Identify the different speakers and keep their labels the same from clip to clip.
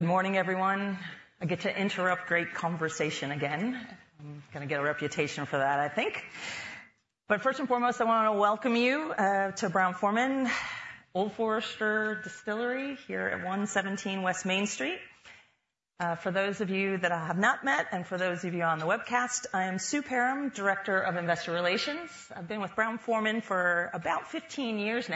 Speaker 1: Good morning, everyone. I get to interrupt great conversation again. I'm gonna get a reputation for that, I think. But first and foremost, I want to welcome you to Brown-Forman, Old Forester Distillery here at 117 West Main Street. For those of you that I have not met, and for those of you on the webcast, I am Sue Perram, Director of Investor Relations. I've been with Brown-Forman for about 15 years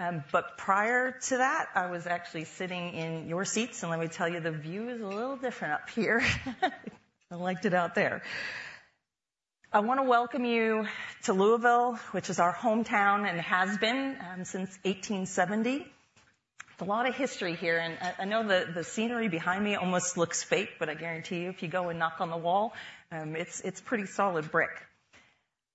Speaker 1: now, but prior to that, I was actually sitting in your seats, and let me tell you, the view is a little different up here. I liked it out there. I want to welcome you to Louisville, which is our hometown and has been since 1870. There's a lot of history here, and I know the scenery behind me almost looks fake, but I guarantee you, if you go and knock on the wall, it's pretty solid brick.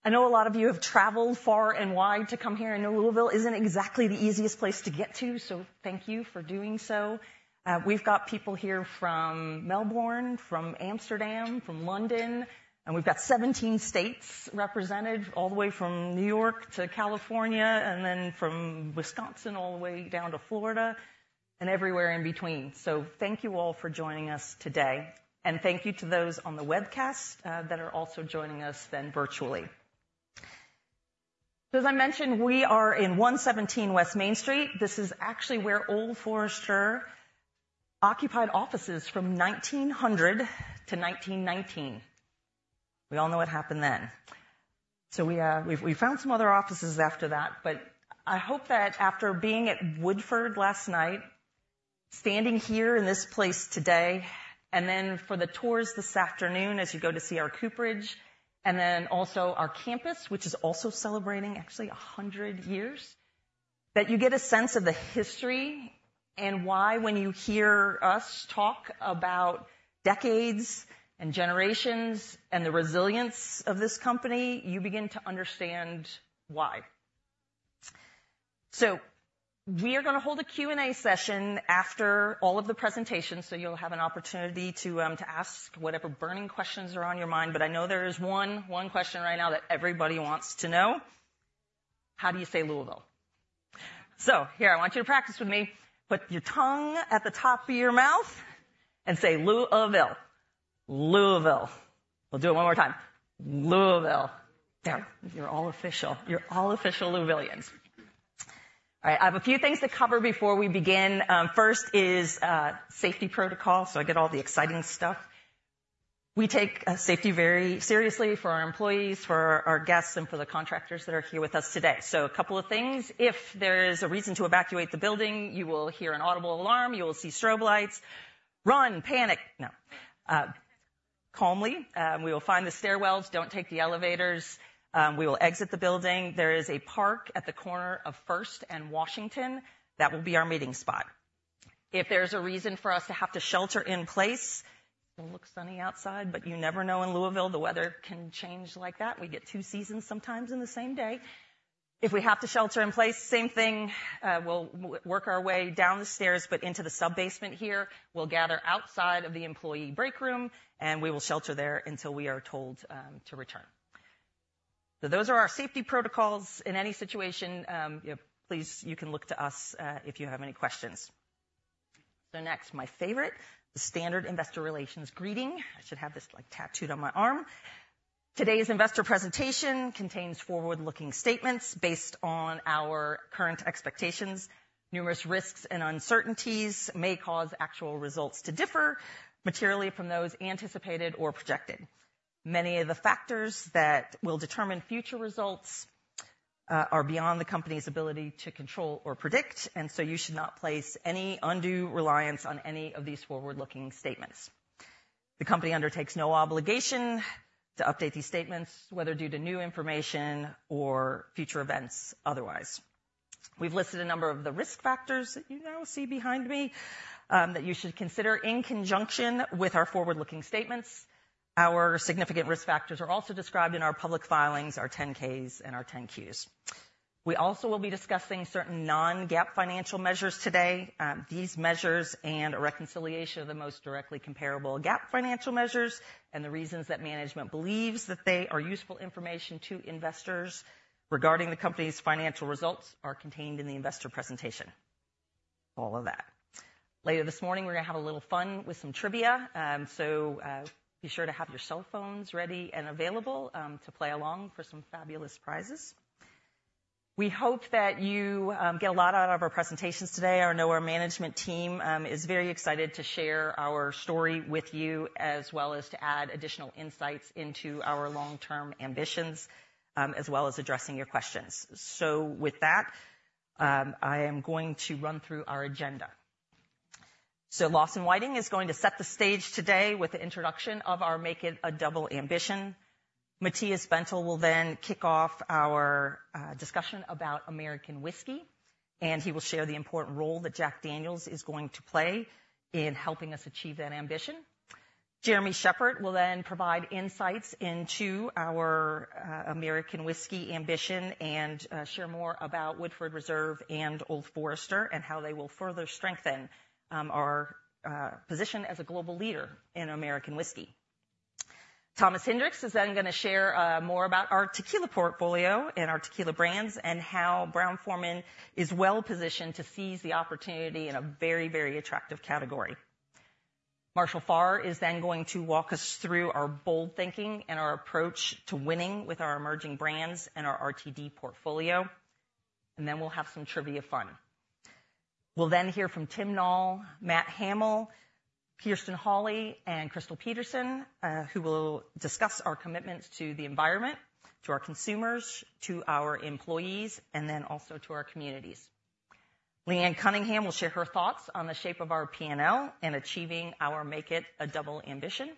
Speaker 1: I know a lot of you have traveled far and wide to come here, and Louisville isn't exactly the easiest place to get to, so thank you for doing so. We've got people here from Melbourne, from Amsterdam, from London, and we've got 17 states represented, all the way from New York to California and then from Wisconsin all the way down to Florida and everywhere in between. So thank you all for joining us today, and thank you to those on the webcast that are also joining us virtually. So, as I mentioned, we are in 117 West Main Street. This is actually where Old Forester occupied offices from 1900 to 1919. We all know what happened then. So we found some other offices after that, but I hope that after being at Woodford last night, standing here in this place today, and then for the tours this afternoon, as you go to see our cooperage and then also our campus, which is also celebrating actually 100 years, that you get a sense of the history and why when you hear us talk about decades and generations and the resilience of this company, you begin to understand why. So we are gonna hold a Q&A session after all of the presentations, so you'll have an opportunity to ask whatever burning questions are on your mind. But I know there is one, one question right now that everybody wants to know: How do you say Louisville? So here, I want you to practice with me. Put your tongue at the top of your mouth and say, Lou-uh-ville. Louisville. We'll do it one more time. Louisville. There, you're all official. You're all official Louisvillians. All right, I have a few things to cover before we begin. First is, safety protocol, so I get all the exciting stuff. We take, safety very seriously for our employees, for our guests, and for the contractors that are here with us today. So a couple of things. If there is a reason to evacuate the building, you will hear an audible alarm, you will see strobe lights. Run, panic! No, calmly, we will find the stairwells. Don't take the elevators. We will exit the building. There is a park at the corner of First and Washington. That will be our meeting spot. If there's a reason for us to have to shelter in place, it'll look sunny outside, but you never know in Louisville, the weather can change like that. We get two seasons, sometimes in the same day. If we have to shelter in place, same thing, we'll work our way down the stairs, but into the sub-basement here. We'll gather outside of the employee break room, and we will shelter there until we are told to return. So those are our safety protocols. In any situation, yeah, please, you can look to us if you have any questions. So next, my favorite, the standard investor relations greeting. I should have this, like, tattooed on my arm. Today's investor presentation contains forward-looking statements based on our current expectations. Numerous risks and uncertainties may cause actual results to differ materially from those anticipated or projected. Many of the factors that will determine future results are beyond the company's ability to control or predict, and so you should not place any undue reliance on any of these forward-looking statements. The company undertakes no obligation to update these statements, whether due to new information or future events otherwise. We've listed a number of the risk factors that you now see behind me that you should consider in conjunction with our forward-looking statements. Our significant risk factors are also described in our public filings, our 10-Ks and our 10-Qs. We also will be discussing certain non-GAAP financial measures today. These measures and a reconciliation of the most directly comparable GAAP financial measures and the reasons that management believes that they are useful information to investors regarding the company's financial results are contained in the investor presentation. All of that. Later this morning, we're gonna have a little fun with some trivia, so be sure to have your cell phones ready and available to play along for some fabulous prizes. We hope that you get a lot out of our presentations today. I know our management team is very excited to share our story with you, as well as to add additional insights into our long-term ambitions, as well as addressing your questions. So with that, I am going to run through our agenda. Lawson Whiting is going to set the stage today with the introduction of our Make It a Double ambition. Matias Bentel will then kick off our discussion about American whiskey, and he will share the important role that Jack Daniel's is going to play in helping us achieve that ambition. Jeremy Shepherd will then provide insights into our American whiskey ambition and share more about Woodford Reserve and Old Forester, and how they will further strengthen our position as a global leader in American whiskey. Thomas Hinrichs is then going to share more about our tequila portfolio and our tequila brands, and how Brown-Forman is well positioned to seize the opportunity in a very, very attractive category. Marshall Farrer is then going to walk us through our bold thinking and our approach to winning with our emerging brands and our RTD portfolio, and then we'll have some trivia fun. We'll then hear from Tim Nall, Matthew Hamel, Kirsten Hawley, and Crystal Peterson, who will discuss our commitments to the environment, to our consumers, to our employees, and then also to our communities. Leanne Cunningham will share her thoughts on the shape of our P&L and achieving our Make It a Double ambition.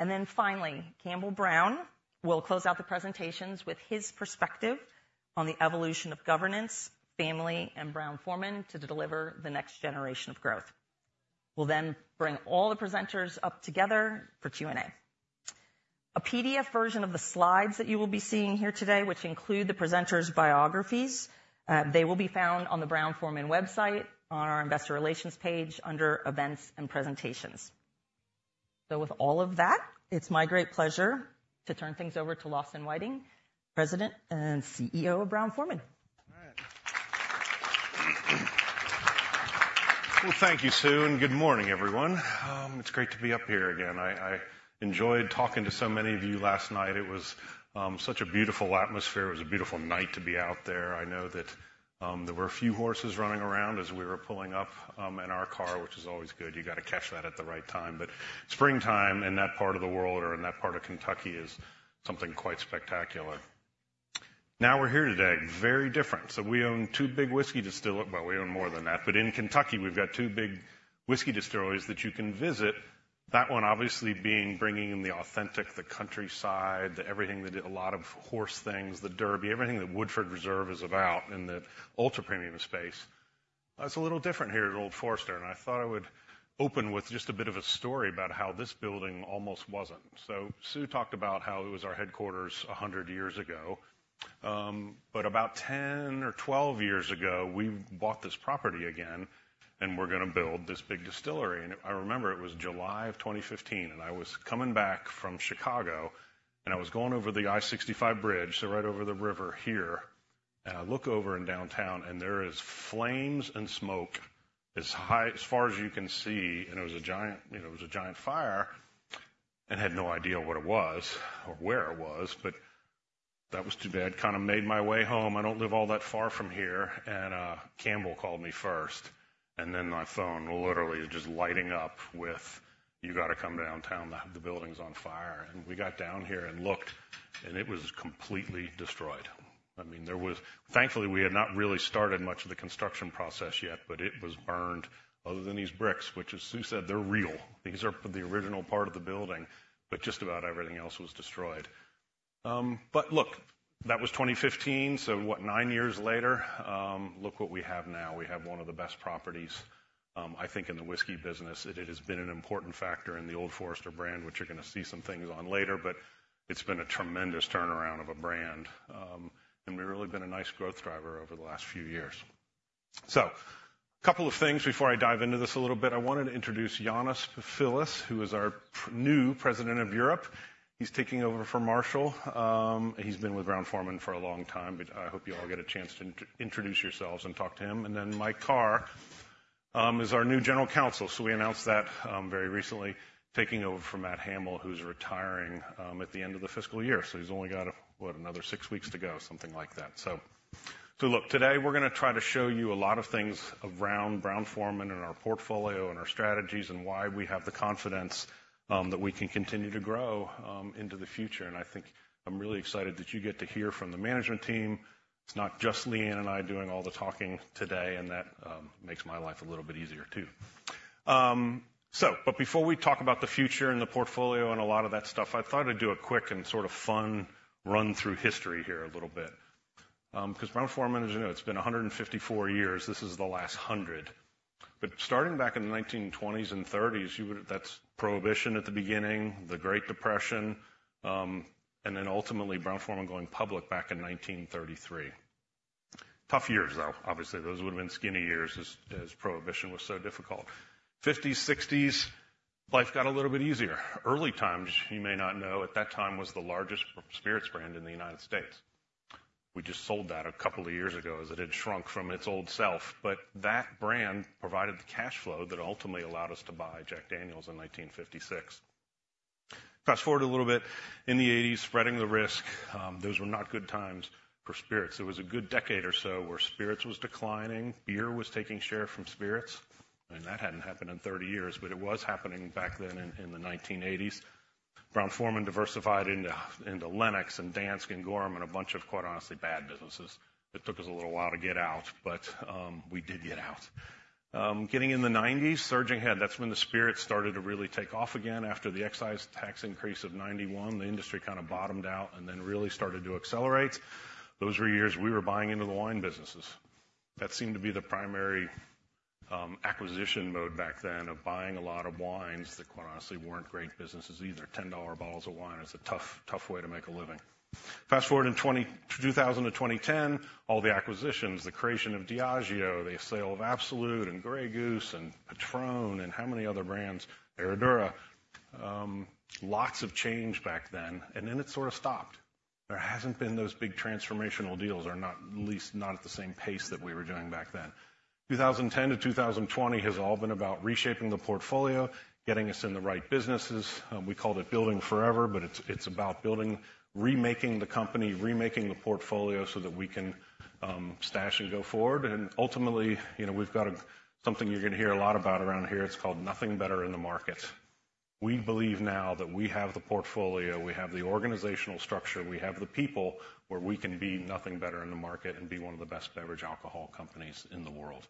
Speaker 1: And then finally, Campbell Brown will close out the presentations with his perspective on the evolution of governance, family, and Brown-Forman to deliver the next generation of growth. We'll then bring all the presenters up together for Q&A. A PDF version of the slides that you will be seeing here today, which include the presenters' biographies. They will be found on the Brown-Forman website on our investor relations page under Events and Presentations. So with all of that, it's my great pleasure to turn things over to Lawson Whiting, President and CEO of Brown-Forman.
Speaker 2: All right. Well, thank you, Sue, and good morning, everyone. It's great to be up here again. I enjoyed talking to so many of you last night. It was such a beautiful atmosphere. It was a beautiful night to be out there. I know that there were a few horses running around as we were pulling up in our car, which is always good. You got to catch that at the right time. But springtime in that part of the world or in that part of Kentucky is something quite spectacular. Now, we're here today, very different. So we own two big whiskey distilleries. Well, we own more than that, but in Kentucky, we've got two big whiskey distilleries that you can visit. That one, obviously being bringing in the authentic, the countryside, the everything, a lot of horse things, the Derby, everything that Woodford Reserve is about in the ultra-premium space. It's a little different here at Old Forester, and I thought I would open with just a bit of a story about how this building almost wasn't. So Sue talked about how it was our headquarters 100 years ago, but about 10 or 12 years ago, we bought this property again, and we're going to build this big distillery. And I remember it was July of 2015, and I was coming back from Chicago, and I was going over the I-65 bridge, so right over the river here, and I look over in downtown, and there is flames and smoke as high, as far as you can see, and it was a giant, you know, it was a giant fire and had no idea what it was or where it was, but that was too bad. Kind of made my way home. I don't live all that far from here, and Campbell called me first, and then my phone literally just lighting up with, "You got to come downtown, the building's on fire." And we got down here and looked, and it was completely destroyed. I mean, there was Thankfully, we had not really started much of the construction process yet, but it was burned other than these bricks, which as Sue said, they're real. These are the original part of the building, but just about everything else was destroyed. But look, that was 2015, so what? Nine years later, look what we have now. We have one of the best properties, I think, in the whiskey business. It has been an important factor in the Old Forester brand, which you're going to see some things on later, but it's been a tremendous turnaround of a brand, and really been a nice growth driver over the last few years. So a couple of things before I dive into this a little bit. I wanted to introduce Yiannis Pafilis, who is our new President of Europe. He's taking over for Marshall. He's been with Brown-Forman for a long time, but I hope you all get a chance to introduce yourselves and talk to him. And then Mike Carr is our new general counsel. So we announced that very recently, taking over from Matthew Hamel, who's retiring at the end of the fiscal year. So he's only got, what, another six weeks to go, something like that. So look, today we're going to try to show you a lot of things around Brown-Forman and our portfolio and our strategies, and why we have the confidence that we can continue to grow into the future. And I think I'm really excited that you get to hear from the management team. It's not just Leanne and I doing all the talking today, and that makes my life a little bit easier, too. But before we talk about the future and the portfolio and a lot of that stuff, I thought I'd do a quick and sort of fun run through history here a little bit. 'Cause Brown-Forman, as you know, it's been 154 years. This is the last 100. But starting back in the 1920s and 1930s, you would, that's Prohibition at the beginning, the Great Depression, and then ultimately, Brown-Forman going public back in 1933. Tough years, though. Obviously, those would have been skinny years as Prohibition was so difficult. 1950s, 1960s, life got a little bit easier. Early Times, you may not know, at that time, was the largest spirits brand in the United States. We just sold that a couple of years ago, as it had shrunk from its old self. But that brand provided the cash flow that ultimately allowed us to buy Jack Daniel's in 1956. Fast forward a little bit. In the 1980s, spreading the risk, those were not good times for spirits. It was a good decade or so where spirits was declining, beer was taking share from spirits, and that hadn't happened in 30 years, but it was happening back then in the 1980s. Brown-Forman diversified into Lenox and Dansk and Gorham and a bunch of, quite honestly, bad businesses. It took us a little while to get out, but we did get out. In the 1990s, surging ahead, that's when the spirits started to really take off again. After the excise tax increase of 1991, the industry kind of bottomed out and then really started to accelerate. Those were years we were buying into the wine businesses. That seemed to be the primary acquisition mode back then, of buying a lot of wines that, quite honestly, weren't great businesses either. $10 bottles of wine is a tough, tough way to make a living. Fast forward from 2000 to 2010, all the acquisitions, the creation of Diageo, the sale of Absolut, and Grey Goose, and Patrón, and how many other brands? Herradura. Lots of change back then, and then it sort of stopped. There hasn't been those big transformational deals, or not, at least not at the same pace that we were doing back then. 2010 to 2020 has all been about reshaping the portfolio, getting us in the right businesses. We called it Building Forever, but it's, it's about building, remaking the company, remaking the portfolio so that we can stretch and go forward. And ultimately, you know, we've got something you're gonna hear a lot about around here. It's called Nothing Better in the Market. We believe now that we have the portfolio, we have the organizational structure, we have the people, where we can be nothing better in the market and be one of the best beverage alcohol companies in the world.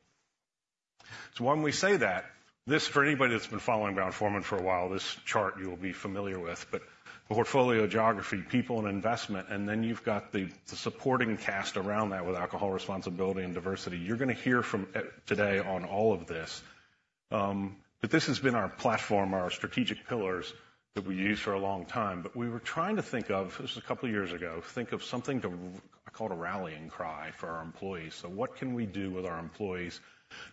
Speaker 2: So when we say that, this, for anybody that's been following Brown-Forman for a while, this chart you will be familiar with, but the portfolio, geography, people, and investment, and then you've got the supporting cast around that with alcohol responsibility and diversity. You're gonna hear from today on all of this. But this has been our platform, our strategic pillars, that we used for a long time. But we were trying to think of. This was a couple of years ago, think of something to, I call it a rallying cry for our employees. So what can we do with our employees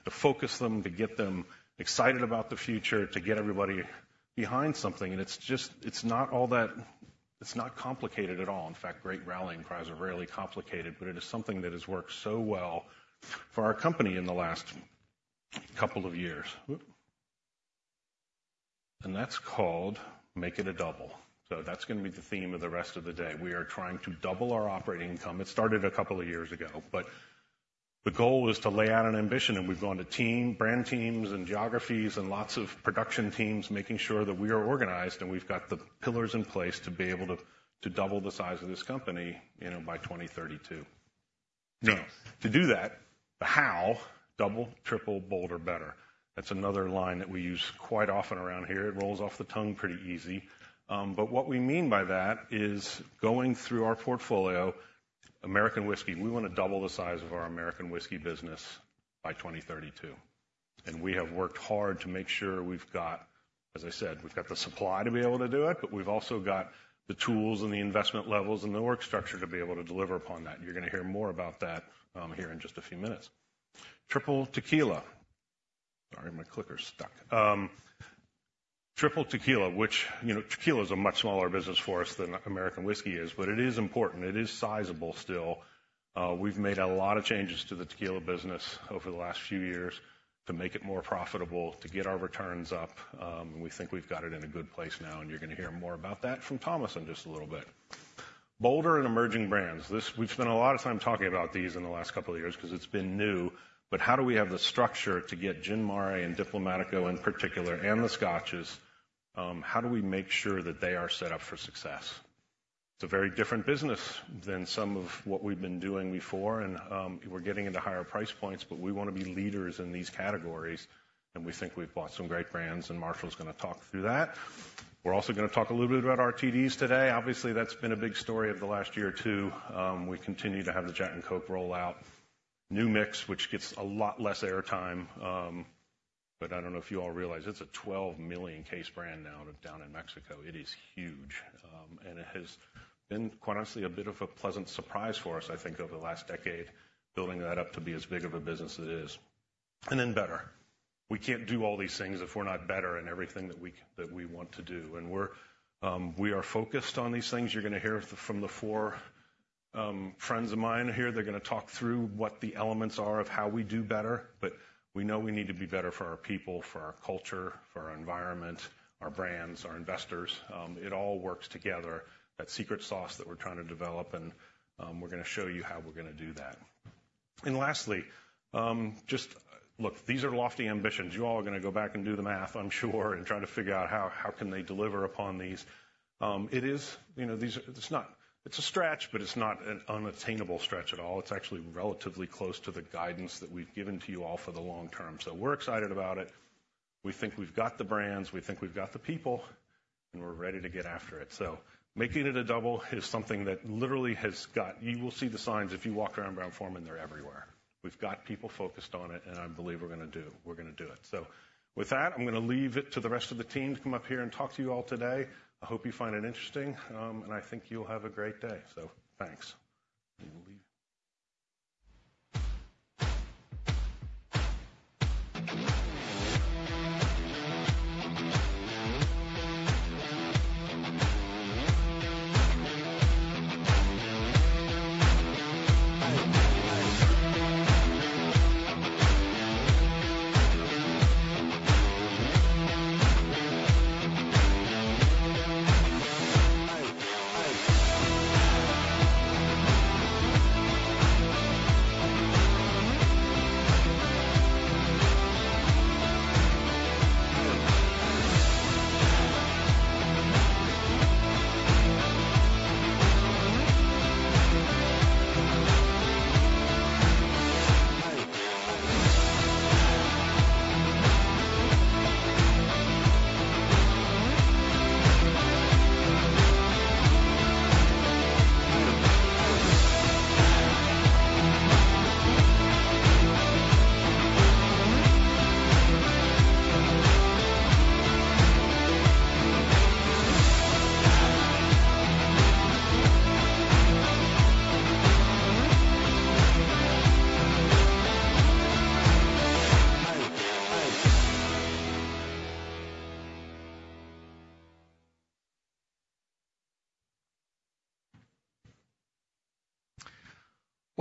Speaker 2: to focus them, to get them excited about the future, to get everybody behind something? And it's just, it's not all that, It's not complicated at all. In fact, great rallying cries are rarely complicated, but it is something that has worked so well for our company in the last couple of years. And that's called Make It a Double. So that's gonna be the theme of the rest of the day. We are trying to double our operating income. It started a couple of years ago, but the goal was to lay out an ambition, and we've gone to team, brand teams, and geographies, and lots of production teams, making sure that we are organized, and we've got the pillars in place to be able to double the size of this company, you know, by 2032. Now, to do that, the how: double, triple, bolder, better. That's another line that we use quite often around here. It rolls off the tongue pretty easy. But what we mean by that is going through our portfolio, American whiskey, we wanna double the size of our American whiskey business by 2032. And we have worked hard to make sure we've got, as I said, we've got the supply to be able to do it, but we've also got the tools and the investment levels and the work structure to be able to deliver upon that. You're gonna hear more about that here in just a few minutes. Triple Tequila. Sorry, my clicker's stuck. Triple Tequila, which, you know, tequila is a much smaller business for us than American whiskey is, but it is important. It is sizable still. We've made a lot of changes to the tequila business over the last few years to make it more profitable, to get our returns up. And we think we've got it in a good place now, and you're gonna hear more about that from Thomas in just a little bit. Bolder on Emerging Brands. This, we've spent a lot of time talking about these in the last couple of years 'cause it's been new, but how do we have the structure to get Gin Mare and Diplomático, in particular, and the Scotches, how do we make sure that they are set up for success? It's a very different business than some of what we've been doing before, and, we're getting into higher price points, but we wanna be leaders in these categories, and we think we've bought some great brands, and Marshall's gonna talk through that. We're also gonna talk a little bit about RTDs today. Obviously, that's been a big story of the last year, too. We continue to have the Jack & Coke rollout. New Mix, which gets a lot less airtime, but I don't know if you all realize it's a 12 million case brand now down in Mexico. It is huge, and it has been, quite honestly, a bit of a pleasant surprise for us, I think, over the last decade, building that up to be as big of a business it is. And then better. We can't do all these things if we're not better in everything that we want to do. And we're, we are focused on these things. You're gonna hear from the four friends of mine here. They're gonna talk through what the elements are of how we do better, but we know we need to be better for our people, for our culture, for our environment, our brands, our investors. It all works together, that secret sauce that we're trying to develop, and, we're gonna show you how we're gonna do that. And lastly, just. Look, these are lofty ambitions. You all are gonna go back and do the math, I'm sure, and try to figure out how can they deliver upon these. It is, you know, these are, It's not, it's a stretch, but it's not an unattainable stretch at all. It's actually relatively close to the guidance that we've given to you all for the long term. So, we're excited about it. We think we've got the brands, we think we've got the people, and we're ready to get after it. So, Making It a Double is something that literally has got. You will see the signs if you walk around Brown-Forman, they're everywhere. We've got people focused on it, and I believe we're gonna do, we're gonna do it. So with that, I'm gonna leave it to the rest of the team to come up here and talk to you all today. I hope you find it interesting, and I think you'll have a great day. So thanks.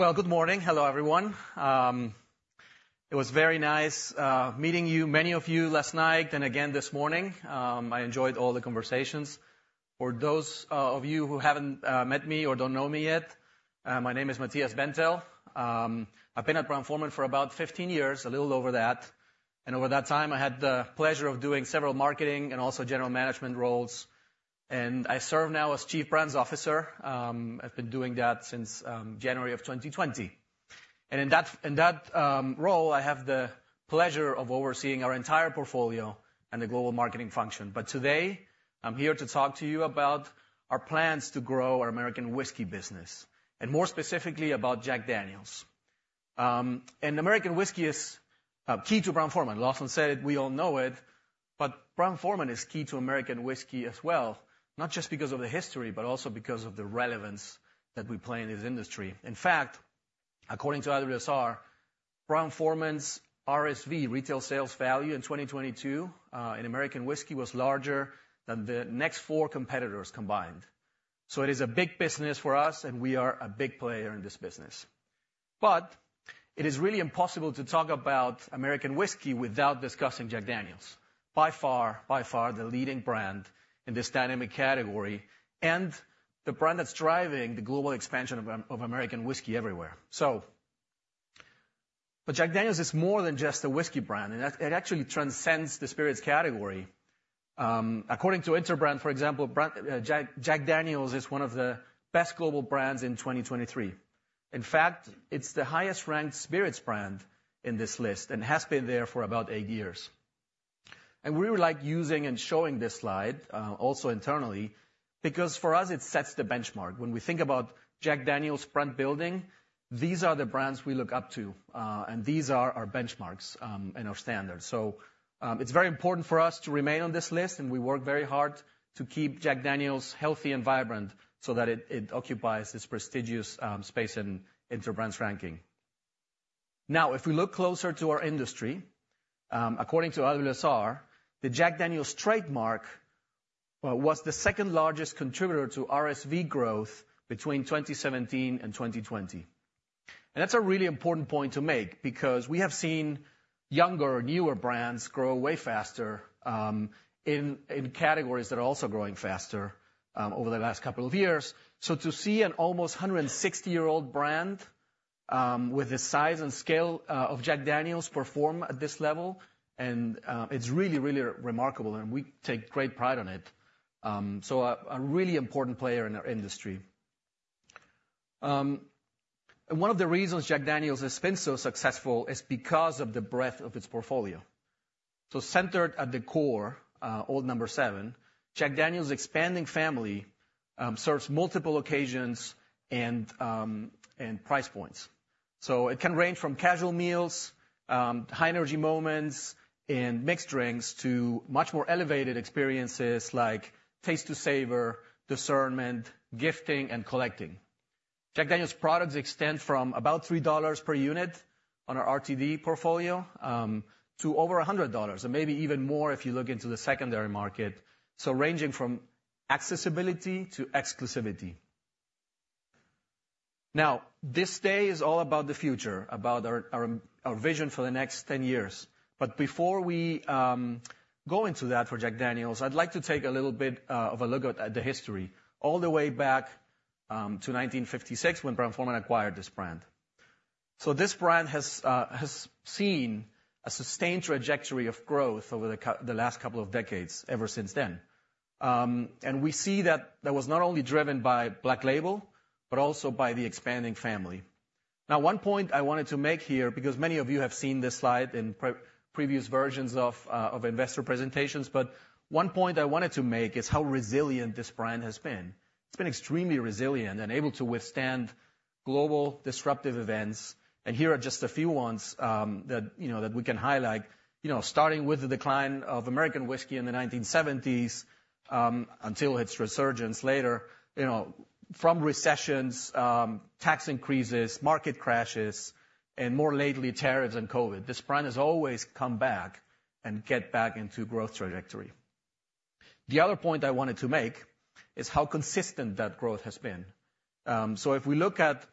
Speaker 2: And we'll leave.
Speaker 3: Well, good morning. Hello, everyone. It was very nice meeting you, many of you last night, and again this morning. I enjoyed all the conversations. For those of you who haven't met me or don't know me yet, my name is Matias Bentel. I've been at Brown-Forman for about 15 years, a little over that, and over that time, I had the pleasure of doing several marketing and also general management roles, and I serve now as Chief Brands Officer. I've been doing that since January of 2020. And in that, in that role, I have the pleasure of overseeing our entire portfolio and the global marketing function. But today, I'm here to talk to you about our plans to grow our American whiskey business and, more specifically, about Jack Daniel's. And American whiskey is key to Brown-Forman. Lawson said it, we all know it, but Brown-Forman is key to American whiskey as well, not just because of the history, but also because of the relevance that we play in this industry. In fact, according to IWSR, Brown-Forman's RSV, retail sales value, in 2022 in American whiskey, was larger than the next four competitors combined. So it is a big business for us, and we are a big player in this business. But it is really impossible to talk about American whiskey without discussing Jack Daniel's. By far, by far, the leading brand in this dynamic category and the brand that's driving the global expansion of American whiskey everywhere. So, but Jack Daniel's is more than just a whiskey brand, and it, it actually transcends the spirits category. According to Interbrand, for example, brand Jack Daniel's is one of the best global brands in 2023. In fact, it's the highest-ranked spirits brand in this list and has been there for about eight years. And we like using and showing this slide, also internally, because for us, it sets the benchmark. When we think about Jack Daniel's brand building, these are the brands we look up to, and these are our benchmarks, and our standards. So, it's very important for us to remain on this list, and we work very hard to keep Jack Daniel's healthy and vibrant so that it, it occupies this prestigious, space in Interbrand's ranking. Now, if we look closer to our industry, according to IWSR, the Jack Daniel's trademark was the second-largest contributor to RSV growth between 2017 and 2020. That's a really important point to make because we have seen younger or newer brands grow way faster, in categories that are also growing faster, over the last couple of years. So to see an almost 160-year-old brand, with the size and scale, of Jack Daniel's, perform at this level, and it's really, really remarkable, and we take great pride on it. So a really important player in our industry. And one of the reasons Jack Daniel's has been so successful is because of the breadth of its portfolio. So centered at the core, Old No. 7, Jack Daniel's expanding family, serves multiple occasions and price points. So it can range from casual meals, high-energy moments, and mixed drinks to much more elevated experiences like taste to savor, discernment, gifting, and collecting. Jack Daniel's products extend from about $3 per unit on our RTD portfolio to over $100, and maybe even more if you look into the secondary market, so ranging from accessibility to exclusivity. Now, this day is all about the future, about our vision for the next 10 years. But before we go into that for Jack Daniel's, I'd like to take a little bit of a look at the history, all the way back to 1956 when Brown-Forman acquired this brand. So this brand has seen a sustained trajectory of growth over the last couple of decades, ever since then. And we see that that was not only driven by Black Label but also by the expanding family. Now, one point I wanted to make here, because many of you have seen this slide in pre-previous versions of investor presentations, but one point I wanted to make is how resilient this brand has been. It's been extremely resilient and able to withstand global disruptive events, and here are just a few ones, that, you know, that we can highlight. You know, starting with the decline of American whiskey in the 1970s, until its resurgence later. You know, from recessions, tax increases, market crashes, and more lately, tariffs and COVID. This brand has always come back and get back into growth trajectory. The other point I wanted to make is how consistent that growth has been. So if we look at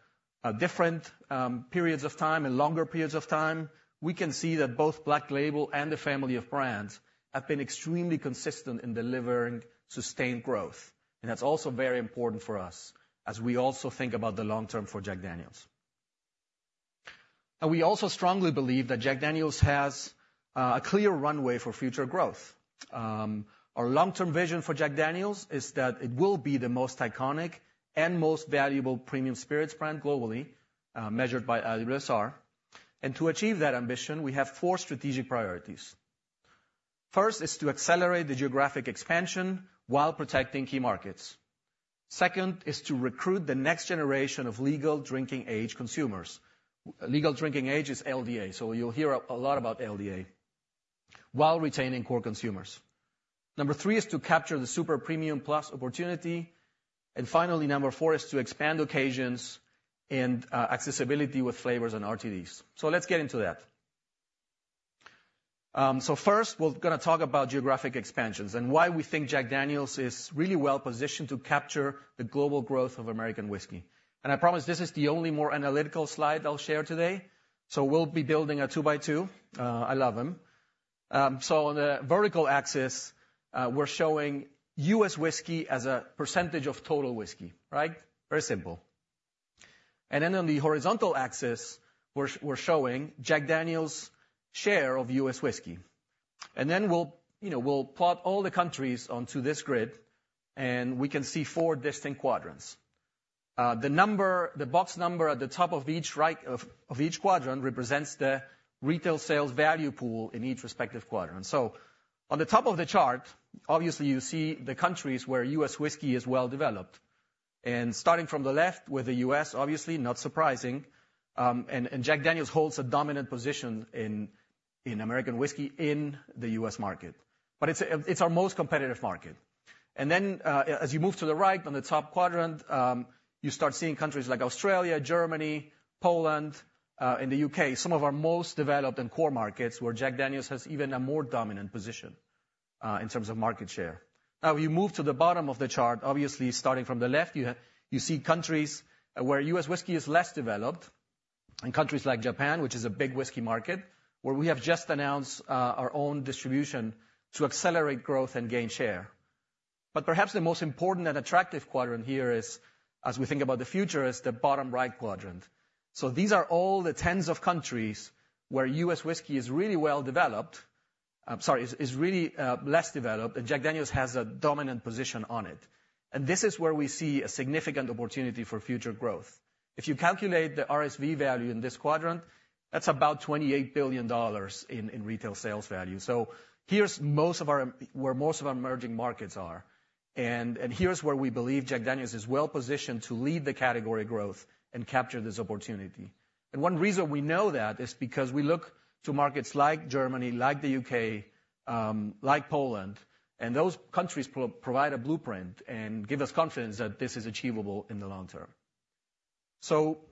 Speaker 3: different periods of time and longer periods of time, we can see that both Black Label and the family of brands have been extremely consistent in delivering sustained growth. That's also very important for us as we also think about the long term for Jack Daniel's. We also strongly believe that Jack Daniel's has a clear runway for future growth. Our long-term vision for Jack Daniel's is that it will be the most iconic and most valuable premium spirits brand globally, measured by IWSR. To achieve that ambition, we have four strategic priorities. First is to accelerate the geographic expansion while protecting key markets. Second is to recruit the next generation of legal drinking age consumers. Legal drinking age is LDA, so you'll hear a lot about LDA, while retaining core consumers. Number three is to capture the super premium plus opportunity, and finally, number four is to expand occasions and accessibility with flavors and RTDs. So let's get into that. So first, we're gonna talk about geographic expansions and why we think Jack Daniel's is really well positioned to capture the global growth of American whiskey. And I promise this is the only more analytical slide I'll share today, so we'll be building a 2-by-2. I love them. So on the vertical axis, we're showing U.S. whiskey as a percentage of total whiskey, right? Very simple. And then on the horizontal axis, we're showing Jack Daniel's share of U.S. whiskey. And then we'll, you know, we'll plot all the countries onto this grid, and we can see four distinct quadrants. The box number at the top right of each quadrant represents the retail sales value pool in each respective quadrant. So on the top of the chart, obviously, you see the countries where U.S. whiskey is well developed, and starting from the left, with the U.S., obviously, not surprising. And Jack Daniel's holds a dominant position in American whiskey in the U.S. market, but it's our most competitive market. And then, as you move to the right, on the top quadrant, you start seeing countries like Australia, Germany, Poland, and the U.K., some of our most developed and core markets, where Jack Daniel's has even a more dominant position in terms of market share. Now, you move to the bottom of the chart, obviously, starting from the left, you see countries where U.S. Whiskey is less developed, and countries like Japan, which is a big whiskey market, where we have just announced our own distribution to accelerate growth and gain share. But perhaps the most important and attractive quadrant here is, as we think about the future, the bottom right quadrant. So these are all the tens of countries where U.S. whiskey is really less developed, and Jack Daniel's has a dominant position on it. And this is where we see a significant opportunity for future growth. If you calculate the RSV value in this quadrant, that's about $28 billion in retail sales value. So here's where most of our emerging markets are, and here's where we believe Jack Daniel's is well positioned to lead the category growth and capture this opportunity. One reason we know that is because we look to markets like Germany, like the U.K., like Poland, and those countries provide a blueprint and give us confidence that this is achievable in the long term.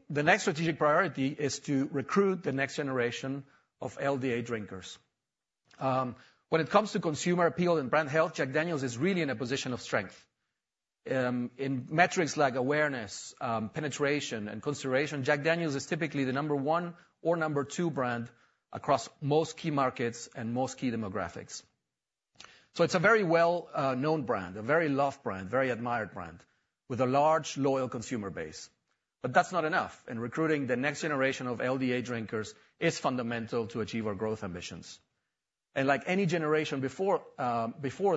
Speaker 3: The next strategic priority is to recruit the next generation of LDA drinkers. When it comes to consumer appeal and brand health, Jack Daniel's is really in a position of strength. In metrics like awareness, penetration, and consideration, Jack Daniel's is typically the number one or number two brand across most key markets and most key demographics. It's a very well known brand, a very loved brand, very admired brand, with a large, loyal consumer base. But that's not enough, and recruiting the next generation of LDA drinkers is fundamental to achieve our growth ambitions. Like any generation before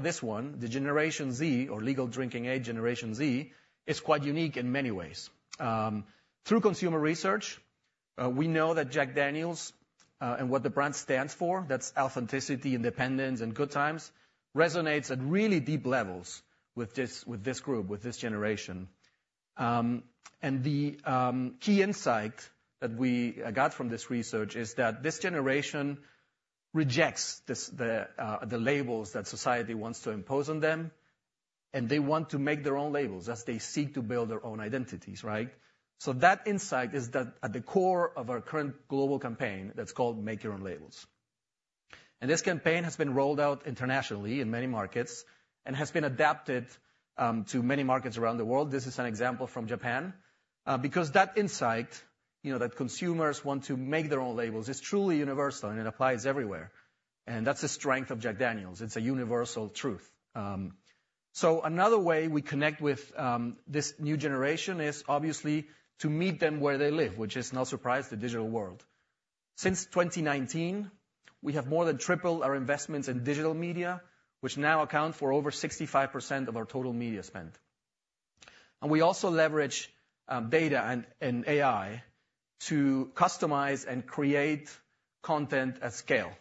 Speaker 3: this one, the Generation Z, or legal drinking age Generation Z, is quite unique in many ways. Through consumer research, we know that Jack Daniel's and what the brand stands for, that's authenticity, independence, and good times, resonates at really deep levels with this, with this group, with this generation. The key insight that we got from this research is that this generation rejects the labels that society wants to impose on them, and they want to make their own labels as they seek to build their own identities, right? That insight is at the core of our current global campaign that's called Make Your Own Labels. This campaign has been rolled out internationally in many markets and has been adapted to many markets around the world. This is an example from Japan. Because that insight, you know, that consumers want to make their own labels, is truly universal, and it applies everywhere, and that's the strength of Jack Daniel's. It's a universal truth. So another way we connect with this new generation is obviously to meet them where they live, which is no surprise, the digital world. Since 2019, we have more than tripled our investments in digital media, which now account for over 65% of our total media spend. We also leverage data and AI to customize and create content at scale.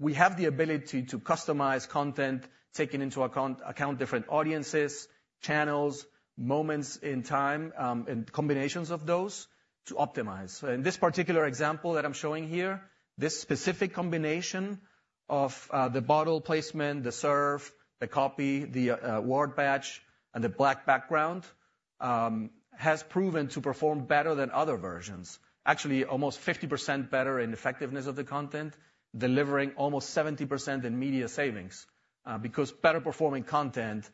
Speaker 3: We have the ability to customize content, taking into account different audiences, channels, moments in time, and combinations of those to optimize. So in this particular example that I'm showing here, this specific combination of the bottle placement, the serve, the copy, the award badge, and the black background has proven to perform better than other versions. Actually, almost 50% better in effectiveness of the content, delivering almost 70% in media savings because better performing content,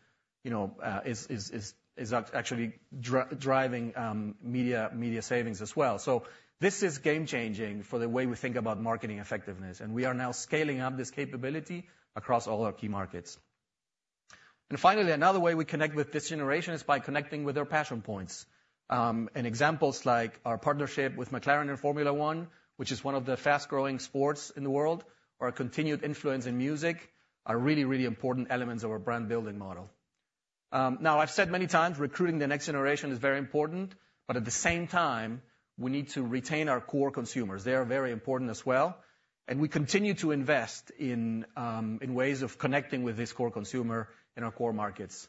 Speaker 3: you know, is actually driving media savings as well. So this is game-changing for the way we think about marketing effectiveness, and we are now scaling up this capability across all our key markets. Finally, another way we connect with this generation is by connecting with their passion points. and examples like our partnership with McLaren in Formula 1, which is one of the fast-growing sports in the world, or our continued influence in music, are really, really important elements of our brand building model. Now, I've said many times recruiting the next generation is very important, but at the same time, we need to retain our core consumers. They are very important as well, and we continue to invest in ways of connecting with this core consumer in our core markets.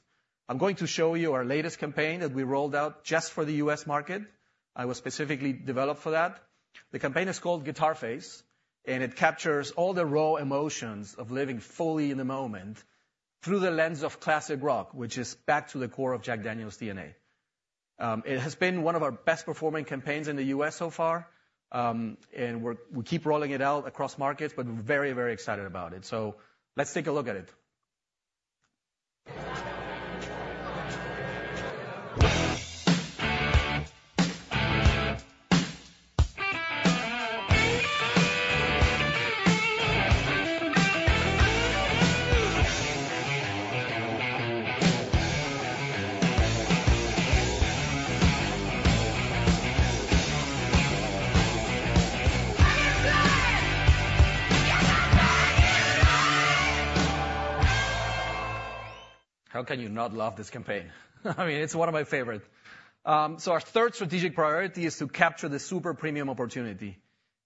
Speaker 3: I'm going to show you our latest campaign that we rolled out just for the U.S. market, and was specifically developed for that. The campaign is called Guitar Face, and it captures all the raw emotions of living fully in the moment through the lens of classic rock, which is back to the core of Jack Daniel's DNA. It has been one of our best performing campaigns in the U.S. so far, and we keep rolling it out across markets, but very, very excited about it. So let's take a look at it. How can you not love this campaign? I mean, it's one of my favorite. So our third strategic priority is to capture the super premium opportunity,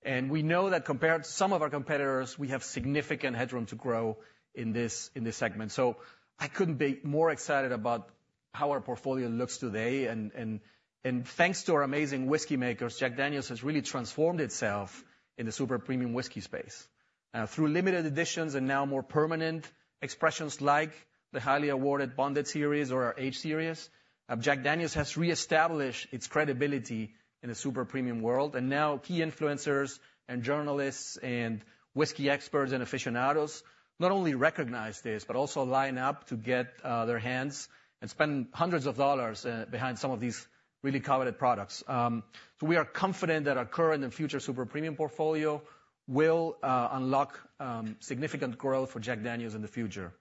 Speaker 3: and we know that compared to some of our competitors, we have significant headroom to grow in this, in this segment. So I couldn't be more excited about how our portfolio looks today, and, and, and thanks to our amazing whiskey makers, Jack Daniel's has really transformed itself in the super premium whiskey space. Through limited editions and now more permanent expressions, like the highly awarded Bonded Series or our Aged Series, Jack Daniel's has re-established its credibility in the super premium world. And now, key influencers and journalists and whiskey experts and aficionados not only recognize this, but also line up to get their hands and spend hundreds of dollars behind some of these really coveted products. So we are confident that our current and future super premium portfolio will unlock significant growth for Jack Daniel's in the future.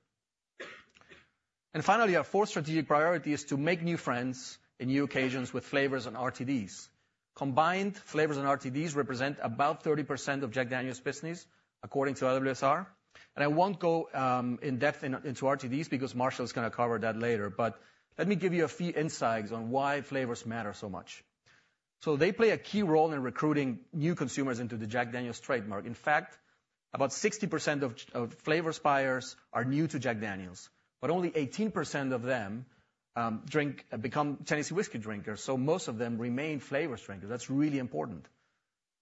Speaker 3: Finally, our fourth strategic priority is to make new friends and new occasions with flavors and RTDs. Combined, flavors and RTDs represent about 30% of Jack Daniel's business, according to IWSR. I won't go in depth into RTDs because Marshall's gonna cover that later. But let me give you a few insights on why flavors matter so much. So they play a key role in recruiting new consumers into the Jack Daniel's trademark. In fact, about 60% of flavor triers are new to Jack Daniel's, but only 18% of them become Tennessee whiskey drinkers, so most of them remain flavors drinkers. That's really important.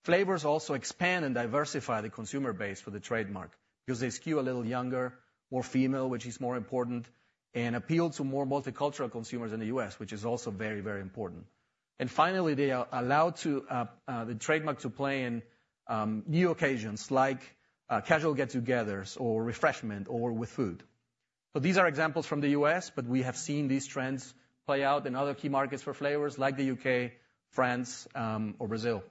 Speaker 3: Flavours also expand and diversify the consumer base for the trademark because they skew a little younger, more female, which is more important, and appeal to more multicultural consumers in the U.S., which is also very, very important. And finally, they are allow to the trademark to play in new occasions like casual get-togethers or refreshment or with food. So these are examples from the U.S., but we have seen these trends play out in other key markets for flavors like the U.K., France, or Brazil.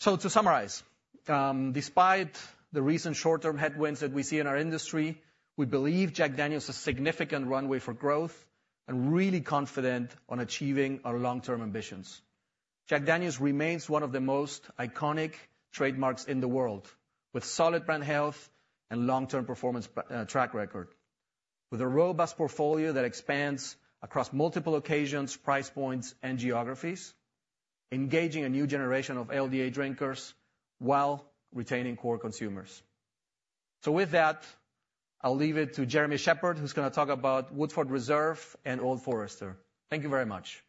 Speaker 3: So to summarize, despite the recent short-term headwinds that we see in our industry, we believe Jack Daniel's has significant runway for growth, and really confident on achieving our long-term ambitions. Jack Daniel's remains one of the most iconic trademarks in the world, with solid brand health and long-term performance track record, with a robust portfolio that expands across multiple occasions, price points, and geographies, engaging a new generation of LDA drinkers while retaining core consumers. So with that, I'll leave it to Jeremy Shepherd, who's gonna talk about Woodford Reserve and Old Forester. Thank you very much.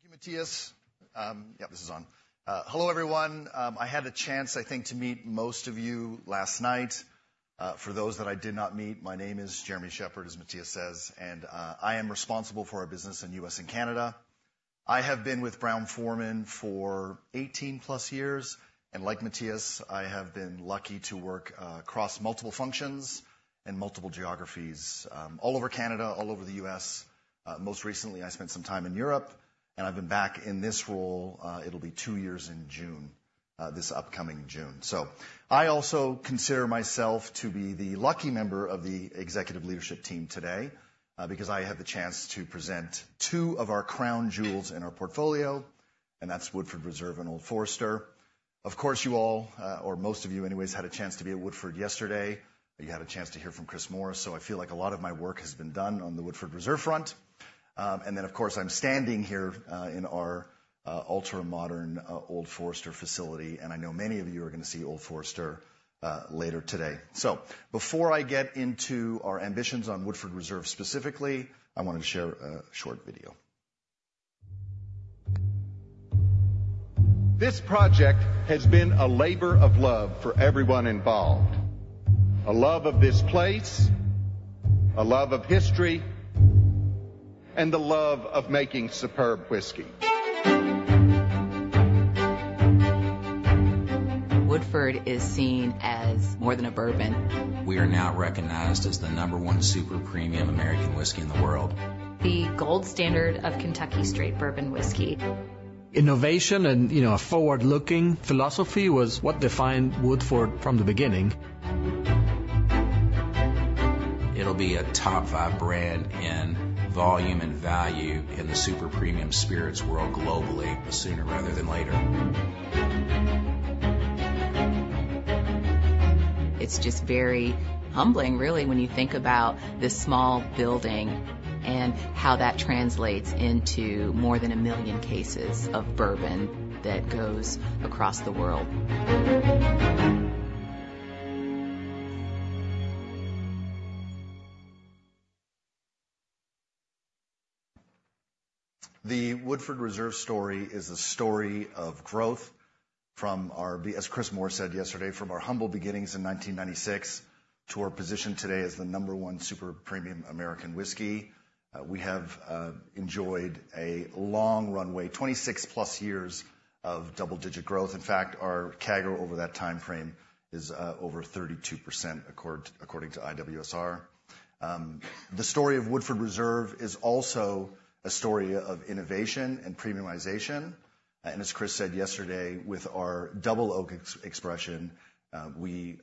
Speaker 4: Thank you, Matias. Yeah, this is on. Hello, everyone. I had a chance, I think, to meet most of you last night. For those that I did not meet, my name is Jeremy Shepherd, as Matias says, and I am responsible for our business in U.S. and Canada. I have been with Brown-Forman for 18+ years, and like Matias, I have been lucky to work across multiple functions and multiple geographies, all over Canada, all over the U.S. Most recently, I spent some time in Europe, and I've been back in this role, it'll be two years in June, this upcoming June. So, I also consider myself to be the lucky member of the executive leadership team today, because I have the chance to present two of our crown jewels in our portfolio, and that's Woodford Reserve and Old Forester. Of course, you all, or most of you anyways, had a chance to be at Woodford yesterday. You had a chance to hear from Chris Morris, so I feel like a lot of my work has been done on the Woodford Reserve front. And then, of course, I'm standing here, in our, ultra-modern, Old Forester facility, and I know many of you are gonna see Old Forester, later today. So, before I get into our ambitions on Woodford Reserve specifically, I wanted to share a short video.
Speaker 5: This project has been a labor of love for everyone involved, a love of this place, a love of history, and the love of making superb whiskey. Woodford is seen as more than a bourbon. We are now recognized as the number one super premium American whiskey in the world. The gold standard of Kentucky Straight Bourbon whiskey. Innovation and, you know, a forward-looking philosophy was what defined Woodford from the beginning. It'll be a top five brand in volume and value in the super premium spirits world globally, sooner rather than later. It's just very humbling, really, when you think about this small building and how that translates into more than 1 million cases of bourbon that goes across the world.
Speaker 4: The Woodford Reserve story is a story of growth from our, as Chris Morris said yesterday, from our humble beginnings in 1996 to our position today as the number one super premium American whiskey. We have enjoyed a long runway, 26+ years of double-digit growth. In fact, our CAGR over that time frame is over 32%, according to IWSR. The story of Woodford Reserve is also a story of innovation and premiumization. And as Chris said yesterday, with our Double Oaked expression, we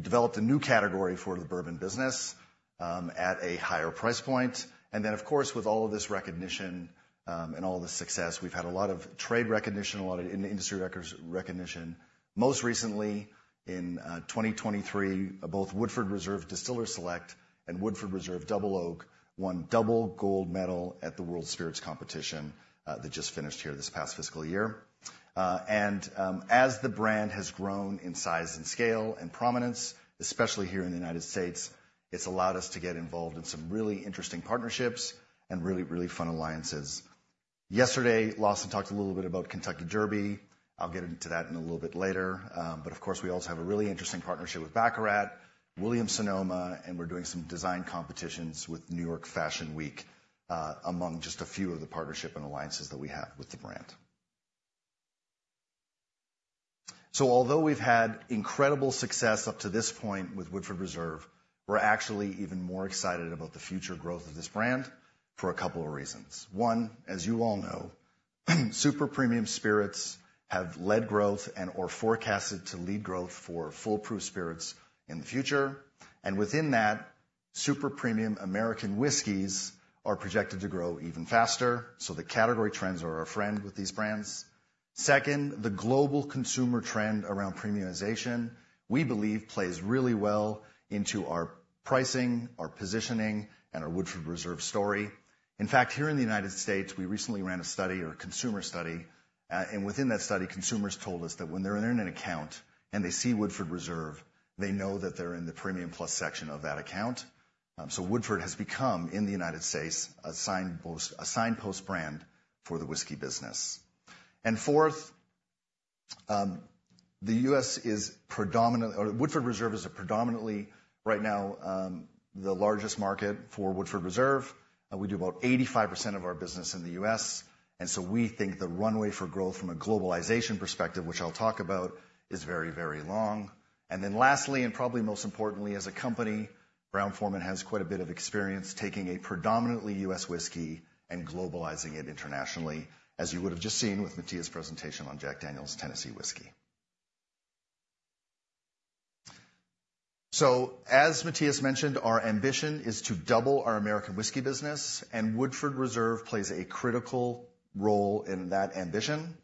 Speaker 4: developed a new category for the bourbon business at a higher price point. And then, of course, with all of this recognition and all the success, we've had a lot of trade recognition, a lot of in-industry recognition. Most recently, in 2023, both Woodford Reserve Distiller's Select and Woodford Reserve Double Oaked won double gold medal at the World Spirits Competition that just finished here this past fiscal year. As the brand has grown in size and scale and prominence, especially here in the United States, it's allowed us to get involved in some really interesting partnerships and really, really fun alliances. Yesterday, Lawson talked a little bit about Kentucky Derby. I'll get into that in a little bit later. But of course, we also have a really interesting partnership with Baccarat, Williams-Sonoma, and we're doing some design competitions with New York Fashion Week, among just a few of the partnership and alliances that we have with the brand. So although we've had incredible success up to this point with Woodford Reserve, we're actually even more excited about the future growth of this brand for a couple of reasons. One, as you all know, super premium spirits have led growth and are forecasted to lead growth for full-proof spirits in the future. And within that, super premium American whiskeys are projected to grow even faster, so the category trends are our friend with these brands. Second, the global consumer trend around premiumization, we believe, plays really well into our pricing, our positioning, and our Woodford Reserve story. In fact, here in the United States, we recently ran a study, or a consumer study, and within that study, consumers told us that when they're in an account and they see Woodford Reserve, they know that they're in the premium plus section of that account. So Woodford has become, in the United States, a signpost, a signpost brand for the whiskey business. And fourth, the U.S. is predominant- or Woodford Reserve is a predominantly, right now, the largest market for Woodford Reserve. We do about 85% of our business in the U.S., and so we think the runway for growth from a globalization perspective, which I'll talk about, is very, very long. And then lastly, and probably most importantly, as a company, Brown-Forman has quite a bit of experience taking a predominantly U.S. whiskey and globalizing it internationally, as you would have just seen with Matias' presentation on Jack Daniel's Tennessee Whiskey. So as Matias mentioned, our ambition is to double our American whiskey business, and Woodford Reserve plays a critical role in that ambition.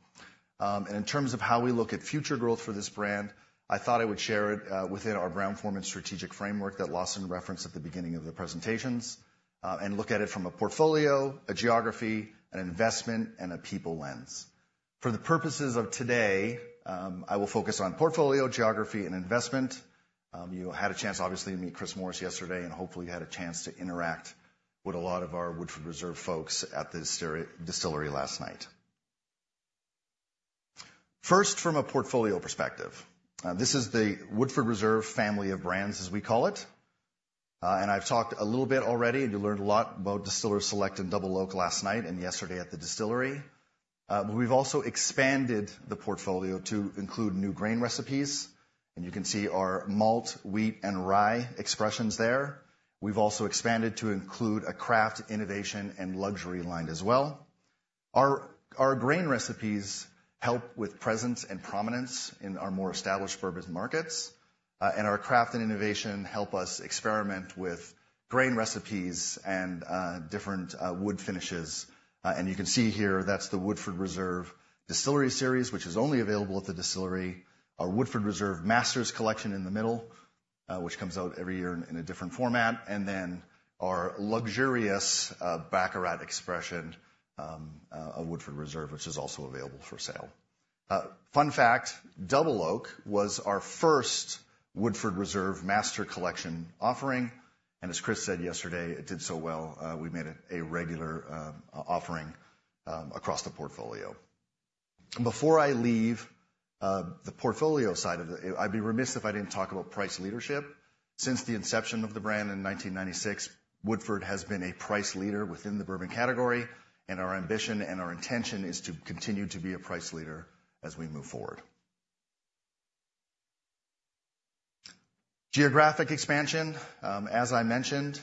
Speaker 4: And in terms of how we look at future growth for this brand, I thought I would share it, within our Brown-Forman strategic framework that Lawson referenced at the beginning of the presentations, and look at it from a portfolio, a geography, an investment, and a people lens. For the purposes of today, I will focus on portfolio, geography, and investment. You had a chance, obviously, to meet Chris Morris yesterday, and hopefully you had a chance to interact with a lot of our Woodford Reserve folks at the distillery last night. First, from a portfolio perspective, this is the Woodford Reserve family of brands, as we call it. And I've talked a little bit already, and you learned a lot about Distiller's Select and Double Oak last night and yesterday at the distillery. But we've also expanded the portfolio to include new grain recipes, and you can see our malt, wheat, and rye expressions there. We've also expanded to include a craft, innovation, and luxury line as well. Our grain recipes help with presence and prominence in our more established bourbon markets, and our craft and innovation help us experiment with grain recipes and different wood finishes. And you can see here, that's the Woodford Reserve Distillery Series, which is only available at the distillery. Our Woodford Reserve Master's Collection in the middle, which comes out every year in a different format, and then our luxurious Baccarat expression of Woodford Reserve, which is also available for sale. Fun fact, Double Oaked was our first Woodford Reserve Master's Collection offering, and as Chris said yesterday, it did so well, we made it a regular offering across the portfolio. Before I leave the portfolio side of the, I'd be remiss if I didn't talk about price leadership. Since the inception of the brand in 1996, Woodford has been a price leader within the bourbon category, and our ambition and our intention is to continue to be a price leader as we move forward. Geographic expansion. As I mentioned,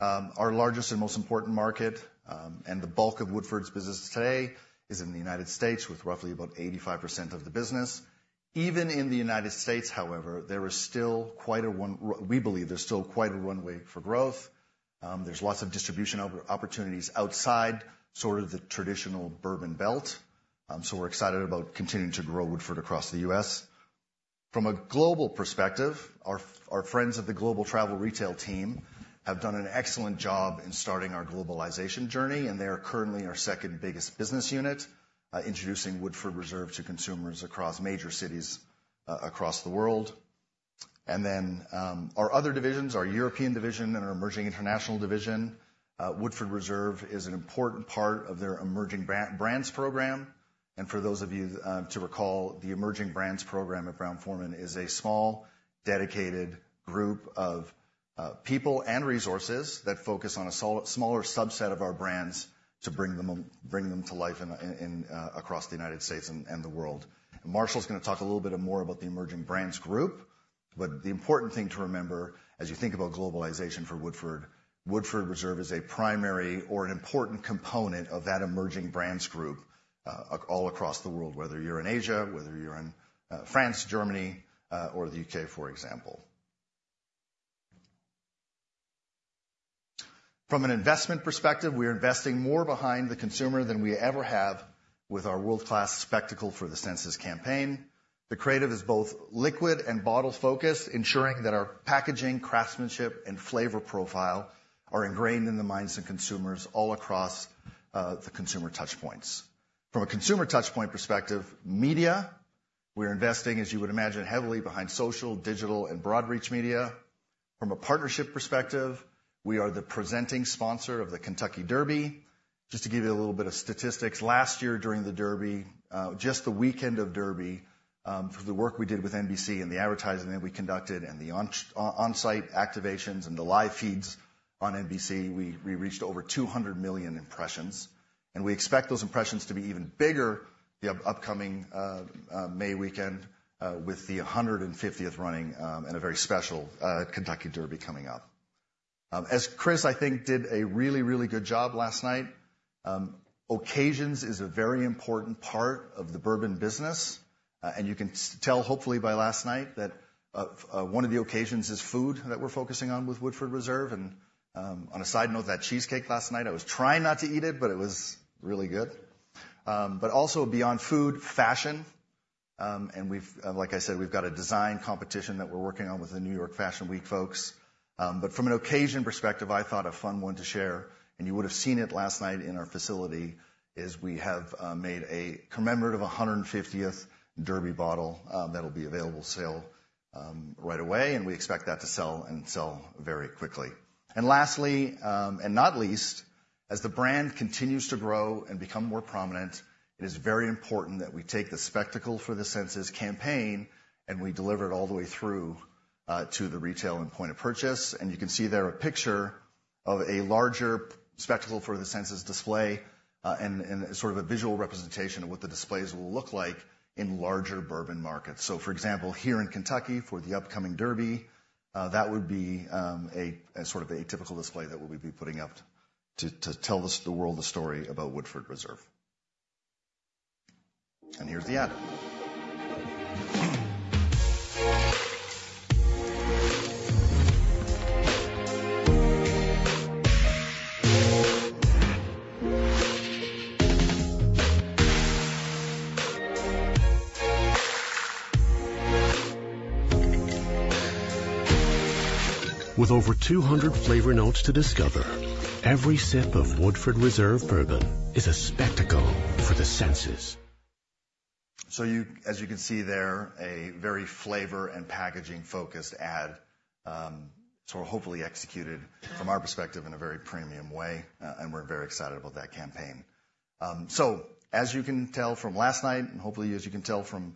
Speaker 4: our largest and most important market and the bulk of Woodford's business today is in the United States, with roughly about 85% of the business. Even in the United States, however, we believe there's still quite a runway for growth. There's lots of distribution opportunities outside sort of the traditional bourbon belt, so we're excited about continuing to grow Woodford across the U.S.. From a global perspective, our friends at the Global Travel Retail team have done an excellent job in starting our globalization journey, and they are currently our second biggest business unit, introducing Woodford Reserve to consumers across major cities across the world. And then, our other divisions, our European division and our Emerging International division, Woodford Reserve is an important part of their emerging brands program. And for those of you to recall, the emerging brands program at Brown-Forman is a small, dedicated group of people and resources that focus on a smaller subset of our brands to bring them, bring them to life in across the United States and the world. Marshall's gonna talk a little bit more about the Emerging Brands group, but the important thing to remember as you think about globalization for Woodford, Woodford Reserve is a primary or an important component of that Emerging Brands group all across the world, whether you're in Asia, whether you're in France, Germany, or the U.K., for example. From an investment perspective, we're investing more behind the consumer than we ever have with our world-class Spectacle for the Senses campaign. The creative is both liquid and bottle focused, ensuring that our packaging, craftsmanship, and flavor profile are ingrained in the minds of consumers all across the consumer touchpoints. From a consumer touchpoint perspective, media, we're investing, as you would imagine, heavily behind social, digital, and broad reach media. From a partnership perspective, we are the presenting sponsor of the Kentucky Derby. Just to give you a little bit of statistics, last year during the Derby, just the weekend of Derby, through the work we did with NBC and the advertising that we conducted and the on-site activations and the live feeds on NBC, we reached over 200 million impressions. And we expect those impressions to be even bigger the upcoming May weekend, with the 150th running, and a very special Kentucky Derby coming up. As Chris, I think, did a really, really good job last night, occasions is a very important part of the bourbon business. And you can tell hopefully by last night that one of the occasions is food that we're focusing on with Woodford Reserve. On a side note, that cheesecake last night, I was trying not to eat it, but it was really good. But also beyond food, fashion, and like I said, we've got a design competition that we're working on with the New York Fashion Week folks. But from an occasion perspective, I thought a fun one to share, and you would have seen it last night in our facility, is we have made a commemorative 150th Derby bottle, that'll be available for sale, right away, and we expect that to sell and sell very quickly. And lastly, and not least, as the brand continues to grow and become more prominent, it is very important that we take the Spectacle for the Senses campaign, and we deliver it all the way through to the retail and point of purchase. And you can see there a picture of a larger Spectacle for the Senses display, and sort of a visual representation of what the displays will look like in larger bourbon markets. So, for example, here in Kentucky, for the upcoming Derby, that would be a sort of typical display that we'll be putting up to tell the world the story about Woodford Reserve. And here's the ad.
Speaker 5: With over 200 flavor notes to discover, every sip of Woodford Reserve Bourbon is a Spectacle for the Senses.
Speaker 4: So, you, as you can see there, a very flavor and packaging-focused ad, so hopefully executed from our perspective in a very premium way, and we're very excited about that campaign. So as you can tell from last night, and hopefully, as you can tell from,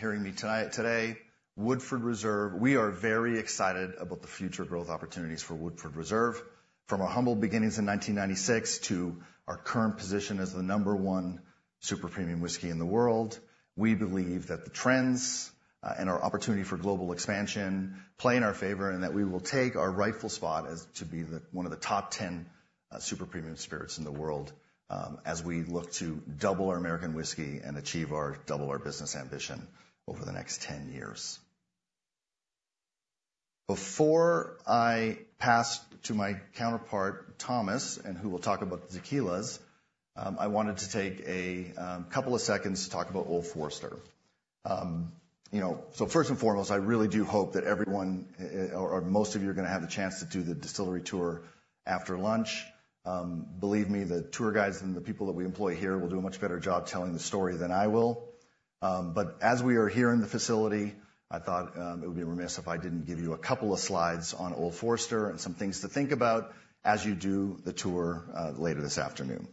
Speaker 4: hearing me tonight, today, Woodford Reserve, we are very excited about the future growth opportunities for Woodford Reserve. From our humble beginnings in 1996 to our current position as the number one super premium whiskey in the world, we believe that the trends, and our opportunity for global expansion play in our favor, and that we will take our rightful spot as to be the, one of the top 10, super-premium spirits in the world, as we look to double our American whiskey and achieve our double our business ambition over the next 10 years. Before I pass to my counterpart, Thomas, and who will talk about the tequilas, I wanted to take a couple of seconds to talk about Old Forester. You know, so first and foremost, I really do hope that everyone, or most of you are gonna have the chance to do the distillery tour after lunch. Believe me, the tour guides and the people that we employ here will do a much better job telling the story than I will. But as we are here in the facility, I thought it would be remiss if I didn't give you a couple of slides on Old Forester and some things to think about as you do the tour later this afternoon.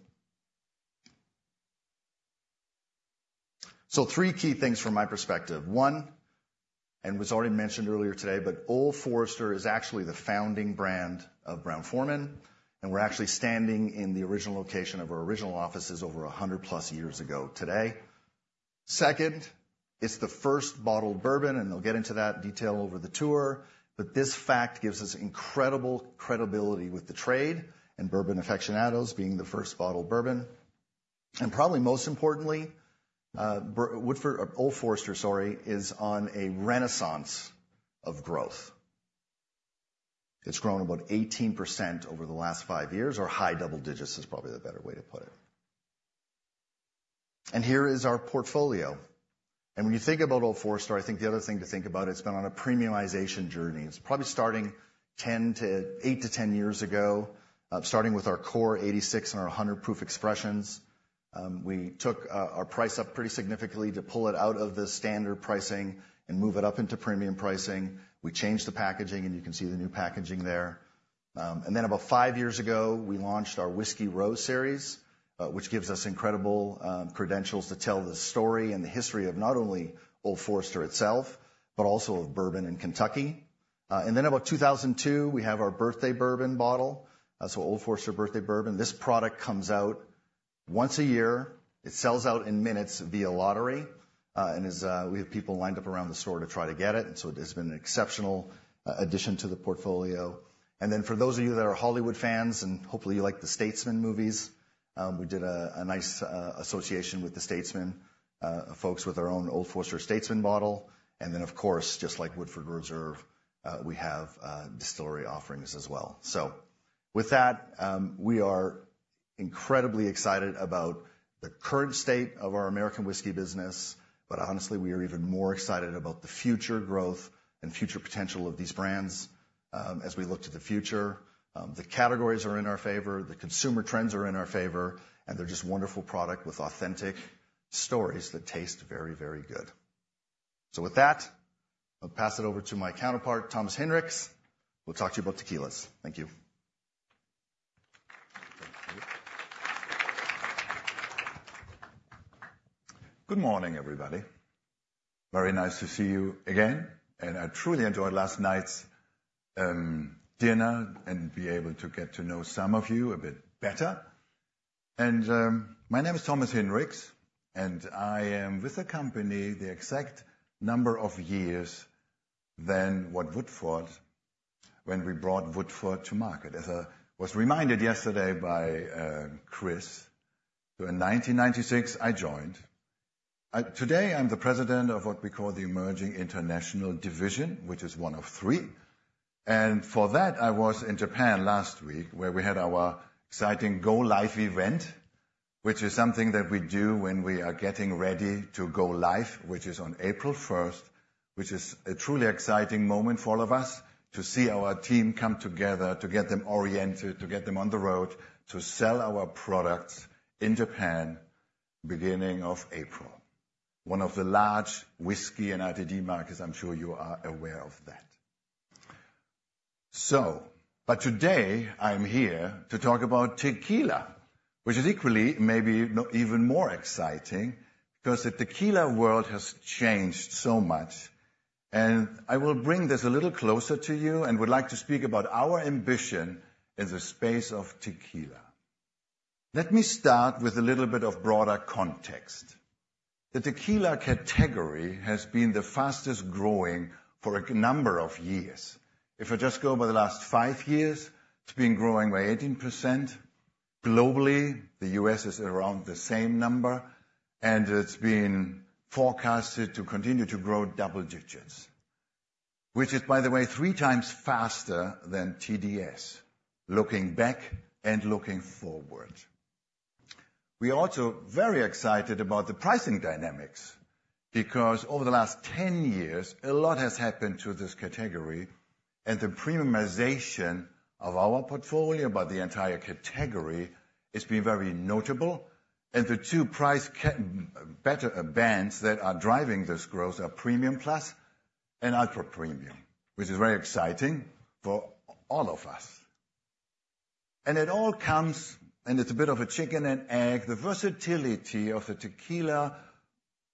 Speaker 4: So three key things from my perspective. One, and was already mentioned earlier today, but Old Forester is actually the founding brand of Brown-Forman, and we're actually standing in the original location of our original offices over 100+ years ago today. Second, it's the first bottled bourbon, and they'll get into that detail over the tour. But this fact gives us incredible credibility with the trade and bourbon aficionados being the first bottled bourbon. And probably most importantly, Old Forester, sorry, is on a renaissance of growth. It's grown about 18% over the last 5 years, or high double digits is probably the better way to put it. And here is our portfolio. And when you think about Old Forester, I think the other thing to think about, it's been on a premiumization journey. It's probably starting eight to 10 years ago, starting with our Core 86 and our 100 Proof expressions. We took our price up pretty significantly to pull it out of the standard pricing and move it up into premium pricing. We changed the packaging, and you can see the new packaging there. And then about five years ago, we launched our Whiskey Row Series, which gives us incredible credentials to tell the story and the history of not only Old Forester itself, but also of bourbon in Kentucky. And then about 2002, we have our Birthday Bourbon bottle, so Old Forester Birthday Bourbon. This product comes out once a year. It sells out in minutes via lottery, and we have people lined up around the store to try to get it, and so it's been an exceptional addition to the portfolio. And then for those of you that are Hollywood fans, and hopefully you like the Statesman movies, we did a nice association with the Statesman folks, with our own Old Forester Statesman bottle. And then, of course, just like Woodford Reserve, we have distillery offerings as well. So with that, we are incredibly excited about the current state of our American whiskey business, but honestly, we are even more excited about the future growth and future potential of these brands. As we look to the future, the categories are in our favour, the consumer trends are in our favour, and they're just wonderful product with authentic stories that taste very, very good. So with that, I'll pass it over to my counterpart, Thomas Hinrichs, who will talk to you about tequilas. Thank you.
Speaker 6: Good morning, everybody. Very nice to see you again, and I truly enjoyed last night's dinner, and be able to get to know some of you a bit better. My name is Thomas Hinrichs, and I am with the company the exact number of years than what Woodford, when we brought Woodford to market. As I was reminded yesterday by Chris, so in 1996, I joined. Today I'm the president of what we call the Emerging International Division, which is one of three, and for that, I was in Japan last week, where we had our exciting go live event, which is something that we do when we are getting ready to go live, which is on April 1st, which is a truly exciting moment for all of us to see our team come together, to get them oriented, to get them on the road, to sell our products in Japan, beginning of April. One of the large whiskey and RTD markets, I'm sure you are aware of that. So, but today, I'm here to talk about tequila, which is equally, maybe even more exciting, because the tequila world has changed so much. I will bring this a little closer to you and would like to speak about our ambition in the space of tequila. Let me start with a little bit of broader context. The tequila category has been the fastest growing for a number of years. If I just go over the last five years, it's been growing by 18%. Globally, the U.S. is around the same number, and it's been forecasted to continue to grow double digits, which is, by the way, three times faster than TDS, looking back and looking forward. We are also very excited about the pricing dynamics, because over the last 10 years, a lot has happened to this category, and the premiumization of our portfolio, but the entire category, has been very notable. The two price categories that are driving this growth are premium plus and ultra-premium, which is very exciting for all of us. It all comes, and it's a bit of a chicken and egg, the versatility of the tequila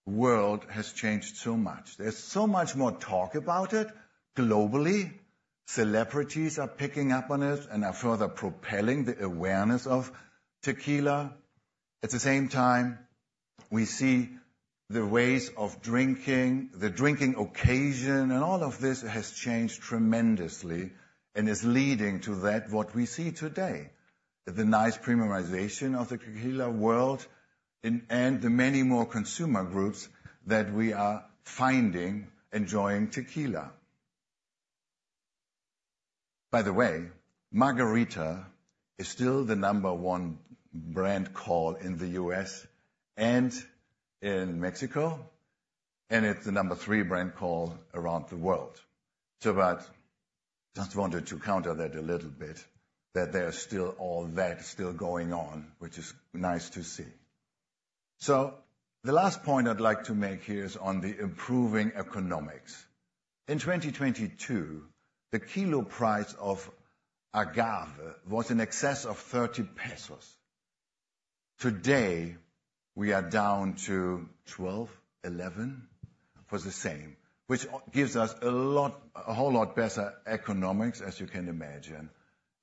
Speaker 6: world has changed so much. There's so much more talk about it globally. Celebrities are picking up on it and are further propelling the awareness of tequila. At the same time, we see the ways of drinking, the drinking occasion, and all of this has changed tremendously and is leading to that, what we see today, the nice premiumization of the tequila world, and the many more consumer groups that we are finding enjoying tequila. By the way, margarita is still the number one brand call in the U.S. and in Mexico, and it's the number three brand call around the world. So, but just wanted to counter that a little bit, that there's still all that still going on, which is nice to see. So the last point I'd like to make here is on the improving economics. In 2022, the kilo price of agave was in excess of 30 pesos. Today, we are down to 12-11 MXN for the same, which gives us a lot, a whole lot better economics, as you can imagine,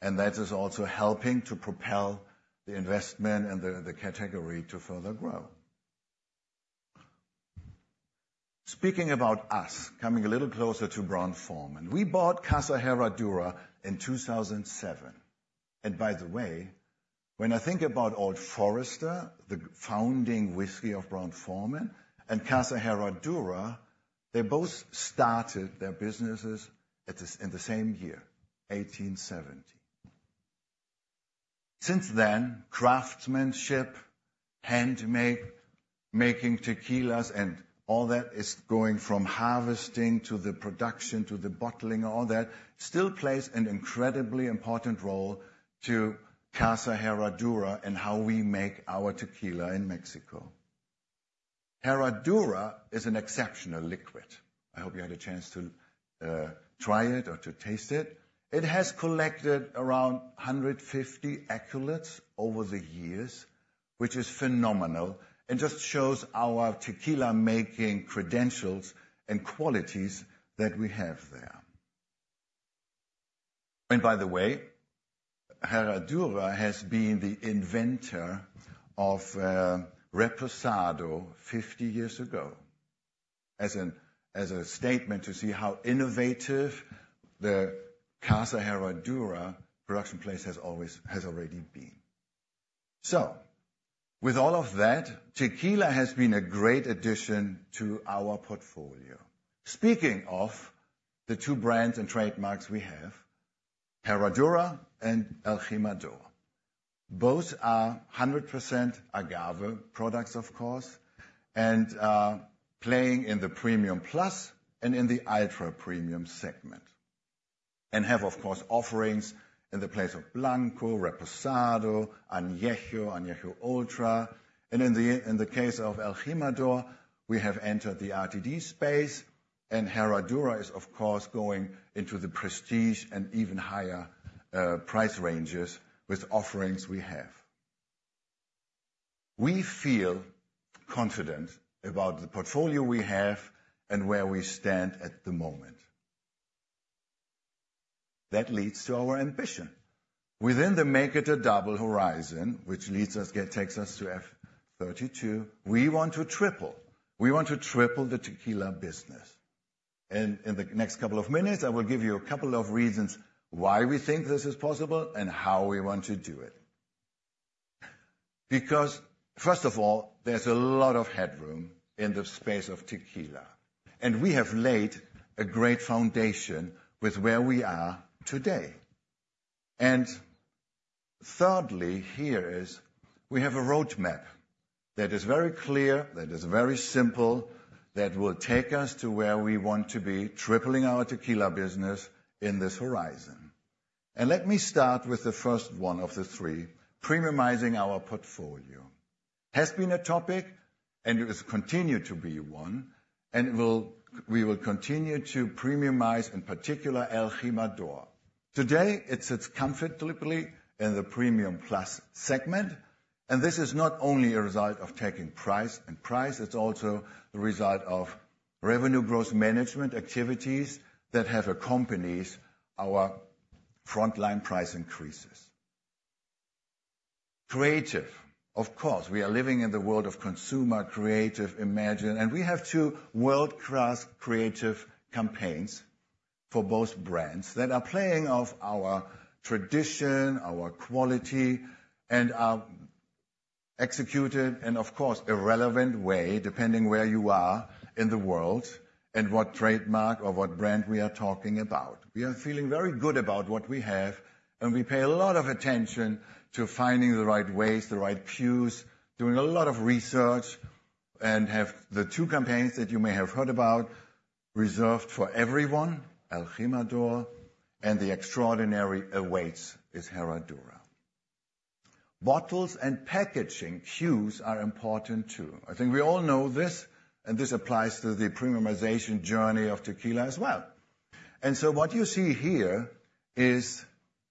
Speaker 6: and that is also helping to propel the investment and the, the category to further grow. Speaking about us, coming a little closer to Brown-Forman. We bought Casa Herradura in 2007. And by the way, when I think about Old Forester, the founding whiskey of Brown-Forman, and Casa Herradura, they both started their businesses at the, in the same year, 1870. Since then, craftsmanship, handmade, Making tequilas and all that is going from harvesting to the production, to the bottling, all that still plays an incredibly important role to Casa Herradura and how we make our tequila in Mexico. Herradura is an exceptional liquid. I hope you had a chance to try it or to taste it. It has collected around 150 accolades over the years, which is phenomenal, and just shows our tequila-making credentials and qualities that we have there. And by the way, Herradura has been the inventor of Reposado 50 years ago, as a statement to see how innovative the Casa Herradura production place has always been. So with all of that, tequila has been a great addition to our portfolio. Speaking of the two brands and trademarks we have, Herradura and El Jimador. Both are 100% agave products, of course, and are playing in the premium plus and in the ultra-premium segment, and have, of course, offerings in the place of Blanco, Reposado, Añejo, Añejo Ultra. In the case of El Jimador, we have entered the RTD space, and Herradura is, of course, going into the prestige and even higher price ranges with offerings we have. We feel confident about the portfolio we have and where we stand at the moment. That leads to our ambition. Within the Make It a Double horizon, which leads us, takes us to FY 2032, we want to triple. We want to triple the tequila business, and in the next couple of minutes, I will give you a couple of reasons why we think this is possible and how we want to do it. Because, first of all, there's a lot of headroom in the space of tequila, and we have laid a great foundation with where we are today. And thirdly, here is, we have a roadmap that is very clear, that is very simple, that will take us to where we want to be, tripling our tequila business in this horizon. And let me start with the first one of the three. Premiumizing our portfolio has been a topic, and it has continued to be one, and will - we will continue to premiumize, in particular, El Jimador. Today, it sits comfortably in the premium plus segment, and this is not only a result of taking price and price, it's also the result of revenue growth management activities that have accompanied our frontline price increases. Creative. Of course, we are living in the world of consumer creative imagination, and we have two world-class creative campaigns for both brands that are playing off our tradition, our quality, and are executed, of course, in a relevant way, depending where you are in the world and what trademark or what brand we are talking about. We are feeling very good about what we have, and we pay a lot of attention to finding the right ways, the right cues, doing a lot of research, and have the two campaigns that you may have heard about, Reserve for Everyone for El Jimador, and The Extraordinary Awaits for Herradura. Bottles and packaging cues are important, too. I think we all know this, and this applies to the premiumization journey of tequila as well. And so what you see here is,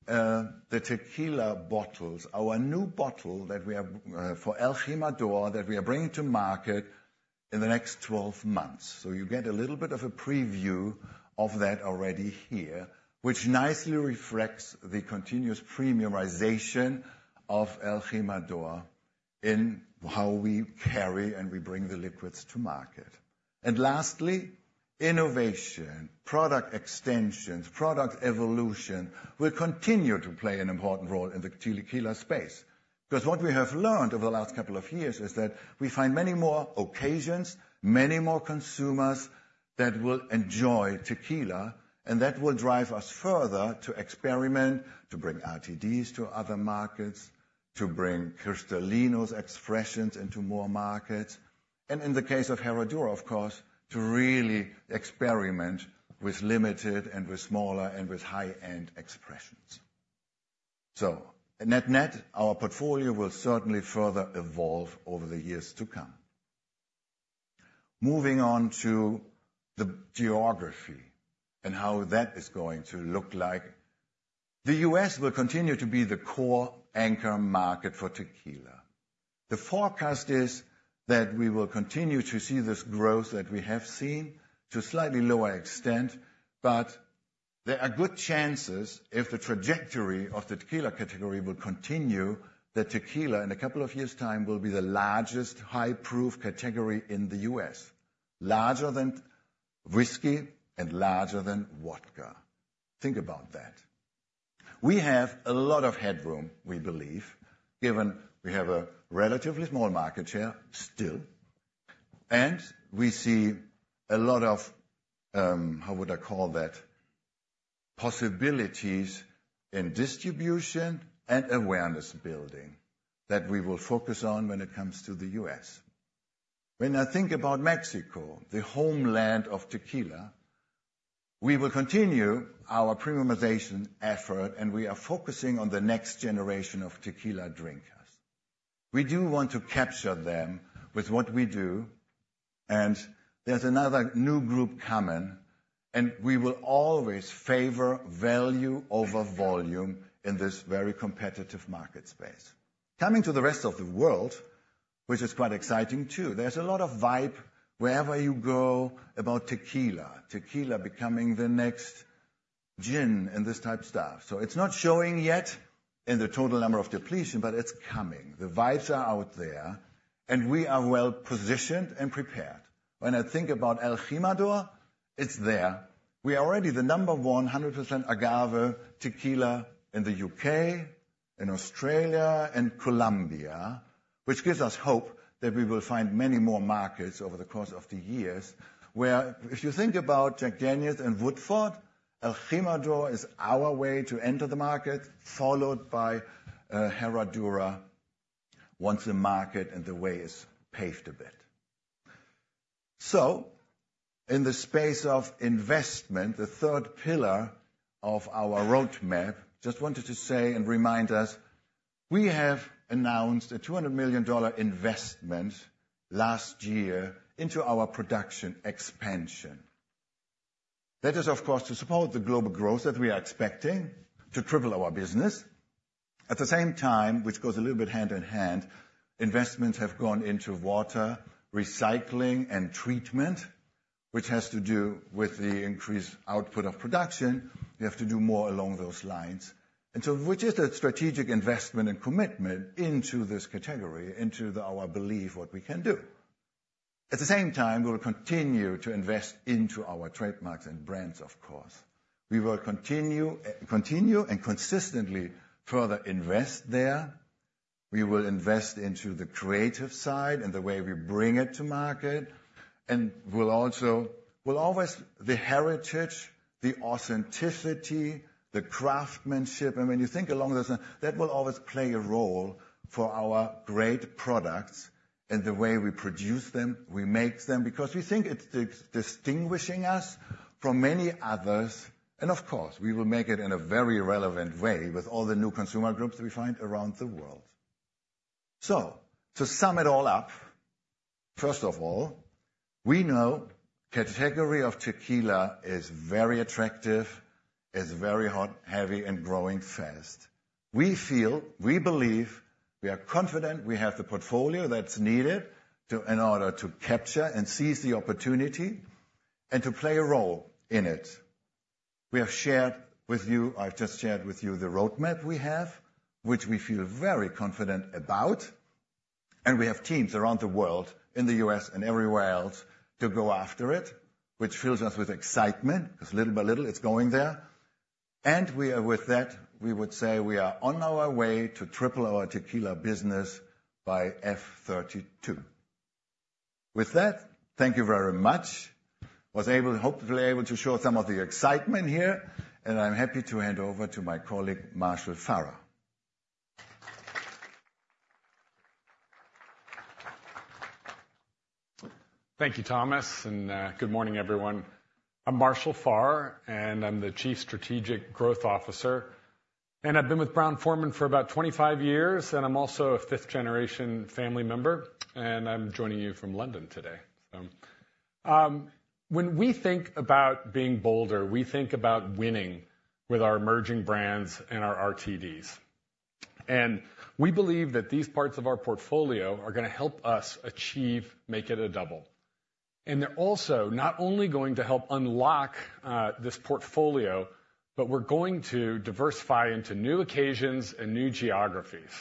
Speaker 6: the tequila bottles, our new bottle that we have, for El Jimador, that we are bringing to market in the next 12 months. So you get a little bit of a preview of that already here, which nicely reflects the continuous premiumization of El Jimador in how we carry and we bring the liquids to market. And lastly, innovation, product extensions, product evolution will continue to play an important role in the tequila space. Because what we have learned over the last couple of years is that we find many more occasions, many more consumers, that will enjoy tequila, and that will drive us further to experiment, to bring RTDs to other markets, to bring Cristalino expressions into more markets, and in the case of Herradura, of course, to really experiment with limited and with smaller and with high-end expressions. So net-net, our portfolio will certainly further evolve over the years to come. Moving on to the geography and how that is going to look like. The U.S. will continue to be the core anchor market for tequila. The forecast is that we will continue to see this growth that we have seen to a slightly lower extent, but there are good chances, if the trajectory of the tequila category will continue, that tequila, in a couple of years' time, will be the largest high-proof category in the U.S. Larger than whiskey and larger than vodka. Think about that. We have a lot of headroom, we believe, given we have a relatively small market share, still, and we see a lot of possibilities in distribution and awareness building that we will focus on when it comes to the U.S. When I think about Mexico, the homeland of tequila, we will continue our premiumization effort, and we are focusing on the next generation of tequila drinkers. We do want to capture them with what we do, and there's another new group coming, and we will always favour value over volume in this very competitive market space. Coming to the rest of the world, which is quite exciting, too, there's a lot of vibe wherever you go about tequila. Tequila becoming the next gin and this type stuff. So it's not showing yet in the total number of depletion, but it's coming. The vibes are out there, and we are well positioned and prepared. When I think about El Jimador, it's there. We are already the number one 100% agave tequila in the U.K., in Australia and Colombia, which gives us hope that we will find many more markets over the course of the years. Where if you think about Jack Daniel's and Woodford, El Jimador is our way to enter the market, followed by Herradura, once the market and the way is paved a bit. So in the space of investment, the third pillar of our roadmap, just wanted to say and remind us, we have announced a $200 million investment last year into our production expansion. That is, of course, to support the global growth that we are expecting to triple our business. At the same time, which goes a little bit hand in hand, investments have gone into water, recycling, and treatment, which has to do with the increased output of production. We have to do more along those lines, and so... which is a strategic investment and commitment into this category, into the, our belief, what we can do. At the same time, we'll continue to invest into our trademarks and brands, of course. We will continue, continue and consistently further invest there. We will invest into the creative side and the way we bring it to market, and we'll also, we'll always... The heritage, the authenticity, the craftsmanship, and when you think along those lines, that will always play a role for our great products and the way we produce them, we make them, because we think it's distinguishing us from many others. And of course, we will make it in a very relevant way with all the new consumer groups that we find around the world. So to sum it all up, first of all, we know the category of tequila is very attractive, is very hot, heavy, and growing fast. We feel, we believe, we are confident we have the portfolio that's needed to, in order to capture and seize the opportunity and to play a role in it. We have shared with you, I've just shared with you the roadmap we have, which we feel very confident about, and we have teams around the world, in the U.S. and everywhere else, to go after it, which fills us with excitement. Because little by little, it's going there, and we are. With that, we would say we are on our way to triple our tequila business by FY 2032. With that, thank you very much. I was able, hopefully, to show some of the excitement here, and I'm happy to hand over to my colleague, Marshall Farrer.
Speaker 7: Thank you, Thomas, and good morning, everyone. I'm Marshall Farrer, and I'm the Chief Strategic Growth Officer, and I've been with Brown-Forman for about 25 years, and I'm also a fifth-generation family member, and I'm joining you from London today, so. When we think about being bolder, we think about winning with our emerging brands and our RTDs. We believe that these parts of our portfolio are gonna help us achieve Make It a Double. They're also not only going to help unlock this portfolio, but we're going to diversify into new occasions and new geographies.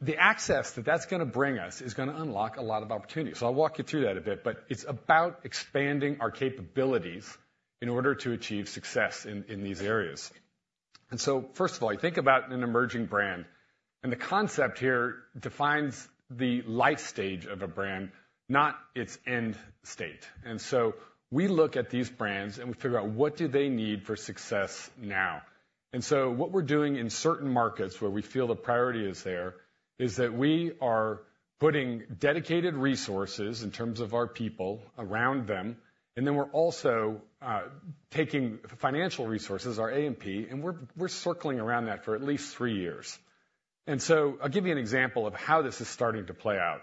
Speaker 7: The access that that's gonna bring us is gonna unlock a lot of opportunities. So I'll walk you through that a bit, but it's about expanding our capabilities in order to achieve success in these areas. And so, first of all, you think about an emerging brand, and the concept here defines the life stage of a brand, not its end state. And so we look at these brands, and we figure out what do they need for success now? And so what we're doing in certain markets where we feel the priority is there, is that we are putting dedicated resources, in terms of our people, around them, and then we're also taking financial resources, our A&P, and we're circling around that for at least three years. And so I'll give you an example of how this is starting to play out.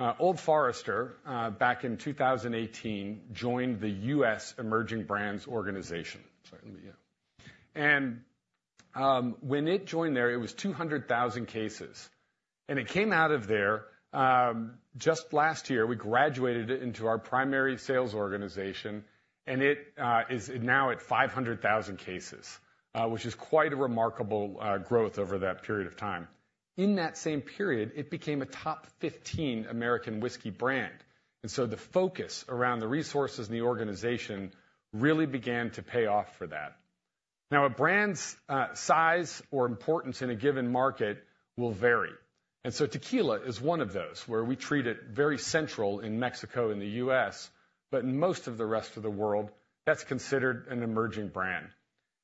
Speaker 7: So, Old Forester, back in 2018, joined the U.S. Emerging Brands Organization. Sorry, let me. When it joined there, it was 200,000 cases, and it came out of there just last year. We graduated it into our primary sales organization, and it is now at 500,000 cases, which is quite a remarkable growth over that period of time. In that same period, it became a top 15 American whiskey brand, and so the focus around the resources and the organization really began to pay off for that. Now, a brand's size or importance in a given market will vary. Tequila is one of those, where we treat it very central in Mexico and the U.S., but in most of the rest of the world, that's considered an emerging brand.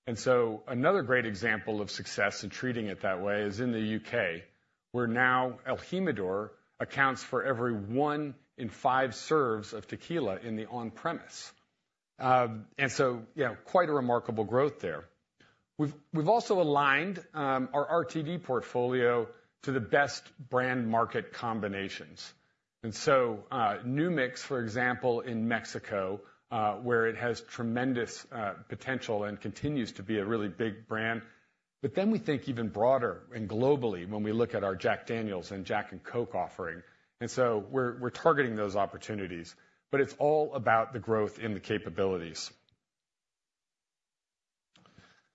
Speaker 7: And so another great example of success in treating it that way is in the U.K., where now El Jimador accounts for every one in five serves of tequila in the on-premise. And so, yeah, quite a remarkable growth there. We've also aligned our RTD portfolio to the best brand market combinations. And so, New Mix, for example, in Mexico, where it has tremendous potential and continues to be a really big brand. But then we think even broader and globally when we look at our Jack Daniel's and Jack & Coke offering, and so we're targeting those opportunities, but it's all about the growth in the capabilities.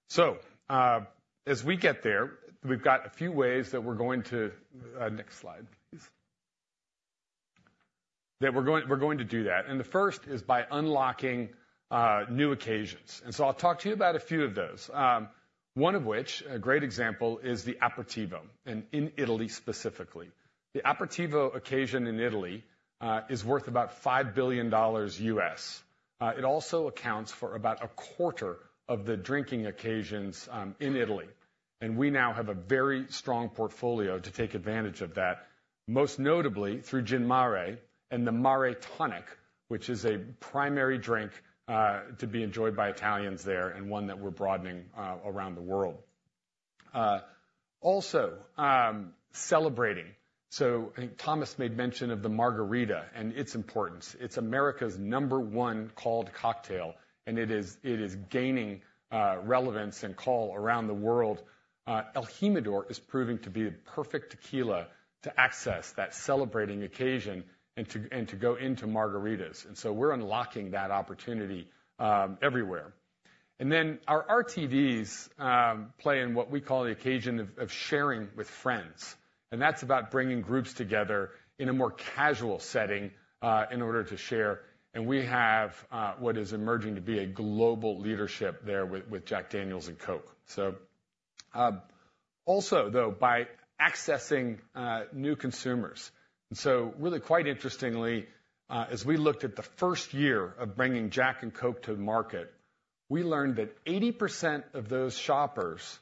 Speaker 7: So, as we get there, we've got a few ways that we're going to. Next slide, please. That we're going, we're going to do that, and the first is by unlocking new occasions. So I'll talk to you about a few of those. One of which, a great example, is the aperitivo, and in Italy, specifically. The aperitivo occasion in Italy is worth about $5 billion. It also accounts for about a quarter of the drinking occasions in Italy, and we now have a very strong portfolio to take advantage of that, most notably through Gin Mare and the Mare Tonic, which is a primary drink to be enjoyed by Italians there, and one that we're broadening around the world. Also, celebrating, so I think Thomas made mention of the margarita and its importance. It's America's number one called cocktail, and it is, it is gaining relevance and call around the world. El Jimador is proving to be the perfect tequila to access that celebrating occasion and to go into margaritas, and so we're unlocking that opportunity everywhere. And then our RTDs play in what we call the occasion of sharing with friends, and that's about bringing groups together in a more casual setting in order to share. And we have what is emerging to be a global leadership there with Jack Daniel's and Coke. So, also, though, by accessing new consumers, and so really quite interestingly, as we looked at the first year of bringing Jack & Coke to the market, we learned that 80% of those shoppers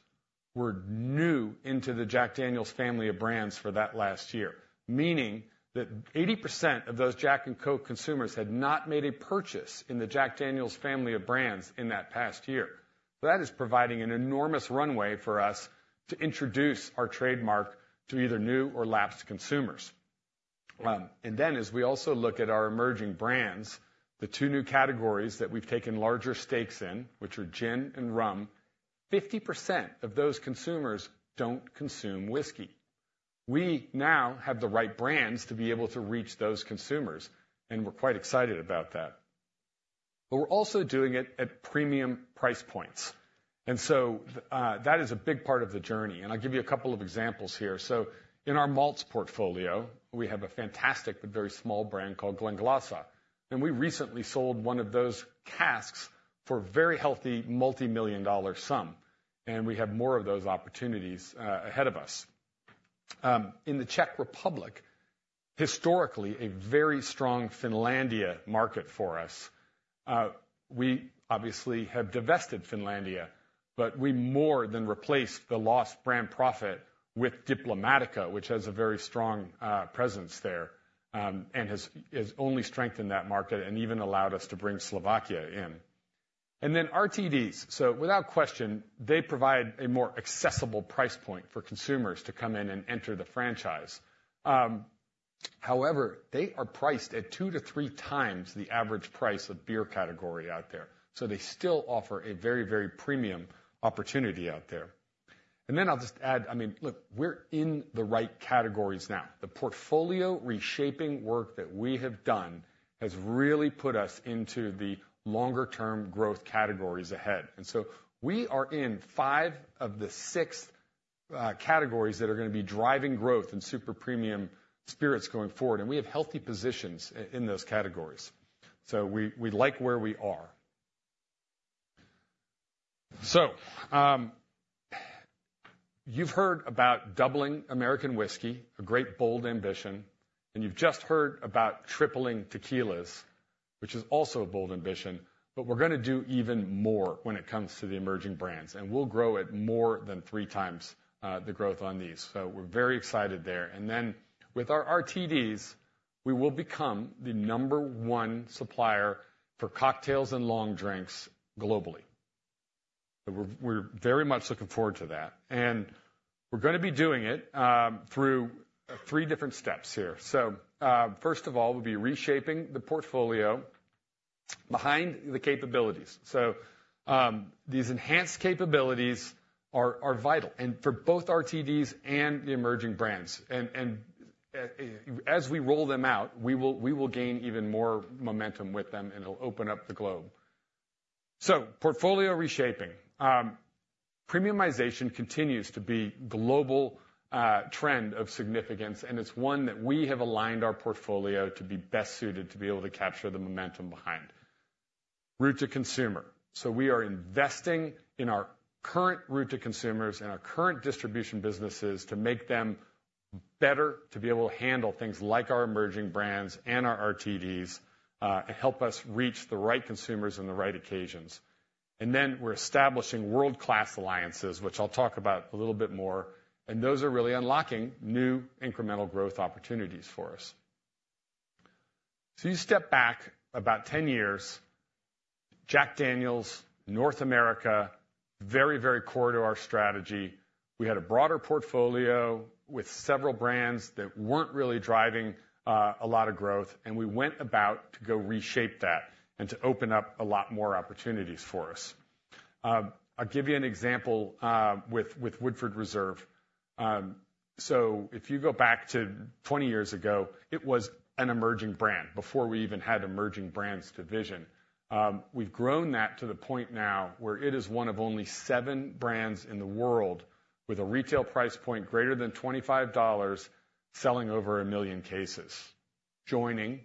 Speaker 7: were new into the Jack Daniel's family of brands for that last year. Meaning that 80% of those Jack & Coke consumers had not made a purchase in the Jack Daniel's family of brands in that past year. That is providing an enormous runway for us to introduce our trademark to either new or lapsed consumers. And then as we also look at our emerging brands, the two new categories that we've taken larger stakes in, which are gin and rum, 50% of those consumers don't consume whiskey. We now have the right brands to be able to reach those consumers, and we're quite excited about that. But we're also doing it at premium price points, and so, that is a big part of the journey, and I'll give you a couple of examples here. So in our malts portfolio, we have a fantastic but very small brand called Glenglassaugh, and we recently sold one of those casks for a very healthy multimillion-dollar sum, and we have more of those opportunities ahead of us. In the Czech Republic, historically, a very strong Finlandia market for us. We obviously have divested Finlandia, but we more than replaced the lost brand profit with Diplomático, which has a very strong presence there, and has only strengthened that market and even allowed us to bring Slovakia in. And then RTDs. So without question, they provide a more accessible price point for consumers to come in and enter the franchise. However, they are priced at 2-3 times the average price of beer category out there, so they still offer a very, very premium opportunity out there. I'll just add, I mean, look, we're in the right categories now. The portfolio reshaping work that we have done has really put us into the longer-term growth categories ahead. So we are in five of the six categories that are gonna be driving growth in super premium spirits going forward, and we have healthy positions in those categories. So we like where we are. You've heard about doubling American whiskey, a great, bold ambition, and you've just heard about tripling tequilas, which is also a bold ambition, but we're gonna do even more when it comes to the emerging brands, and we'll grow it more than three times the growth on these. So we're very excited there. And then with our RTDs, we will become the number one supplier for cocktails and long drinks globally. So we're very much looking forward to that, and we're gonna be doing it through three different steps here. So first of all, we'll be reshaping the portfolio behind the capabilities. So these enhanced capabilities are vital, and for both RTDs and the emerging brands. And as we roll them out, we will gain even more momentum with them, and it'll open up the globe. So portfolio reshaping, premiumization continues to be global trend of significance, and it's one that we have aligned our portfolio to be best suited to be able to capture the momentum behind. Route to consumer. So we are investing in our current route to consumers and our current distribution businesses to make them better, to be able to handle things like our emerging brands and our RTDs, and help us reach the right consumers on the right occasions. Then we're establishing world-class alliances, which I'll talk about a little bit more, and those are really unlocking new incremental growth opportunities for us. You step back about 10 years, Jack Daniel's, North America, very, very core to our strategy. We had a broader portfolio with several brands that weren't really driving a lot of growth, and we went about to go reshape that and to open up a lot more opportunities for us. I'll give you an example with Woodford Reserve. So if you go back to 20 years ago, it was an emerging brand before we even had emerging brands division. We've grown that to the point now where it is one of only seven brands in the world with a retail price point greater than $25, selling over 1 million cases, joining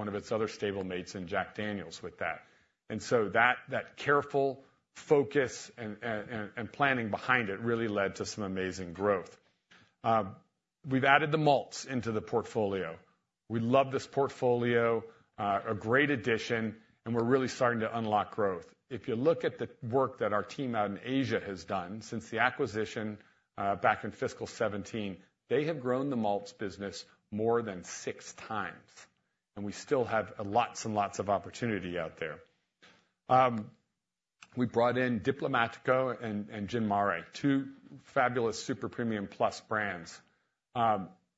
Speaker 7: one of its other stable mates in Jack Daniel's with that. And so that careful focus and planning behind it really led to some amazing growth. We've added the malts into the portfolio. We love this portfolio, a great addition, and we're really starting to unlock growth. If you look at the work that our team out in Asia has done since the acquisition, back in fiscal 2017, they have grown the malts business more than six times, and we still have lots and lots of opportunity out there. We brought in Diplomático and Gin Mare, two fabulous super premium plus brands.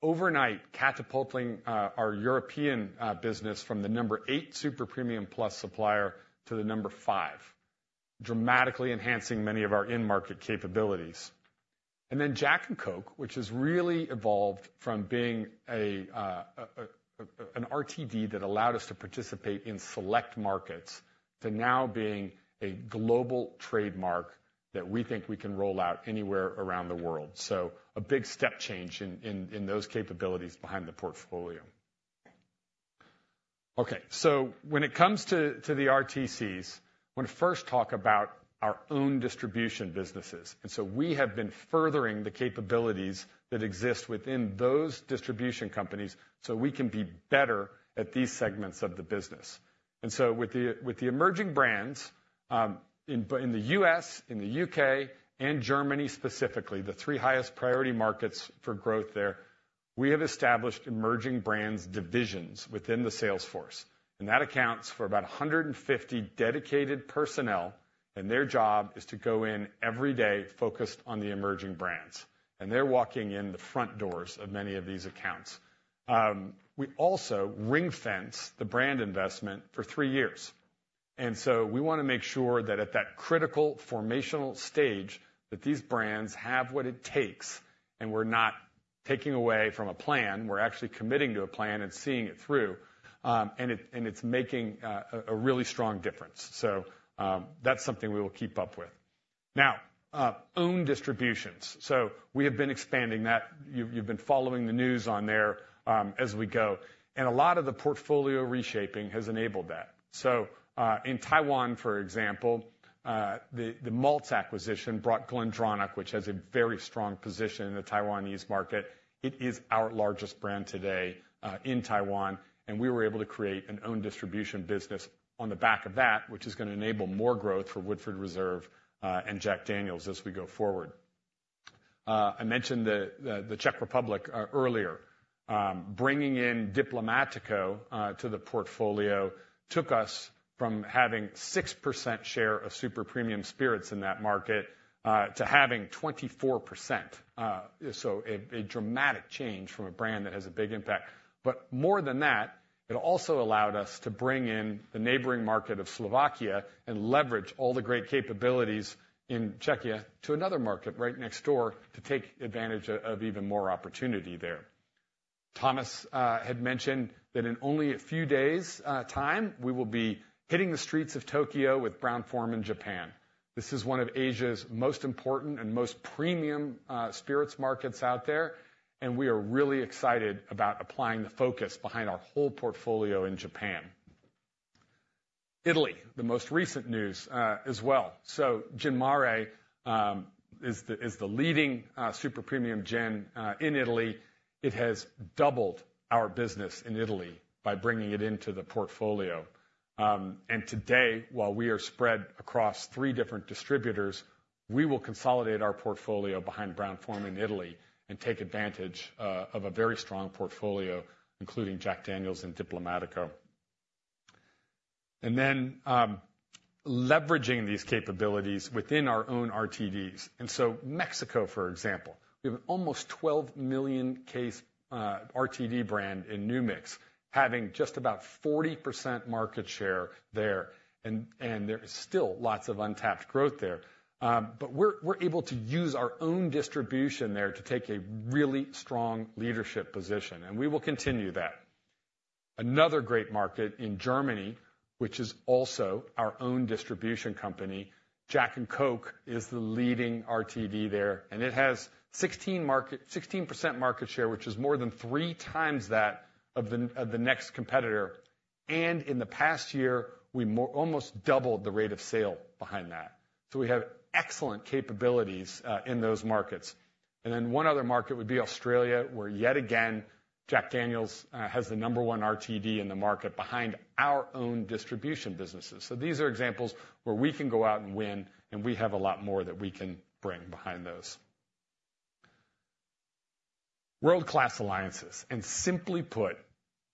Speaker 7: Overnight, catapulting our European business from the number eight super premium plus supplier to the number five, dramatically enhancing many of our in-market capabilities. And then Jack & Coke, which has really evolved from being an RTD that allowed us to participate in select markets, to now being a global trademark that we think we can roll out anywhere around the world. So a big step change in those capabilities behind the portfolio. Okay, so when it comes to the RTCs, want to first talk about our own distribution businesses. And so we have been furthering the capabilities that exist within those distribution companies, so we can be better at these segments of the business. And so with the emerging brands in the U.S., in the U.K., and Germany, specifically, the three highest priority markets for growth there, we have established emerging brands divisions within the sales force, and that accounts for about 150 dedicated personnel, and their job is to go in every day focused on the emerging brands, and they're walking in the front doors of many of these accounts. We also ring-fence the brand investment for three years, and so we wanna make sure that at that critical formative stage, that these brands have what it takes, and we're not taking away from a plan. We're actually committing to a plan and seeing it through, and it's making a really strong difference. So, that's something we will keep up with. Now, own distributions. So we have been expanding that. You've been following the news on there, as we go, and a lot of the portfolio reshaping has enabled that. So, in Taiwan, for example, the malts acquisition brought GlenDronach, which has a very strong position in the Taiwanese market. It is our largest brand today in Taiwan, and we were able to create an own distribution business on the back of that, which is gonna enable more growth for Woodford Reserve and Jack Daniel's as we go forward. I mentioned the Czech Republic earlier. Bringing in Diplomático to the portfolio took us from having 6% share of super premium spirits in that market to having 24%. So a dramatic change from a brand that has a big impact. But more than that, it also allowed us to bring in the neighboring market of Slovakia and leverage all the great capabilities in Czechia to another market right next door to take advantage of even more opportunity there. Thomas had mentioned that in only a few days time, we will be hitting the streets of Tokyo with Brown-Forman Japan. This is one of Asia's most important and most premium spirits markets out there, and we are really excited about applying the focus behind our whole portfolio in Japan. Italy, the most recent news as well. So Gin Mare is the leading super premium gin in Italy. It has doubled our business in Italy by bringing it into the portfolio. And today, while we are spread across three different distributors, we will consolidate our portfolio behind Brown-Forman in Italy and take advantage of a very strong portfolio, including Jack Daniel's and Diplomático. And then leveraging these capabilities within our own RTDs. Mexico, for example, we have an almost 12 million case RTD brand in New Mix, having just about 40% market share there, and there is still lots of untapped growth there. But we're able to use our own distribution there to take a really strong leadership position, and we will continue that. Another great market in Germany, which is also our own distribution company, Jack & Coke is the leading RTD there, and it has 16 market, 16% market share, which is more than three times that of the next competitor. And in the past year, we almost doubled the rate of sale behind that. So we have excellent capabilities in those markets. Then one other market would be Australia, where yet again, Jack Daniel's has the number one RTD in the market behind our own distribution businesses. So these are examples where we can go out and win, and we have a lot more that we can bring behind those. World-class alliances, and simply put,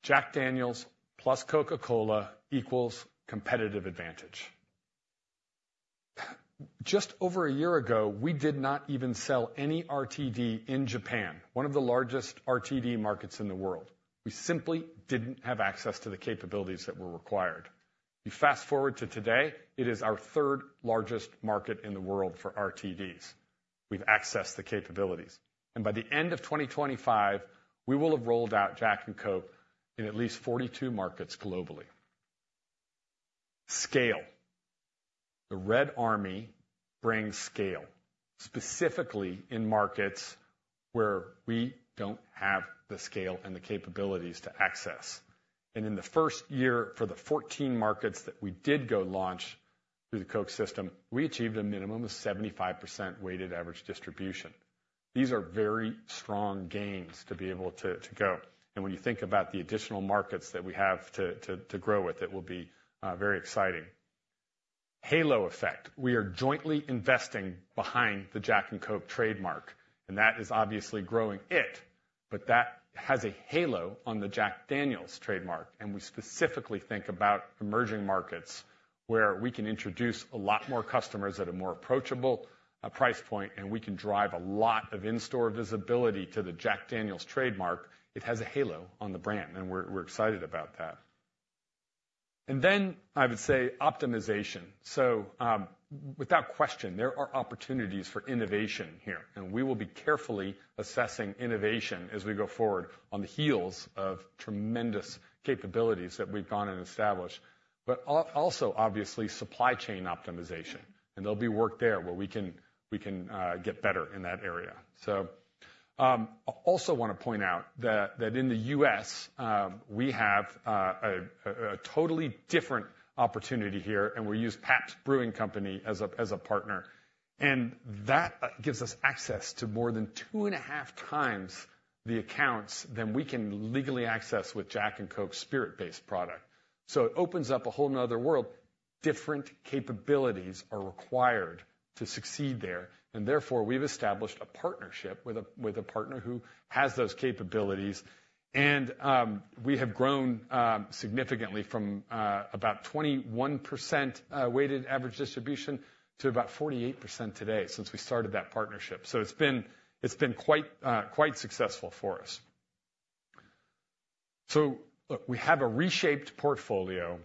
Speaker 7: Jack Daniel's plus Coca-Cola equals competitive advantage. Just over a year ago, we did not even sell any RTD in Japan, one of the largest RTD markets in the world. We simply didn't have access to the capabilities that were required. You fast-forward to today, it is our third largest market in the world for RTDs. We've accessed the capabilities, and by the end of 2025, we will have rolled out Jack & Coke in at least 42 markets globally. Scale. The Red Army brings scale, specifically in markets where we don't have the scale and the capabilities to access. In the first year, for the 14 markets that we did go launch through the Coke system, we achieved a minimum of 75% weighted average distribution. These are very strong gains to be able to go, and when you think about the additional markets that we have to grow with, it will be very exciting. Halo effect. We are jointly investing behind the Jack & Coke trademark, and that is obviously growing it, but that has a halo on the Jack Daniel's trademark. We specifically think about emerging markets, where we can introduce a lot more customers at a more approachable price point, and we can drive a lot of in-store visibility to the Jack Daniel's trademark. It has a halo on the brand, and we're excited about that. And then I would say optimization. So, without question, there are opportunities for innovation here, and we will be carefully assessing innovation as we go forward on the heels of tremendous capabilities that we've gone and established, but also, obviously, supply chain optimization. And there'll be work there where we can get better in that area. So, I also wanna point out that in the U.S., we have a totally different opportunity here, and we use Pabst Brewing Company as a partner. And that gives us access to more than two and a half times the accounts than we can legally access with Jack & Coke spirit-based product. So, it opens up a whole another world. Different capabilities are required to succeed there, and therefore, we've established a partnership with a partner who has those capabilities. We have grown significantly from about 21% weighted average distribution to about 48% today since we started that partnership. It's been quite successful for us. Look, we have a reshaped portfolio.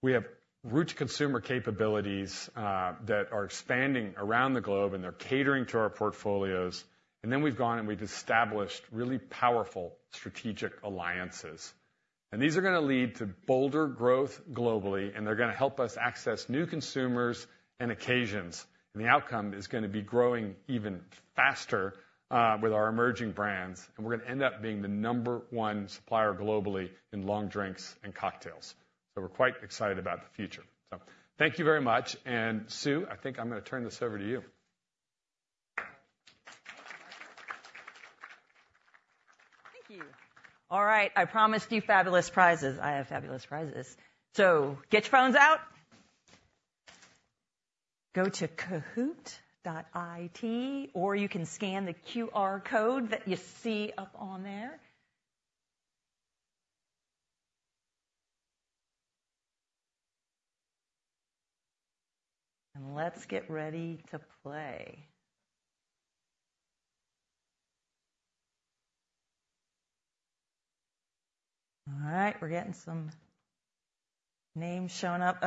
Speaker 7: We have route-to-consumer capabilities that are expanding around the globe, and they're catering to our portfolios. Then we've gone, and we've established really powerful strategic alliances. These are gonna lead to bolder growth globally, and they're gonna help us access new consumers and occasions. The outcome is gonna be growing even faster with our emerging brands, and we're gonna end up being the number one supplier globally in long drinks and cocktails. We're quite excited about the future. Thank you very much, and Sue, I think I'm gonna turn this over to you.
Speaker 1: Thank you. All right, I promised you fabulous prizes. I have fabulous prizes. So get your phones out. Go to kahoot.it, or you can scan the QR code that you see up on there. And let's get ready to play. All right, we're getting some names showing up.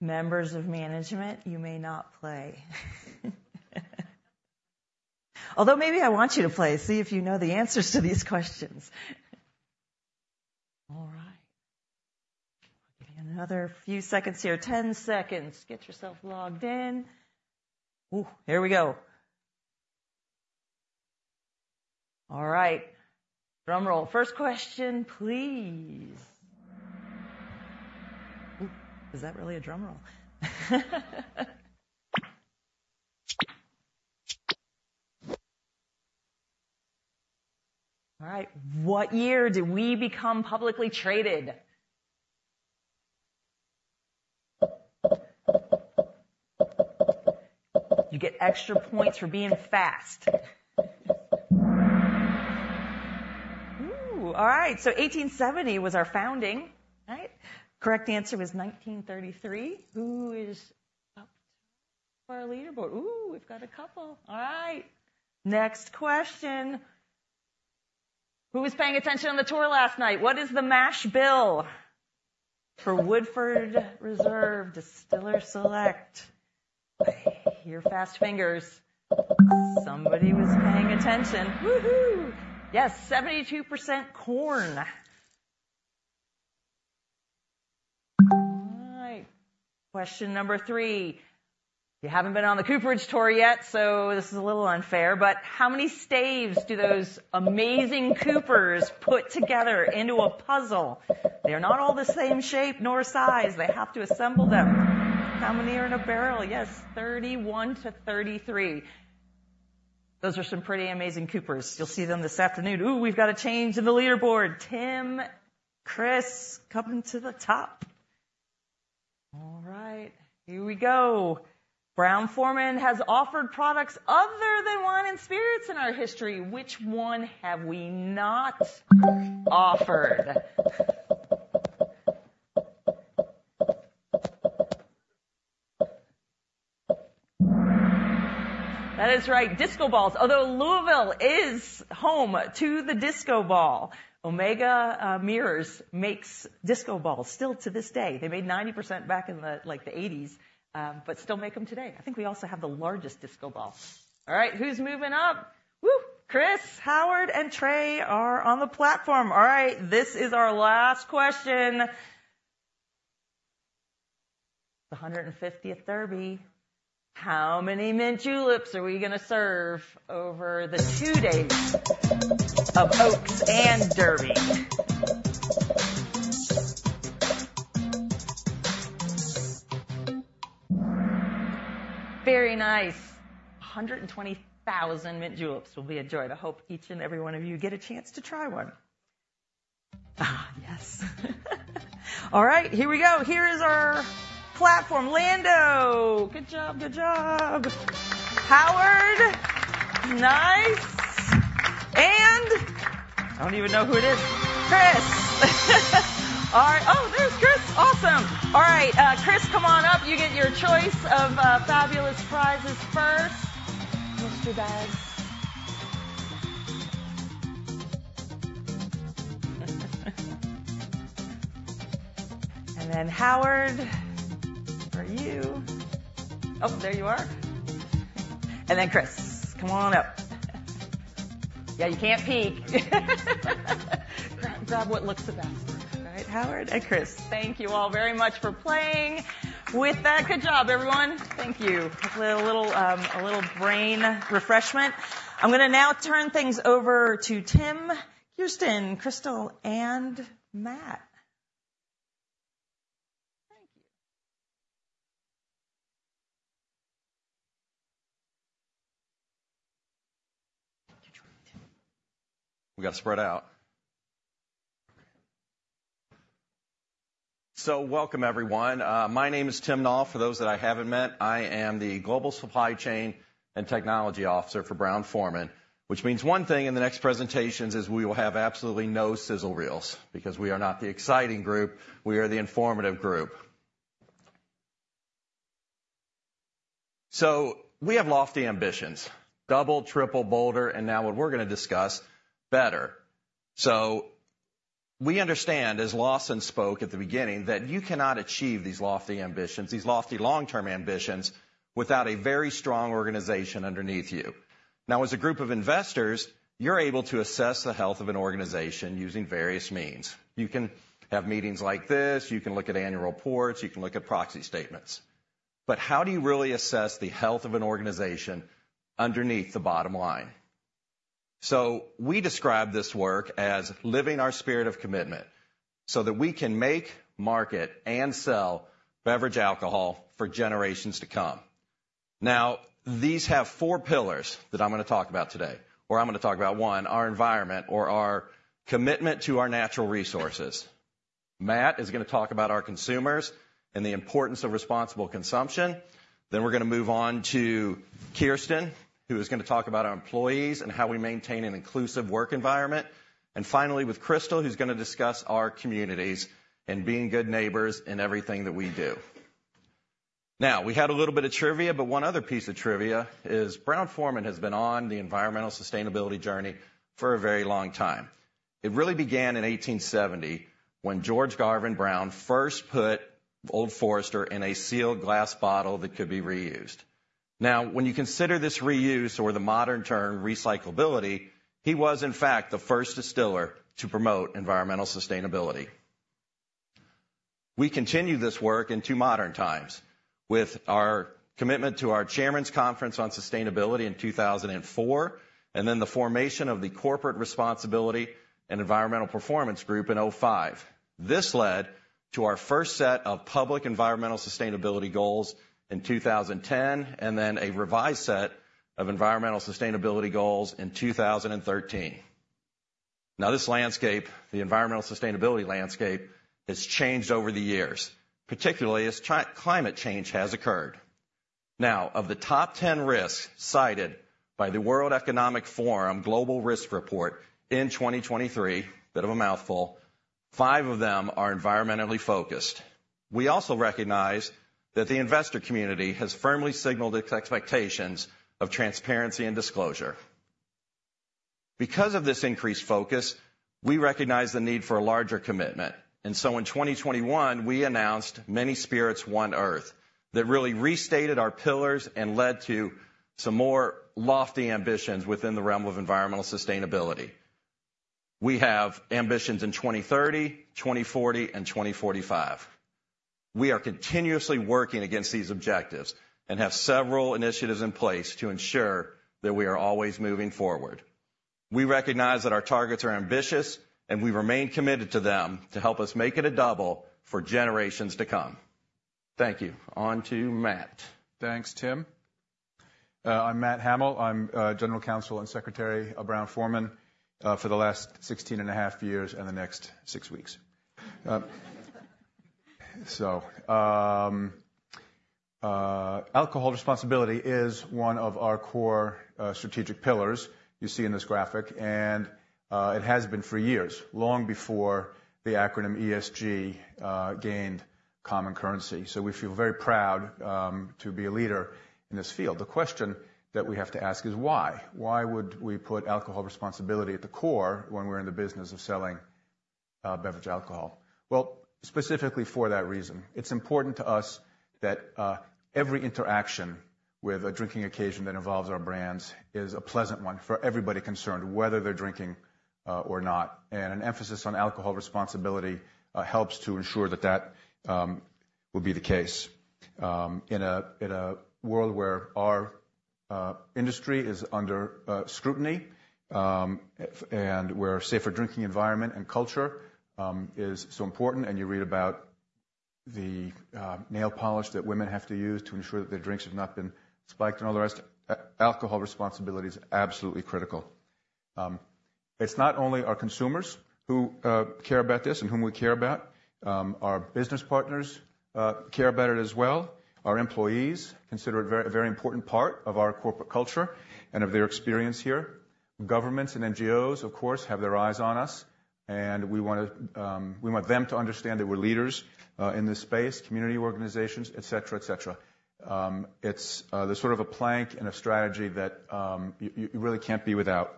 Speaker 1: Members of management, you may not play. Although, maybe I want you to play, see if you know the answers to these questions. All right. Give it another few seconds here. 10 seconds. Get yourself logged in. Ooh, here we go. All right, drum roll. First question, please. Ooh, was that really a drum roll? All right, what year did we become publicly traded? You get extra points for being fast. Ooh! All right, so 1870 was our founding, right? Correct answer was 1933. Who is up for our leaderboard? Ooh, we've got a couple. All right, next question: Who was paying attention on the tour last night? What is the mash bill? For Woodford Reserve Distiller's Select, I hear fast fingers. Somebody was paying attention. Woo-hoo! Yes, 72% corn. All right, question number three. You haven't been on the cooperage tour yet, so this is a little unfair, but how many staves do those amazing coopers put together into a puzzle? They're not all the same shape nor size. They have to assemble them. How many are in a barrel? Yes, 31-33. Those are some pretty amazing coopers. You'll see them this afternoon. Ooh, we've got a change in the leaderboard. Tim, Chris, coming to the top. All right, here we go. Brown-Forman has offered products other than wine and spirits in our history. Which one have we not offered? That is right, disco balls. Although Louisville is home to the disco ball. Omega Mirror Products makes disco balls still to this day. They made 90% back in the eighties, but still make them today. I think we also have the largest disco ball. All right, who's moving up? Woo! Chris, Howard, and Trey are on the platform. All right, this is our last question. The 150th Derby. How many mint juleps are we gonna serve over the two days of Oaks and Derby? Very nice. 120,000 mint juleps will be enjoyed. I hope each and every one of you get a chance to try one. Ah, yes. All right, here we go. Here is our platform. Lando, good job, good job. Howard, nice. And I don't even know who it is. Chris. All right. Oh, there's Chris! Awesome. All right, Chris, come on up. You get your choice of fabulous prizes first. Mystery bags. And then Howard, for you. Oh, there you are. And then Chris, come on up. Yeah, you can't peek. Grab what looks the best. All right, Howard and Chris, thank you all very much for playing with that. Good job, everyone. Thank you. Hopefully, a little brain refreshment. I'm gonna now turn things over to Tim, Kirsten, Crystal, and Matt. Thank you.
Speaker 8: We've got to spread out. So welcome, everyone. My name is Tim Nall. For those that I haven't met, I am the Global Supply Chain and Technology Officer for Brown-Forman, which means one thing in the next presentations is we will have absolutely no sizzle reels, because we are not the exciting group, we are the informative group. So we have lofty ambitions, double, triple, bolder, and now what we're going to discuss, better. So we understand, as Lawson spoke at the beginning, that you cannot achieve these lofty ambitions, these lofty long-term ambitions, without a very strong organization underneath you. Now, as a group of investors, you're able to assess the health of an organization using various means. You can have meetings like this, you can look at annual reports, you can look at proxy statements. How do you really assess the health of an organization underneath the bottom line? We describe this work as living our Spirit of Commitment, so that we can make, market, and sell beverage alcohol for generations to come. Now, these have four pillars that I'm going to talk about today, or I'm going to talk about, one, our environment or our commitment to our natural resources. Matt is going to talk about our consumers and the importance of responsible consumption. Then we're going to move on to Kirsten, who is going to talk about our employees and how we maintain an inclusive work environment. And finally, with Crystal, who's going to discuss our communities and being good neighbors in everything that we do. Now, we had a little bit of trivia, but one other piece of trivia is Brown-Forman has been on the environmental sustainability journey for a very long time. It really began in 1870, when George Garvin Brown first put Old Forester in a sealed glass bottle that could be reused. Now, when you consider this reuse or the modern term, recyclability, he was, in fact, the first distiller to promote environmental sustainability. We continue this work in two modern times with our commitment to our Chairman's Conference on Sustainability in 2004, and then the formation of the Corporate Responsibility and Environmental Performance Group in 2005. This led to our first set of public environmental sustainability goals in 2010, and then a revised set of environmental sustainability goals in 2013. Now, this landscape, the environmental sustainability landscape, has changed over the years, particularly as climate change has occurred. Now, of the top 10 risks cited by the World Economic Forum Global Risk Report in 2023, bit of a mouthful, five of them are environmentally focused. We also recognize that the investor community has firmly signaled its expectations of transparency and disclosure. Because of this increased focus, we recognize the need for a larger commitment. And so in 2021, we announced Many Spirits, One Earth, that really restated our pillars and led to some more lofty ambitions within the realm of environmental sustainability. We have ambitions in 2030, 2040, and 2045. We are continuously working against these objectives and have several initiatives in place to ensure that we are always moving forward. We recognize that our targets are ambitious, and we remain committed to them to help us make it a double for generations to come. Thank you. On to Matt.
Speaker 9: Thanks, Tim. I'm Matthew Hamel. I'm General Counsel and Secretary of Brown-Forman for the last 16.5 years, and the next 6 weeks. Alcohol responsibility is one of our core strategic pillars, you see in this graphic, and it has been for years, long before the acronym ESG gained common currency. So we feel very proud to be a leader in this field. The question that we have to ask is why? Why would we put alcohol responsibility at the core when we're in the business of selling beverage alcohol? Well, specifically for that reason. It's important to us that every interaction with a drinking occasion that involves our brands is a pleasant one for everybody concerned, whether they're drinking or not. An emphasis on alcohol responsibility helps to ensure that that will be the case. In a world where our industry is under scrutiny, and where safer drinking environment and culture is so important, and you read about the nail polish that women have to use to ensure that their drinks have not been spiked and all the rest, alcohol responsibility is absolutely critical. It's not only our consumers who care about this and whom we care about, our business partners care about it as well. Our employees consider it a very important part of our corporate culture and of their experience here. Governments and NGOs, of course, have their eyes on us, and we want to, we want them to understand that we're leaders in this space, community organizations, et cetera, et cetera. It's the sort of a plank and a strategy that you really can't be without.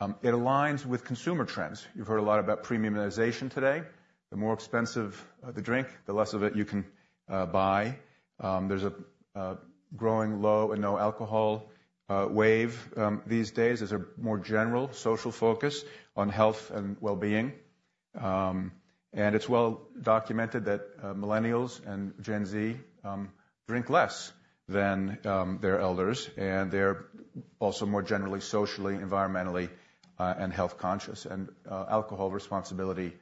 Speaker 9: It aligns with consumer trends. You've heard a lot about premiumization today. The more expensive the drink, the less of it you can buy. There's a growing low and no alcohol wave these days. There's a more general social focus on health and well-being. And it's well documented that Millennials and Gen Z drink less than their elders, and they're also more generally, socially, environmentally, and health conscious. And alcohol responsibility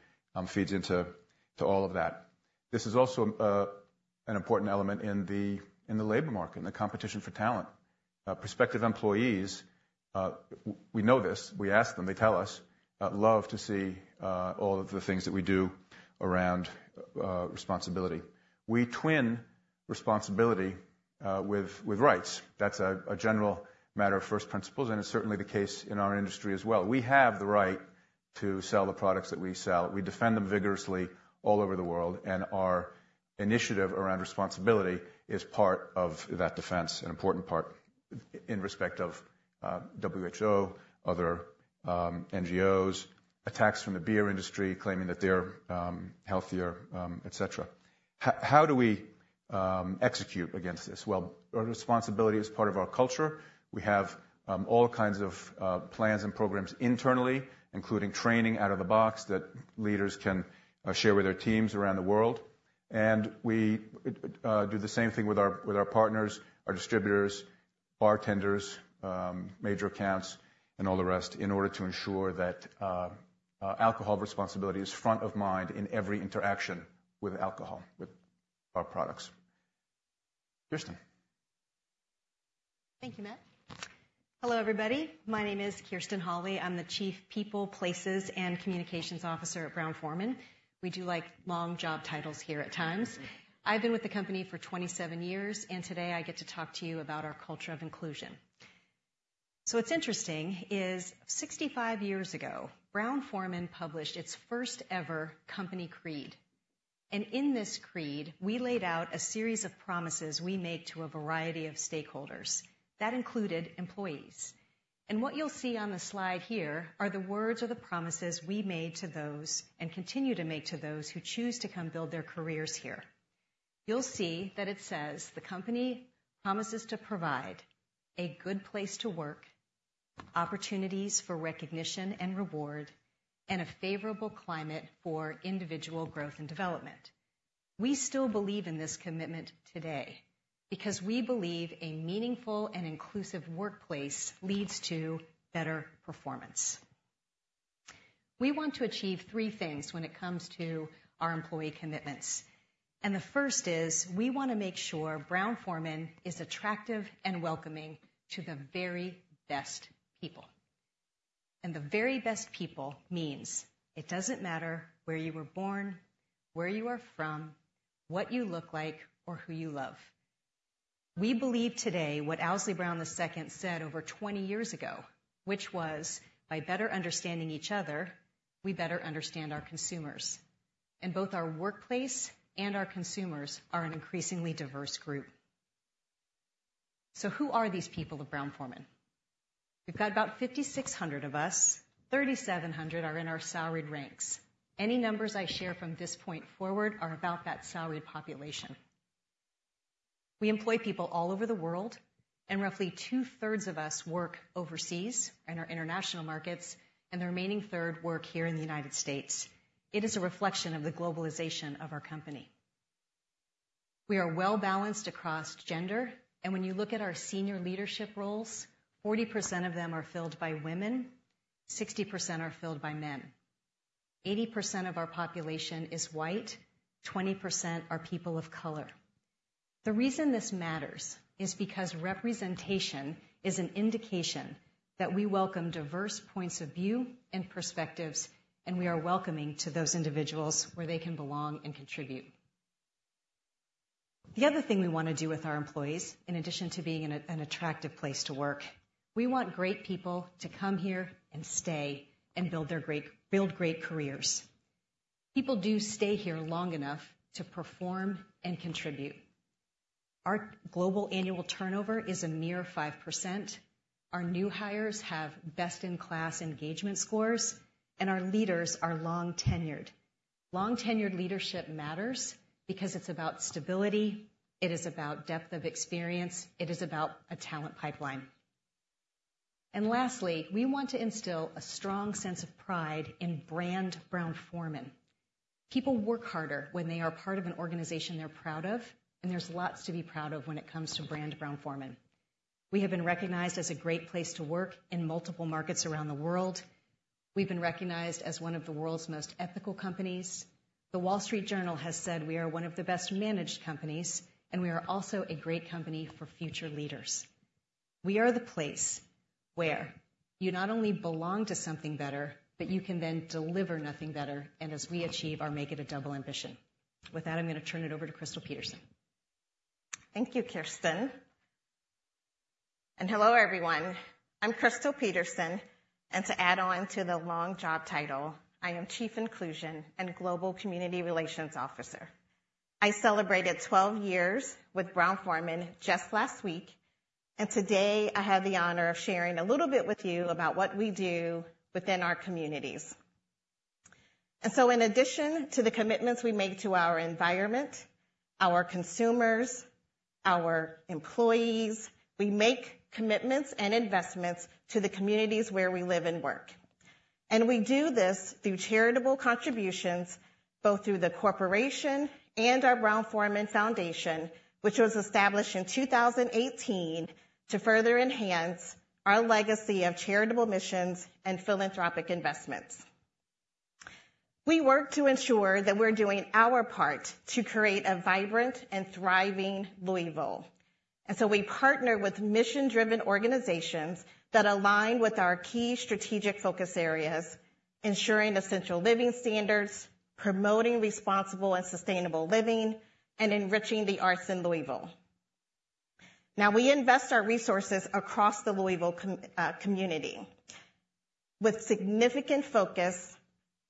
Speaker 9: feeds into all of that. This is also an important element in the, in the labor market, in the competition for talent. Prospective employees, we know this, we ask them, they tell us, love to see all of the things that we do around responsibility. We twin responsibility with, with rights. That's a, a general matter of first principles, and it's certainly the case in our industry as well. We have the right to sell the products that we sell. We defend them vigorously all over the world, and our initiative around responsibility is part of that defense, an important part in respect of WHO, other NGOs, attacks from the beer industry, claiming that they're healthier, et cetera. How do we execute against this? Well, our responsibility is part of our culture. We have all kinds of plans and programs internally, including training out of the box that leaders can share with their teams around the world. And we do the same thing with our partners, our distributors, bartenders, major accounts, and all the rest, in order to ensure that alcohol responsibility is front of mind in every interaction with alcohol, with our products. Kirsten?
Speaker 10: Thank you, Matt. Hello, everybody. My name is Kirsten Hawley. I'm the Chief People, Places, and Communications Officer at Brown-Forman. We do, like, long job titles here at times. I've been with the company for 27 years, and today I get to talk to you about our culture of inclusion. What's interesting is 65 years ago, Brown-Forman published its first ever company creed, and in this creed, we laid out a series of promises we make to a variety of stakeholders. That included employees. What you'll see on the slide here are the words of the promises we made to those, and continue to make to those, who choose to come build their careers here. You'll see that it says: The company promises to provide a good place to work, opportunities for recognition and reward, and a favorable climate for individual growth and development. We still believe in this commitment today, because we believe a meaningful and inclusive workplace leads to better performance. We want to achieve three things when it comes to our employee commitments, and the first is we want to make sure Brown-Forman is attractive and welcoming to the very best people. And the very best people means it doesn't matter where you were born, where you are from, what you look like, or who you love. We believe today what Owsley Brown II said over 20 years ago, which was, "By better understanding each other, we better understand our consumers." And both our workplace and our consumers are an increasingly diverse group. So who are these people of Brown-Forman? We've got about 5,600 of us, 3,700 are in our salaried ranks. Any numbers I share from this point forward are about that salaried population. We employ people all over the world, and roughly two-thirds of us work overseas in our international markets, and the remaining third work here in the United States. It is a reflection of the globalization of our company. We are well-balanced across gender, and when you look at our senior leadership roles, 40% of them are filled by women, 60% are filled by men. 80% of our population is white, 20% are people of color. The reason this matters is because representation is an indication that we welcome diverse points of view and perspectives, and we are welcoming to those individuals where they can belong and contribute. The other thing we want to do with our employees, in addition to being an attractive place to work, we want great people to come here and stay and build great careers. People do stay here long enough to perform and contribute. Our global annual turnover is a mere 5%. Our new hires have best-in-class engagement scores, and our leaders are long-tenured. Long-tenured leadership matters because it's about stability, it is about depth of experience, it is about a talent pipeline. And lastly, we want to instill a strong sense of pride in brand Brown-Forman. People work harder when they are part of an organization they're proud of, and there's lots to be proud of when it comes to brand Brown-Forman. We have been recognized as a great place to work in multiple markets around the world. We've been recognized as one of the world's most ethical companies. The Wall Street Journal has said we are one of the best-managed companies, and we are also a great company for future leaders. We are the place where you not only belong to something better, but you can then deliver nothing better, and as we achieve our Make It a Double ambition. With that, I'm going to turn it over to Crystal Peterson.
Speaker 11: Thank you, Kirsten, and hello, everyone. I'm Crystal Peterson, and to add on to the long job title, I am Chief Inclusion and Global Community Relations Officer. I celebrated 12 years with Brown-Forman just last week, and today, I have the honor of sharing a little bit with you about what we do within our communities. And so in addition to the commitments we make to our environment, our consumers, our employees, we make commitments and investments to the communities where we live and work. And we do this through charitable contributions, both through the corporation and our Brown-Forman Foundation, which was established in 2018 to further enhance our legacy of charitable missions and philanthropic investments. We work to ensure that we're doing our part to create a vibrant and thriving Louisville, and so we partner with mission-driven organizations that align with our key strategic focus areas, ensuring essential living standards, promoting responsible and sustainable living, and enriching the arts in Louisville. Now, we invest our resources across the Louisville community, with significant focus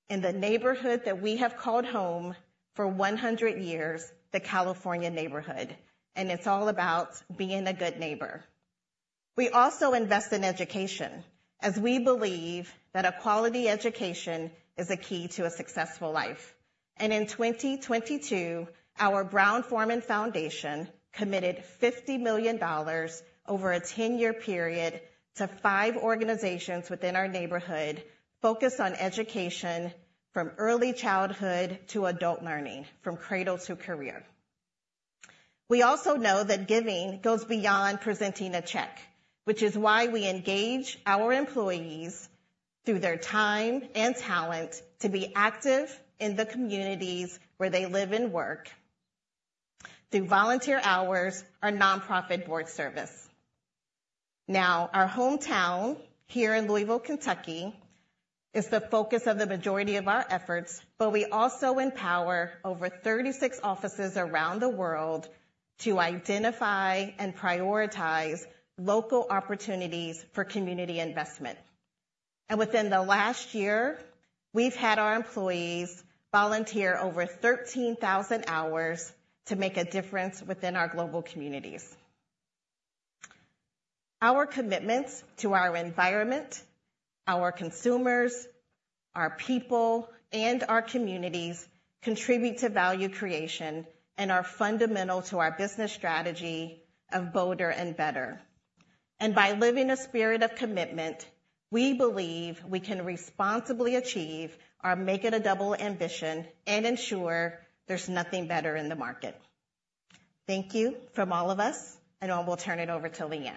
Speaker 11: in the neighborhood that we have called home for 100 years, the California Neighborhood, and it's all about being a good neighbor. We also invest in education, as we believe that a quality education is a key to a successful life. In 2022, our Brown-Forman Foundation committed $50 million over a 10-year period to five organizations within our neighborhood, focused on education from early childhood to adult learning, from cradle to career. We also know that giving goes beyond presenting a check, which is why we engage our employees through their time and talent to be active in the communities where they live and work through volunteer hours or nonprofit board service. Now, our hometown here in Louisville, Kentucky, is the focus of the majority of our efforts, but we also empower over 36 offices around the world to identify and prioritize local opportunities for community investment. Within the last year, we've had our employees volunteer over 13,000 hours to make a difference within our global communities. Our commitments to our environment, our consumers, our people, and our communities contribute to value creation and are fundamental to our business strategy of Bolder and Better. By living a Spirit of Commitment, we believe we can responsibly achieve our Make It a Double ambition and ensure there's Nothing Better in the Market. Thank you from all of us, and I will turn it over to Leanne.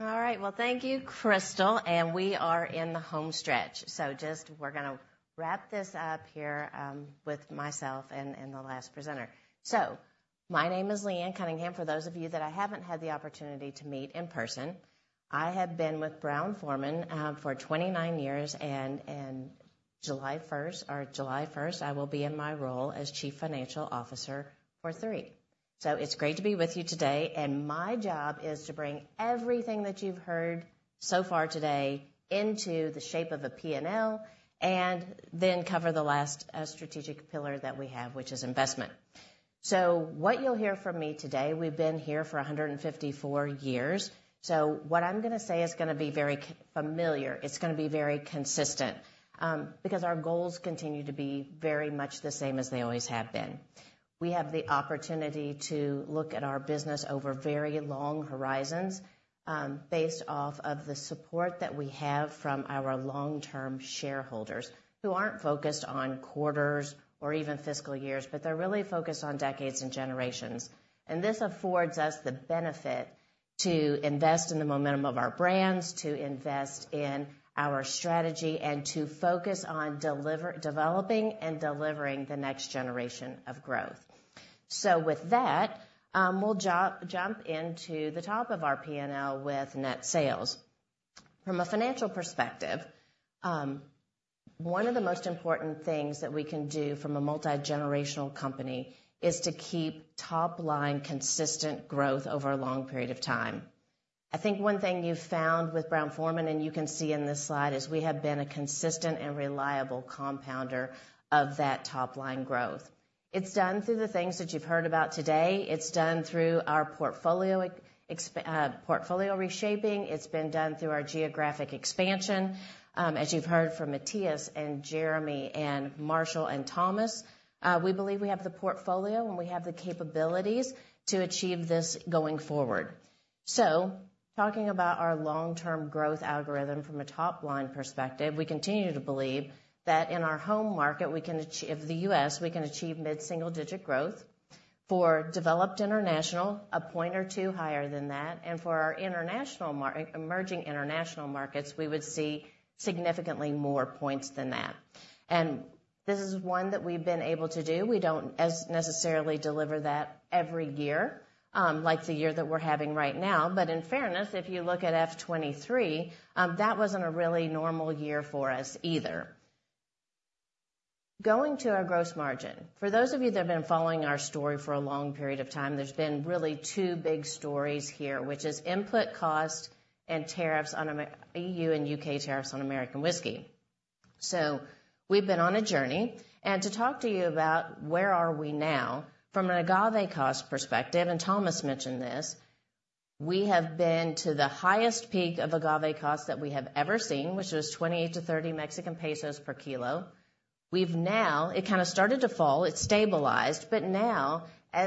Speaker 12: All right. Well, thank you, Crystal, and we are in the home stretch. So just we're gonna wrap this up here with myself and the last presenter. So my name is Leanne Cunningham, for those of you that I haven't had the opportunity to meet in person. I have been with Brown-Forman for 29 years, and July first—or July first, I will be in my role as Chief Financial Officer for three. So, it's great to be with you today, and my job is to bring everything that you've heard so far today into the shape of a P&L and then cover the last strategic pillar that we have, which is investment. So, what you'll hear from me today, we've been here for 154 years, so what I'm gonna say is gonna be very familiar. It's gonna be very consistent, because our goals continue to be very much the same as they always have been. We have the opportunity to look at our business over very long horizons, based off of the support that we have from our long-term shareholders, who aren't focused on quarters or even fiscal years, but they're really focused on decades and generations. This affords us the benefit to invest in the momentum of our brands, to invest in our strategy, and to focus on developing and delivering the next generation of growth. With that, we'll jump into the top of our P&L with net sales. From a financial perspective, one of the most important things that we can do from a multigenerational company is to keep top-line consistent growth over a long period of time. I think one thing you've found with Brown-Forman, and you can see in this slide, is we have been a consistent and reliable compounder of that top-line growth. It's done through the things that you've heard about today. It's done through our portfolio reshaping. It's been done through our geographic expansion. As you've heard from Matias and Jeremy and Marshall and Thomas, we believe we have the portfolio and we have the capabilities to achieve this going forward. So talking about our long-term growth algorithm from a top-line perspective, we continue to believe that in our home market, we can achieve the U.S., we can achieve mid-single-digit growth. For Developed International, a point or two higher than that, and for our international market, Emerging International markets, we would see significantly more points than that. This is one that we've been able to do. We don't necessarily deliver that every year, like the year that we're having right now. But in fairness, if you look at FY 2023, that wasn't a really normal year for us either. Going to our gross margin. For those of you that have been following our story for a long period of time, there's been really two big stories here, which is input cost and tariffs on American EU and U.K. tariffs on American whiskey. So we've been on a journey, and to talk to you about where are we now, from an agave cost perspective, and Thomas mentioned this, we have been to the highest peak of agave costs that we have ever seen, which was 28-30 Mexican pesos per kilo. We've now, it kind of started to fall, it stabilized, but now,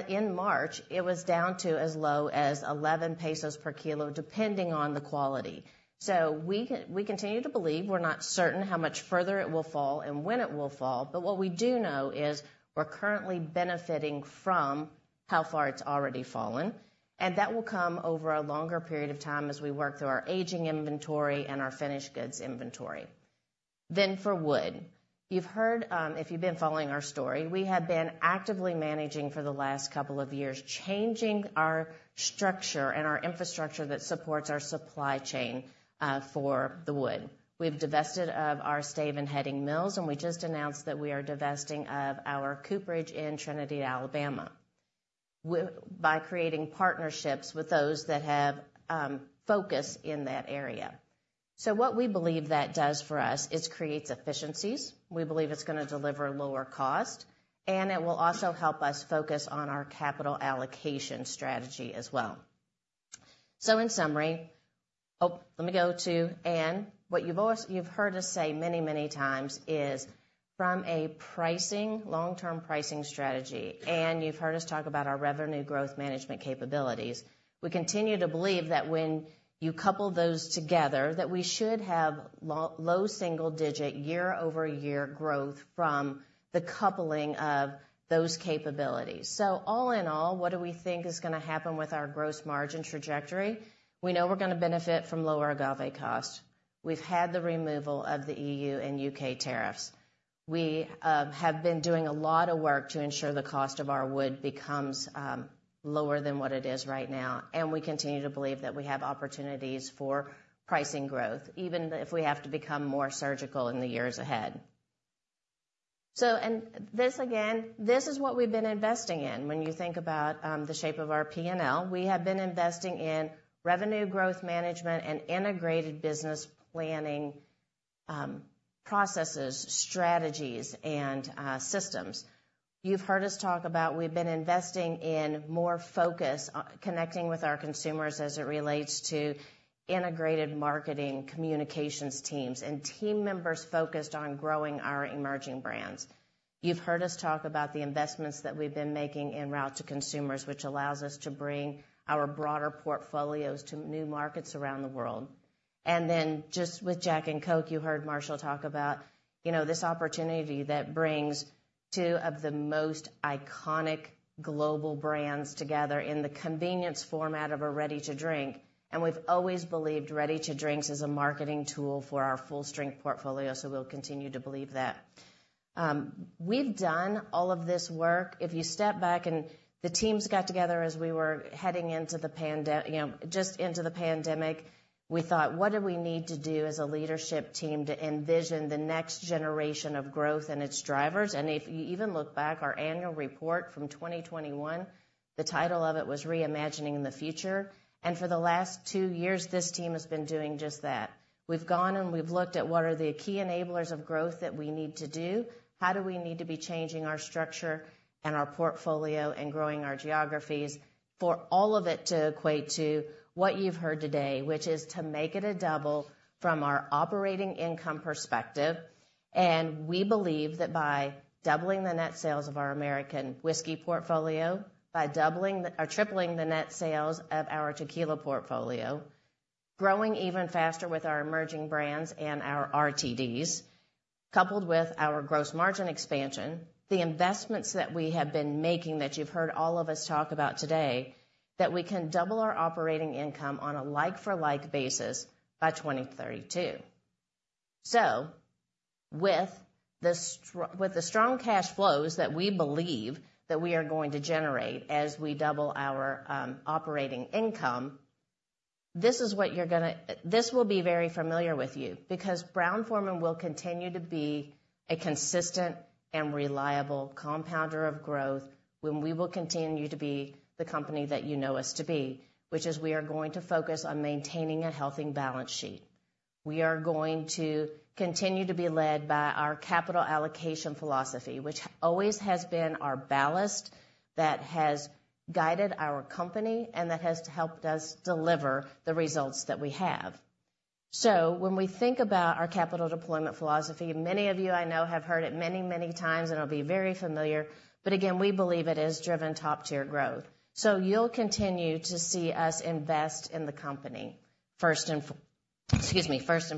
Speaker 12: in March, it was down to as low as 11 pesos per kilo, depending on the quality. So we continue to believe, we're not certain how much further it will fall and when it will fall, but what we do know is we're currently benefiting from how far it's already fallen, and that will come over a longer period of time as we work through our aging inventory and our finished goods inventory. Then for wood. You've heard, if you've been following our story, we have been actively managing for the last couple of years, changing our structure and our infrastructure that supports our supply chain, for the wood. We've divested of our stave and heading mills, and we just announced that we are divesting of our cooperage in Trinity, Alabama, by creating partnerships with those that have focus in that area. So what we believe that does for us is creates efficiencies. We believe it's gonna deliver lower cost, and it will also help us focus on our capital allocation strategy as well. So in summary, Oh, let me go to, and what you've you've heard us say many, many times, is from a pricing, long-term pricing strategy, and you've heard us talk about our revenue growth management capabilities, we continue to believe that when you couple those together, that we should have low single digit year-over-year growth from the coupling of those capabilities. So all in all, what do we think is gonna happen with our gross margin trajectory? We know we're gonna benefit from lower agave costs. We've had the removal of the EU and U.K. tariffs. We have been doing a lot of work to ensure the cost of our wood becomes lower than what it is right now, and we continue to believe that we have opportunities for pricing growth, even if we have to become more surgical in the years ahead. So, and this, again, this is what we've been investing in when you think about the shape of our P&L. We have been investing in revenue growth management and integrated business planning processes, strategies, and systems. You've heard us talk about we've been investing in more focus on connecting with our consumers as it relates to integrated marketing communications teams and team members focused on growing our emerging brands. You've heard us talk about the investments that we've been making in route to consumers, which allows us to bring our broader portfolios to new markets around the world. And then just with Jack & Coke, you heard Marshall talk about, you know, this opportunity that brings two of the most iconic global brands together in the convenience format of a ready-to-drink, and we've always believed ready-to-drinks is a marketing tool for our full-strength portfolio, so we'll continue to believe that. We've done all of this work. If you step back and the teams got together as we were heading into the pandemic, you know, just into the pandemic, we thought: What do we need to do as a leadership team to envision the next generation of growth and its drivers? If you even look back, our annual report from 2021, the title of it was Reimagining the Future, and for the last two years, this team has been doing just that. We've gone, and we've looked at what are the key enablers of growth that we need to do, how do we need to be changing our structure and our portfolio and growing our geographies, for all of it to equate to what you've heard today, which is to Make It a Double from our operating income perspective. We believe that by doubling the net sales of our American whiskey portfolio, by doubling, or tripling the net sales of our tequila portfolio, growing even faster with our emerging brands and our RTDs, coupled with our gross margin expansion, the investments that we have been making that you've heard all of us talk about today, that we can double our operating income on a like-for-like basis by 2032. So, with the strong cash flows that we believe that we are going to generate as we double our operating income, this is what you're gonna. This will be very familiar with you, because Brown-Forman will continue to be a consistent and reliable compounder of growth, when we will continue to be the company that you know us to be, which is we are going to focus on maintaining a healthy balance sheet. We are going to continue to be led by our capital allocation philosophy, which always has been our ballast that has guided our company, and that has helped us deliver the results that we have. So when we think about our capital deployment philosophy, many of you, I know, have heard it many, many times, and it'll be very familiar, but again, we believe it has driven top-tier growth. So you'll continue to see us invest in the company first and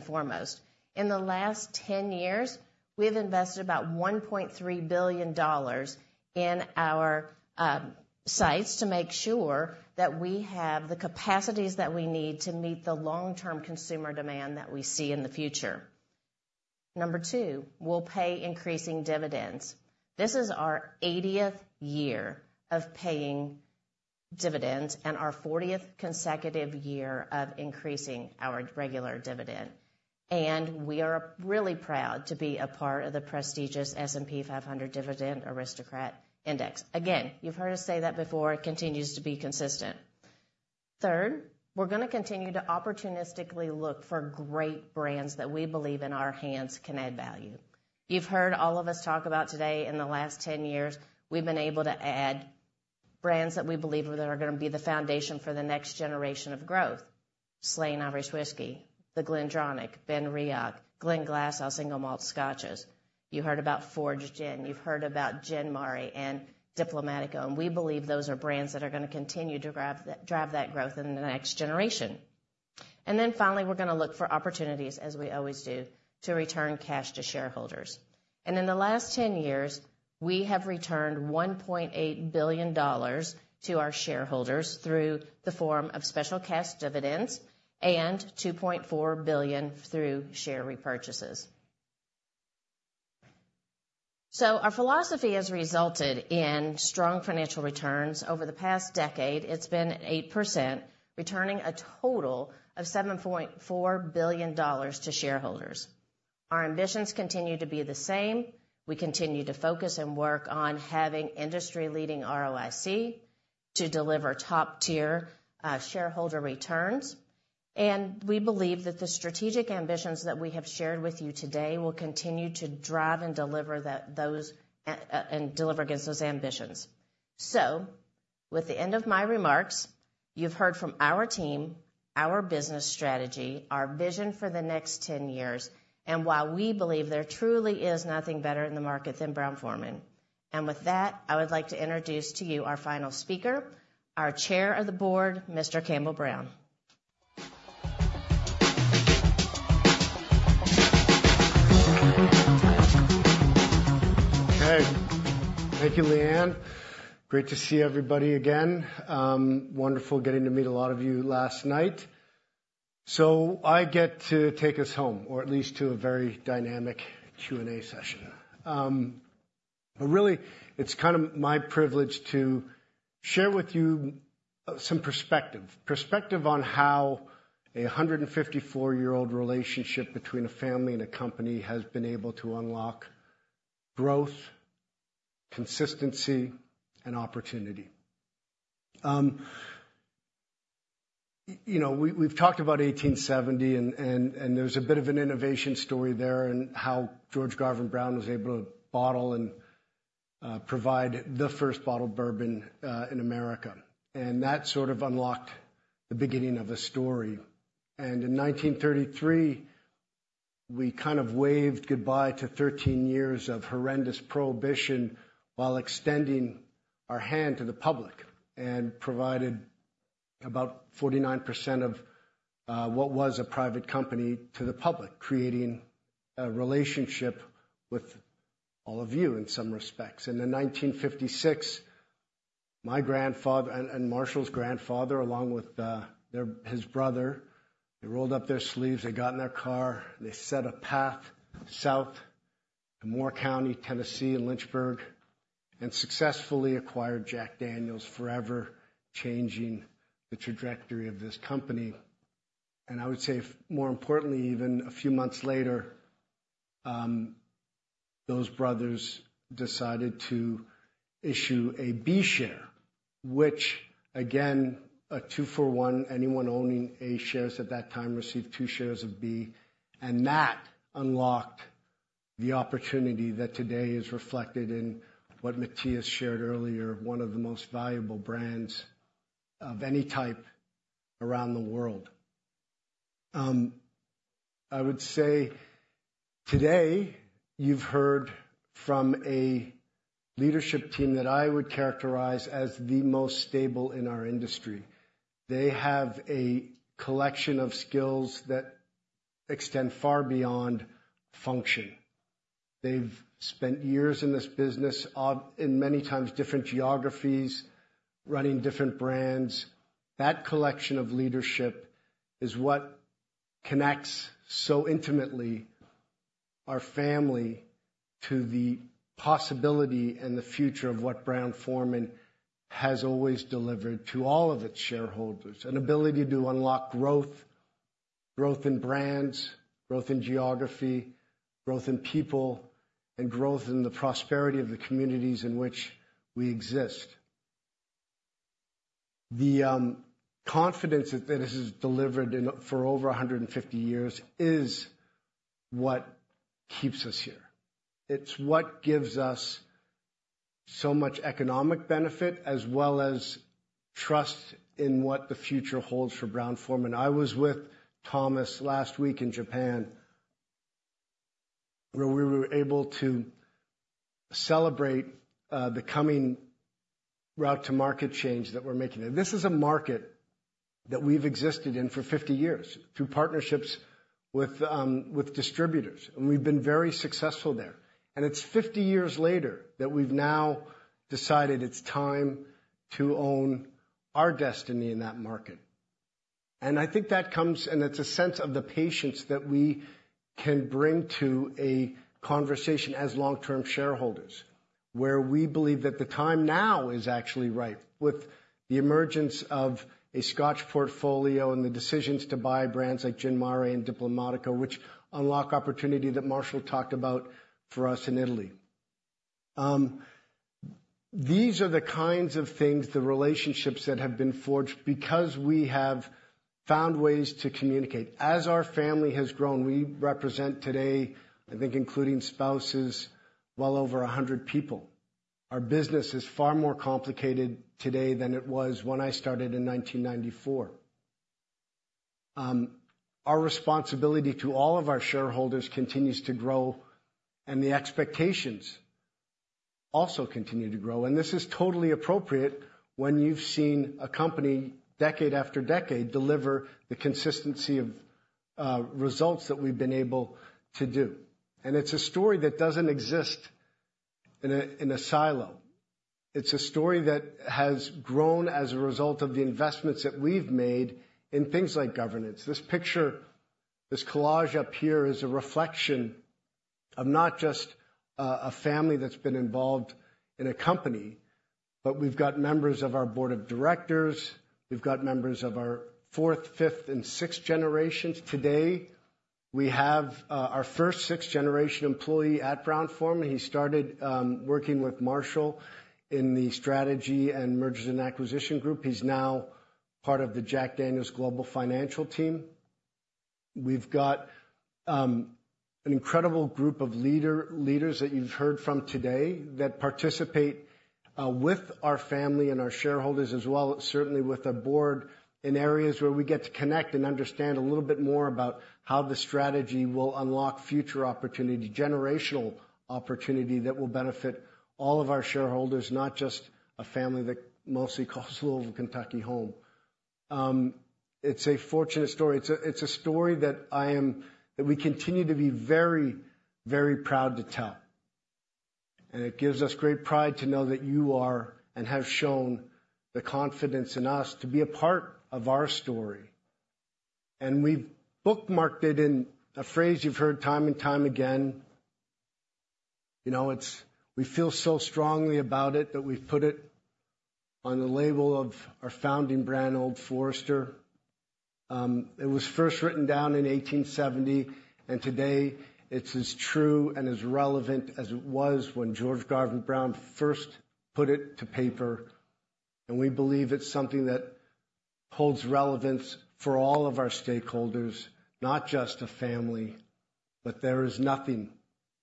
Speaker 12: foremost. In the last 10 years, we've invested about $1.3 billion in our sites to make sure that we have the capacities that we need to meet the long-term consumer demand that we see in the future. Number two, we'll pay increasing dividends. This is our 80th year of paying dividends and our 40th consecutive year of increasing our regular dividend, and we are really proud to be a part of the prestigious S&P 500 Dividend Aristocrat Index. Again, you've heard us say that before. It continues to be consistent. Third, we're gonna continue to opportunistically look for great brands that we believe in our hands can add value. You've heard all of us talk about today, in the last 10 years, we've been able to add brands that we believe are gonna be the foundation for the next generation of growth. Slane Irish Whiskey, The GlenDronach, Benriach, Glenglassaugh Single Malt Scotches. You heard about Fords Gin, you've heard about Gin Mare and Diplomático, and we believe those are brands that are gonna continue to drive that growth in the next generation. Then finally, we're gonna look for opportunities, as we always do, to return cash to shareholders. In the last 10 years, we have returned $1.8 billion to our shareholders through the form of special cash dividends and $2.4 billion through share repurchases. So our philosophy has resulted in strong financial returns. Over the past decade, it's been 8%, returning a total of $7.4 billion to shareholders. Our ambitions continue to be the same. We continue to focus and work on having industry-leading ROIC to deliver top-tier shareholder returns. We believe that the strategic ambitions that we have shared with you today will continue to drive and deliver that, those, and deliver against those ambitions. With the end of my remarks, you've heard from our team, our business strategy, our vision for the next 10 years, and while we believe there truly is nothing better in the market than Brown-Forman. With that, I would like to introduce to you our final speaker, our Chair of the Board, Mr. Campbell Brown.
Speaker 13: Okay. Thank you, Leanne. Great to see everybody again. Wonderful getting to meet a lot of you last night. So I get to take us home, or at least to a very dynamic Q&A session. But really, it's kind of my privilege to share with you some perspective on how a 154-year-old relationship between a family and a company has been able to unlock growth, consistency, and opportunity. You know, we've talked about 1870, and there's a bit of an innovation story there, and how George Garvin Brown was able to bottle and provide the first bottled bourbon in America. And that sort of unlocked the beginning of a story. And in 1933, we kind of waved goodbye to 13 years of horrendous Prohibition while extending our hand to the public and provided about 49% of what was a private company to the public, creating a relationship with all of you in some respects. And in 1956, my grandfather and Marshall's grandfather, along with their his brother, they rolled up their sleeves, they got in their car, they set a path south to Moore County, Tennessee, in Lynchburg, and successfully acquired Jack Daniel's, forever changing the trajectory of this company. And I would say, more importantly, even, a few months later, those brothers decided to issue a B share, which again, a two-for-one, anyone owning A shares at that time received two shares of B. That unlocked the opportunity that today is reflected in what Matias shared earlier, one of the most valuable brands of any type around the world. I would say today, you've heard from a leadership team that I would characterize as the most stable in our industry. They have a collection of skills that extend far beyond function. They've spent years in this business, in many times different geographies, running different brands. That collection of leadership is what connects so intimately our family to the possibility and the future of what Brown-Forman has always delivered to all of its shareholders. An ability to unlock growth, growth in brands, growth in geography, growth in people, and growth in the prosperity of the communities in which we exist. The confidence that this has delivered, for over 150 years is what keeps us here. It's what gives us so much economic benefit, as well as trust in what the future holds for Brown-Forman. I was with Thomas last week in Japan, where we were able to celebrate the coming route to market change that we're making. This is a market that we've existed in for 50 years, through partnerships with distributors, and we've been very successful there. It's 50 years later that we've now decided it's time to own our destiny in that market. I think that comes. It's a sense of the patience that we can bring to a conversation as long-term shareholders, where we believe that the time now is actually right, with the emergence of a Scotch portfolio and the decisions to buy brands like Gin Mare and Diplomático, which unlock opportunity that Marshall talked about for us in Italy. These are the kinds of things, the relationships that have been forged because we have found ways to communicate. As our family has grown, we represent today, I think including spouses, well over 100 people. Our business is far more complicated today than it was when I started in 1994. Our responsibility to all of our shareholders continues to grow, and the expectations also continue to grow. This is totally appropriate when you've seen a company, decade after decade, deliver the consistency of results that we've been able to do. It's a story that doesn't exist in a silo. It's a story that has grown as a result of the investments that we've made in things like governance. This picture, this collage up here, is a reflection of not just a family that's been involved in a company, but we've got members of our board of directors, we've got members of our fourth, fifth, and sixth generations. Today, we have our first sixth-generation employee at Brown-Forman. He started working with Marshall in the strategy and mergers and acquisition group. He's now part of the Jack Daniel's global financial team. We've got an incredible group of leader, leaders that you've heard from today, that participate with our family and our shareholders as well, certainly with the board, in areas where we get to connect and understand a little bit more about how the strategy will unlock future opportunity, generational opportunity, that will benefit all of our shareholders, not just a family that mostly calls Louisville, Kentucky, home. It's a fortunate story. It's a story that I am, that we continue to be very, very proud to tell. And it gives us great pride to know that you are, and have shown, the confidence in us to be a part of our story. And we've bookmarked it in a phrase you've heard time and time again. You know, it's. We feel so strongly about it that we've put it on the label of our founding brand, Old Forester. It was first written down in 1870, and today, it's as true and as relevant as it was when George Garvin Brown first put it to paper. And we believe it's something that holds relevance for all of our stakeholders, not just a family, that there is nothing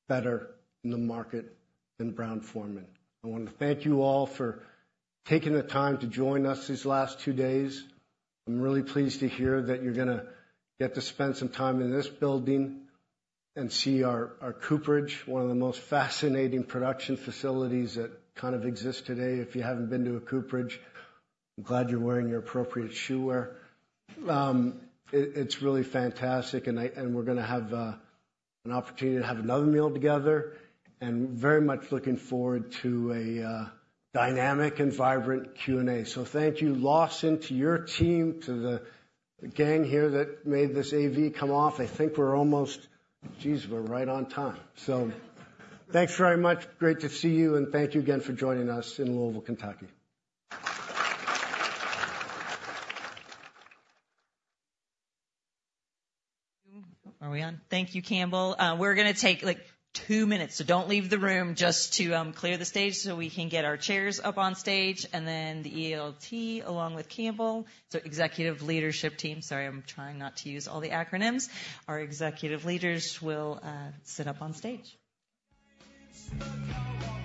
Speaker 13: better in the market than Brown-Forman. I want to thank you all for taking the time to join us these last two days. I'm really pleased to hear that you're gonna get to spend some time in this building and see our cooperage, one of the most fascinating production facilities that kind of exist today. If you haven't been to a cooperage, I'm glad you're wearing your appropriate footwear. It's really fantastic, and we're gonna have an opportunity to have another meal together, and very much looking forward to a dynamic and vibrant Q&A. So thank you, Lawson, to your team, to the gang here that made this AV come off. I think we're almost, geez, we're right on time. So thanks very much. Great to see you, and thank you again for joining us in Louisville, Kentucky.
Speaker 1: Are we on? Thank you, Campbell. We're gonna take, like, two minutes, so don't leave the room, just to clear the stage so we can get our chairs up on stage, and then the ELT, along with Campbell. So Executive Leadership Team. Sorry, I'm trying not to use all the acronyms. Our executive leaders will sit up on stage. Hang on. Risk management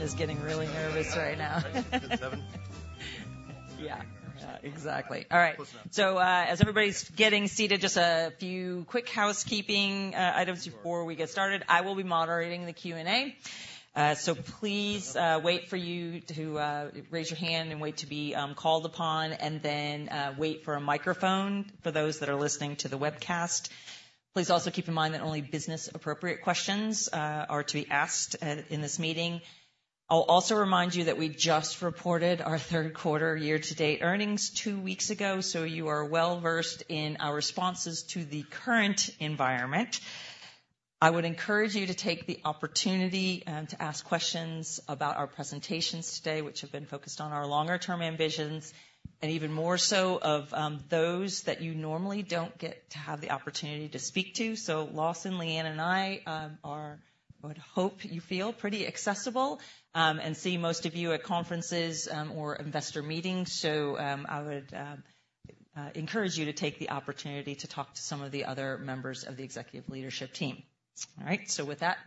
Speaker 1: is getting really nervous right now. Yeah, yeah, exactly. All right. So, as everybody's getting seated, just a few quick housekeeping items before we get started. I will be moderating the Q&A. So please wait for you to raise your hand and wait to be called upon, and then wait for a microphone for those that are listening to the webcast. Please also keep in mind that only business-appropriate questions are to be asked in this meeting. I'll also remind you that we just reported our third quarter year-to-date earnings two weeks ago, so you are well-versed in our responses to the current environment. I would encourage you to take the opportunity to ask questions about our presentations today, which have been focused on our longer term ambitions, and even more so of those that you normally don't get to have the opportunity to speak to. So Lawson, Leanne, and I would hope you feel pretty accessible, and see most of you at conferences or investor meetings. So I would encourage you to take the opportunity to talk to some of the other members of the executive leadership team. All right, so with that,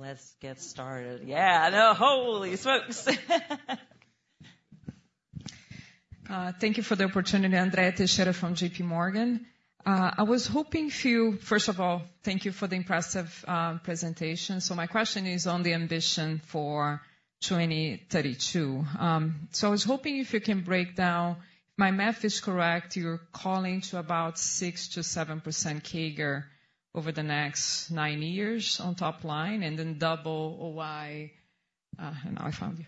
Speaker 1: let's get started. Yeah, the holy smokes!
Speaker 14: Thank you for the opportunity, Andrea Teixeira from JP Morgan. I was hoping to. First of all, thank you for the impressive presentation. So my question is on the ambition for 2032. So, I was hoping if you can break down, if my math is correct, you're calling to about 6%-7% CAGR over the next nine years on top line, and then double OI, now I found you.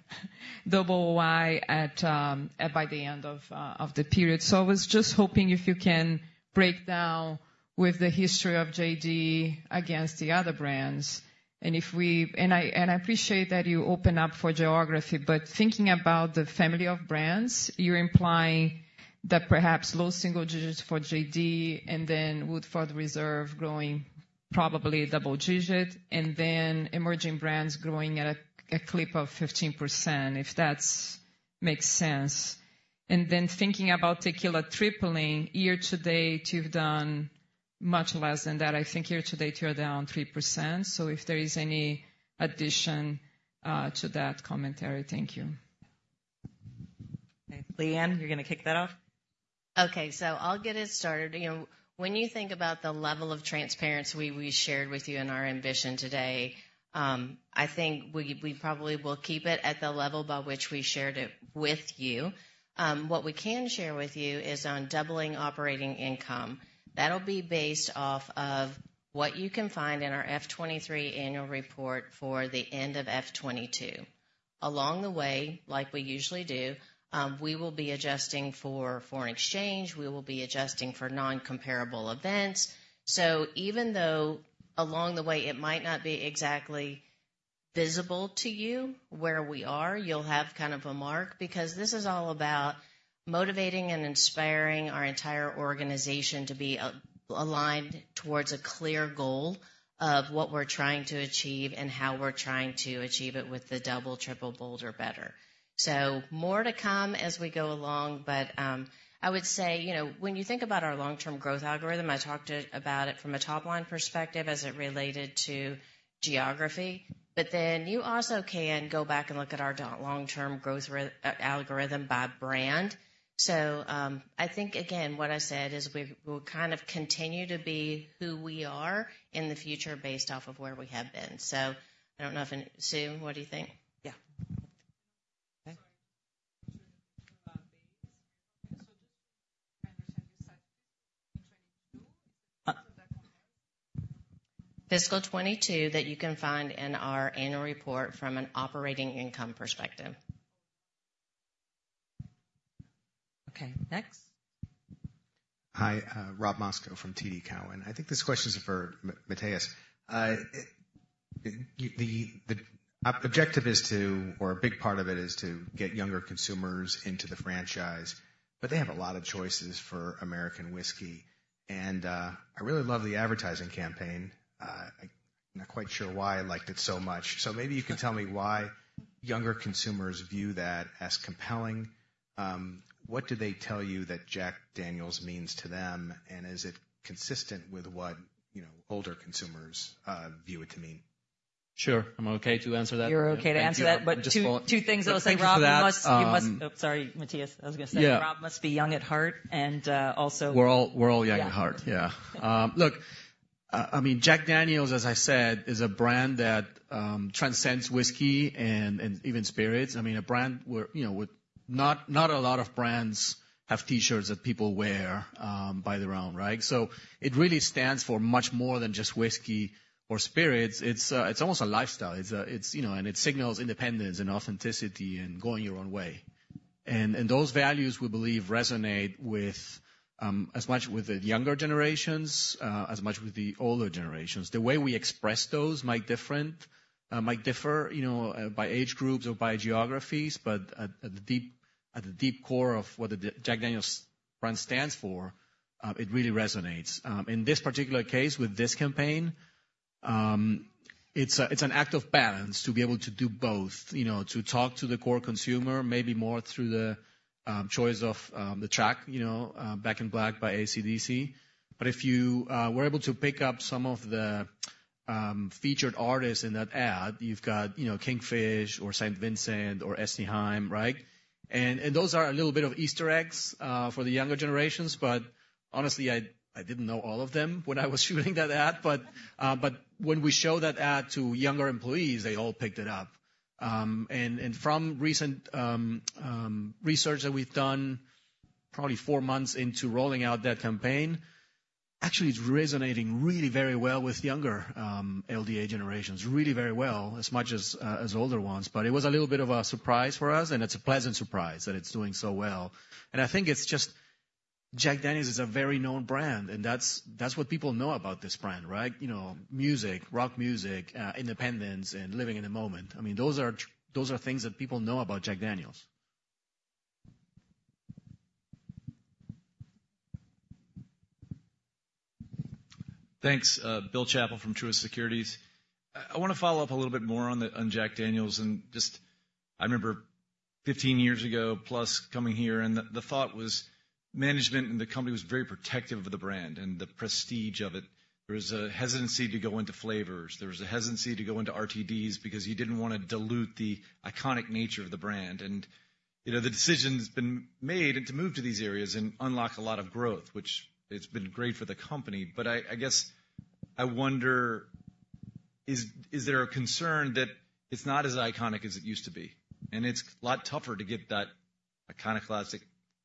Speaker 14: Double OI at by the end of the period. So I was just hoping if you can break down with the history of JD against the other brands. I appreciate that you open up for geography, but thinking about the family of brands, you're implying that perhaps low single digits for JD and then Woodford Reserve growing probably double digits, and then emerging brands growing at a clip of 15%, if that makes sense. And then thinking about tequila tripling, year to date, you've done much less than that. I think year to date, you're down 3%. So if there is any addition to that commentary. Thank you.
Speaker 1: Leanne, you're gonna kick that off?
Speaker 12: Okay, so I'll get us started. You know, when you think about the level of transparency we, we shared with you in our ambition today, I think we, we probably will keep it at the level by which we shared it with you. What we can share with you is on doubling operating income. That'll be based off of what you can find in our FY 2023 annual report for the end of FY 2022. Along the way, like we usually do, we will be adjusting for foreign exchange, we will be adjusting for non-comparable events. So even though along the way it might not be exactly visible to you where we are, you'll have kind of a mark, because this is all about motivating and inspiring our entire organization to be aligned towards a clear goal of what we're trying to achieve and how we're trying to achieve it with the double, triple, bolder, better. So more to come as we go along, but I would say, you know, when you think about our long-term growth algorithm, I talked about it from a top-line perspective as it related to geography, but then you also can go back and look at our long-term growth algorithm by brand. So I think, again, what I said is, we'll kind of continue to be who we are in the future based off of where we have been. So I don't know if any. Sue, what do you think?
Speaker 1: Yeah.
Speaker 12: Fiscal 2022, that you can find in our annual report from an operating income perspective. Okay, next?
Speaker 15: Hi, Rob Moskow from TD Cowen. I think this question is for Matias. The objective is to, or a big part of it, is to get younger consumers into the franchise, but they have a lot of choices for American whiskey, and I really love the advertising campaign. I'm not quite sure why I liked it so much. So maybe you can tell me why younger consumers view that as compelling. What do they tell you that Jack Daniel's means to them, and is it consistent with what, you know, older consumers view it to mean?
Speaker 3: Sure, I'm okay to answer that.
Speaker 1: You're okay to answer that.
Speaker 3: Thank you.
Speaker 1: But two things I'll say, Rob-
Speaker 3: Thank you for that.
Speaker 1: You must. Oh, sorry, Matias. I was gonna say-
Speaker 3: Yeah.
Speaker 1: Rob must be young at heart, and also-
Speaker 3: We're all, we're all young at heart.
Speaker 1: Yeah.
Speaker 3: Yeah. Look, I mean, Jack Daniel's, as I said, is a brand that transcends whiskey and even spirits. I mean, a brand where, you know, with. Not a lot of brands have T-shirts that people wear by their own, right? So it really stands for much more than just whiskey or spirits. It's almost a lifestyle. It's, you know, and it signals independence and authenticity and going your own way. And those values, we believe, resonate with as much with the younger generations as much with the older generations. The way we express those might differ, you know, by age groups or by geographies, but at the deep core of what the Jack Daniel's brand stands for, it really resonates. In this particular case, with this campaign, it's an act of balance to be able to do both. You know, to talk to the core consumer, maybe more through the choice of the track, you know, Back in Black by AC/DC. But if you were able to pick up some of the featured artists in that ad, you've got, you know, Kingfish or St. Vincent or Este Haim, right? And those are a little bit of Easter eggs for the younger generations, but honestly, I didn't know all of them when I was shooting that ad. But when we showed that ad to younger employees, they all picked it up. From recent research that we've done, probably four months into rolling out that campaign, actually, it's resonating really very well with younger LDA generations, really very well, as much as older ones. But it was a little bit of a surprise for us, and it's a pleasant surprise that it's doing so well. And I think it's just Jack Daniel's is a very known brand, and that's what people know about this brand, right? You know, music, rock music, independence, and living in the moment. I mean, those are things that people know about Jack Daniel's.
Speaker 16: Thanks. Bill Chappell from Truist Securities. I wanna follow up a little bit more on the, on Jack Daniel's, and just, I remember 15 years ago, plus, coming here, and the thought was management and the company was very protective of the brand and the prestige of it. There was a hesitancy to go into flavors. There was a hesitancy to go into RTDs because you didn't wanna dilute the iconic nature of the brand. And, you know, the decision's been made, and to move to these areas and unlock a lot of growth, which it's been great for the company. But I guess, I wonder, is there a concern that it's not as iconic as it used to be? And it's a lot tougher to get that iconoclastic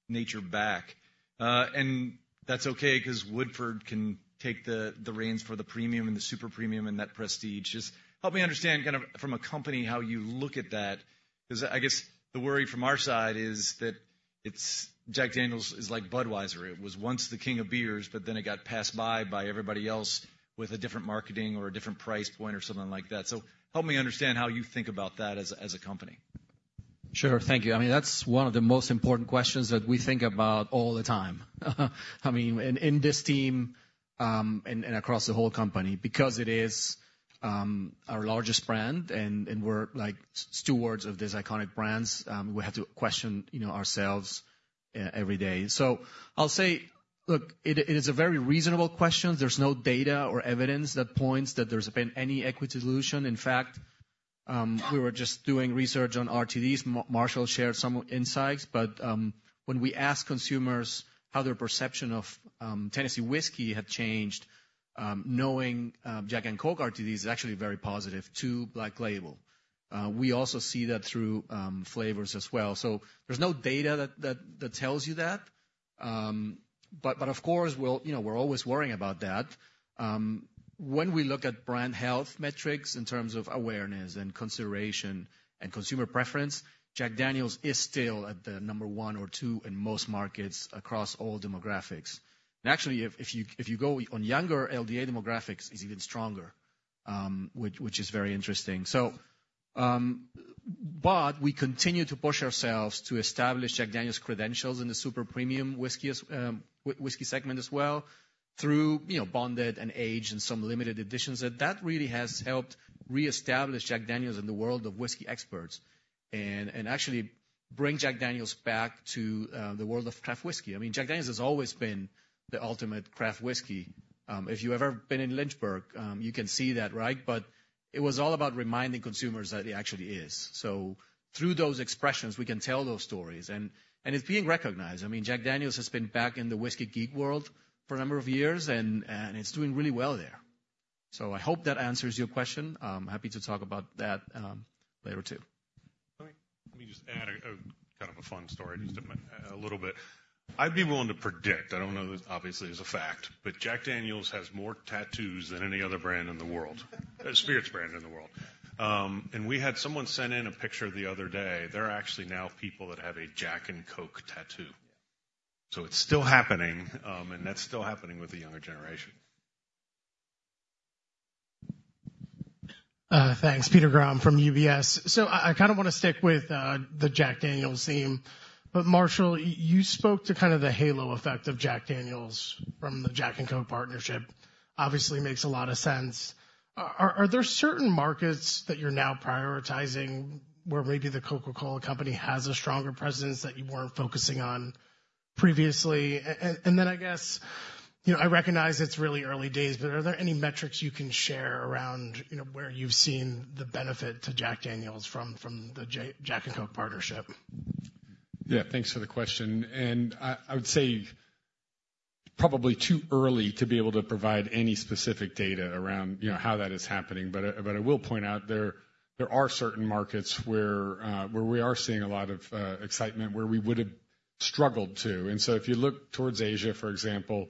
Speaker 16: nature back. And that's okay, 'cause Woodford can take the reins for the premium and the super premium and that prestige. Just help me understand, kind of from a company, how you look at that. 'Cause I guess, the worry from our side is that it's, Jack Daniel's is like Budweiser. It was once the king of beers, but then it got passed by everybody else with a different marketing or a different price point or something like that. So help me understand how you think about that as a company.
Speaker 3: Sure. Thank you. I mean, that's one of the most important questions that we think about all the time. I mean, in this team, and across the whole company, because it is our largest brand, and we're like stewards of these iconic brands, we have to question, you know, ourselves every day. So I'll say, look, it is a very reasonable question. There's no data or evidence that points that there's been any equity dilution. In fact, we were just doing research on RTDs. Marshall shared some insights, but when we asked consumers how their perception of Tennessee whiskey had changed, knowing Jack & Coke RTDs is actually very positive to Black Label. We also see that through flavors as well. So there's no data that tells you that, but of course, we'll, you know, we're always worrying about that. When we look at brand health metrics, in terms of awareness and consideration and consumer preference, Jack Daniel's is still at the number one or two in most markets across all demographics. And actually, if you go on younger LDA demographics, it's even stronger, which is very interesting. So, but we continue to push ourselves to establish Jack Daniel's credentials in the super premium whiskey segment as well, through, you know, Bonded and aged and some limited editions. That really has helped reestablish Jack Daniel's in the world of whiskey experts, and actually bring Jack Daniel's back to the world of craft whiskey. I mean, Jack Daniel's has always been the ultimate craft whiskey. If you've ever been in Lynchburg, you can see that, right? But it was all about reminding consumers that it actually is. So through those expressions, we can tell those stories, and, and it's being recognized. I mean, Jack Daniel's has been back in the whiskey geek world for a number of years, and, and it's doing really well there. So I hope that answers your question. I'm happy to talk about that, later, too.
Speaker 7: Let me just add a kind of fun story just a little bit. I'd be willing to predict, I don't know if this obviously is a fact, but Jack Daniel's has more tattoos than any other brand in the world. A spirits brand in the world. And we had someone send in a picture the other day; there are actually now people that have a Jack & Coke tattoo. So it's still happening, and that's still happening with the younger generation.
Speaker 17: Thanks, Peter Grom from UBS. So I kind of want to stick with the Jack Daniel's theme, but Marshall, you spoke to kind of the halo effect of Jack Daniel's from the Jack & Coke partnership. Obviously makes a lot of sense. Are there certain markets that you're now prioritizing where maybe the Coca-Cola Company has a stronger presence that you weren't focusing on previously? And then I guess, you know, I recognize it's really early days, but are there any metrics you can share around, you know, where you've seen the benefit to Jack Daniel's from the Jack & Coke partnership?
Speaker 7: Yeah, thanks for the question, and I would say probably too early to be able to provide any specific data around, you know, how that is happening. But, but I will point out there, there are certain markets where, where we are seeing a lot of excitement, where we would've struggled to. And so if you look towards Asia, for example,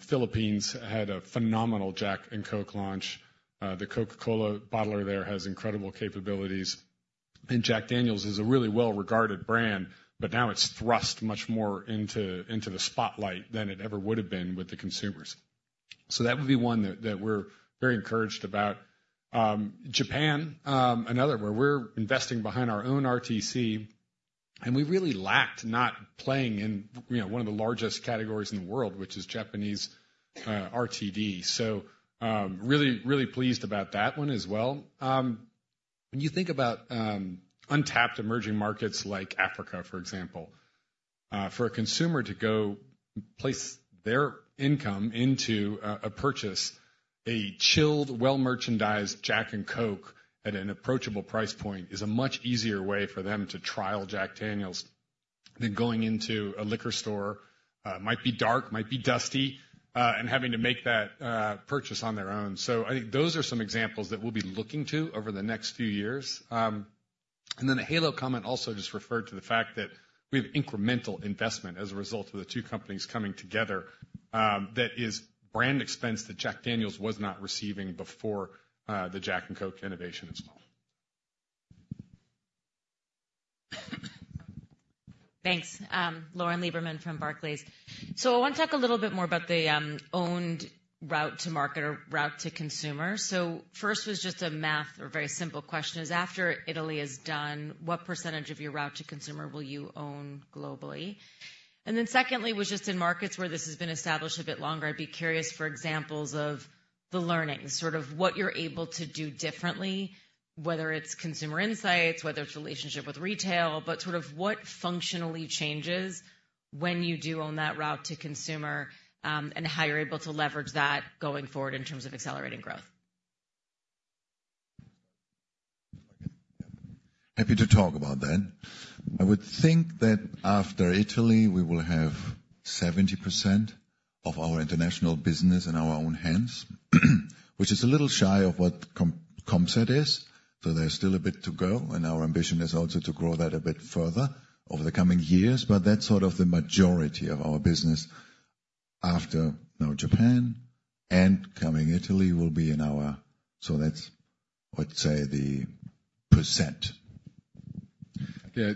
Speaker 7: Philippines had a phenomenal Jack & Coke launch. The Coca-Cola bottler there has incredible capabilities, and Jack Daniel's is a really well-regarded brand, but now it's thrust much more into, into the spotlight than it ever would've been with the consumers. So that would be one that, that we're very encouraged about. Japan, another, where we're investing behind our own RTC, and we really lacked not playing in, you know, one of the largest categories in the world, which is Japanese RTD. So, really, really pleased about that one as well. When you think about untapped emerging markets like Africa, for example, for a consumer to go place their income into a purchase, a chilled, well-merchandised Jack & Coke at an approachable price point is a much easier way for them to trial Jack Daniel's than going into a liquor store, might be dark, might be dusty, and having to make that purchase on their own. So I think those are some examples that we'll be looking to over the next few years. And then the halo comment also just referred to the fact that we have incremental investment as a result of the two companies coming together, that is brand expense that Jack Daniel's was not receiving before, the Jack & Coke innovation as well.
Speaker 18: Thanks. Lauren Lieberman from Barclays. So I want to talk a little bit more about the owned route to market or route to consumer. So first was just a math or very simple question, is after Italy is done, what percentage of your route to consumer will you own globally? And then secondly, was just in markets where this has been established a bit longer, I'd be curious for examples of the learnings, sort of what you're able to do differently, whether it's consumer insights, whether it's relationship with retail, but sort of what functionally changes when you do own that route to consumer, and how you're able to leverage that going forward in terms of accelerating growth?
Speaker 15: Happy to talk about that. I would think that after Italy, we will have 70% of our international business in our own hands, which is a little shy of what comp set is, so there's still a bit to go, and our ambition is also to grow that a bit further over the coming years. But that's sort of the majority of our business after now Japan and coming Italy will be in our. So that's, I'd say, the percent.
Speaker 7: Yeah,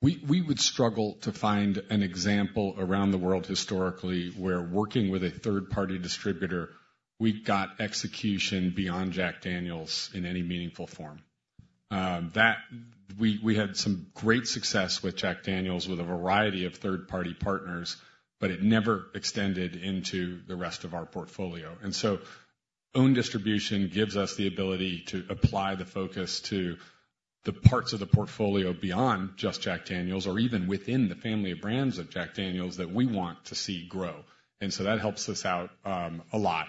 Speaker 7: we would struggle to find an example around the world historically, where working with a third-party distributor, we got execution beyond Jack Daniel's in any meaningful form. That we had some great success with Jack Daniel's, with a variety of third-party partners, but it never extended into the rest of our portfolio. And so own distribution gives us the ability to apply the focus to the parts of the portfolio beyond just Jack Daniel's, or even within the family of brands of Jack Daniel's that we want to see grow. And so that helps us out a lot.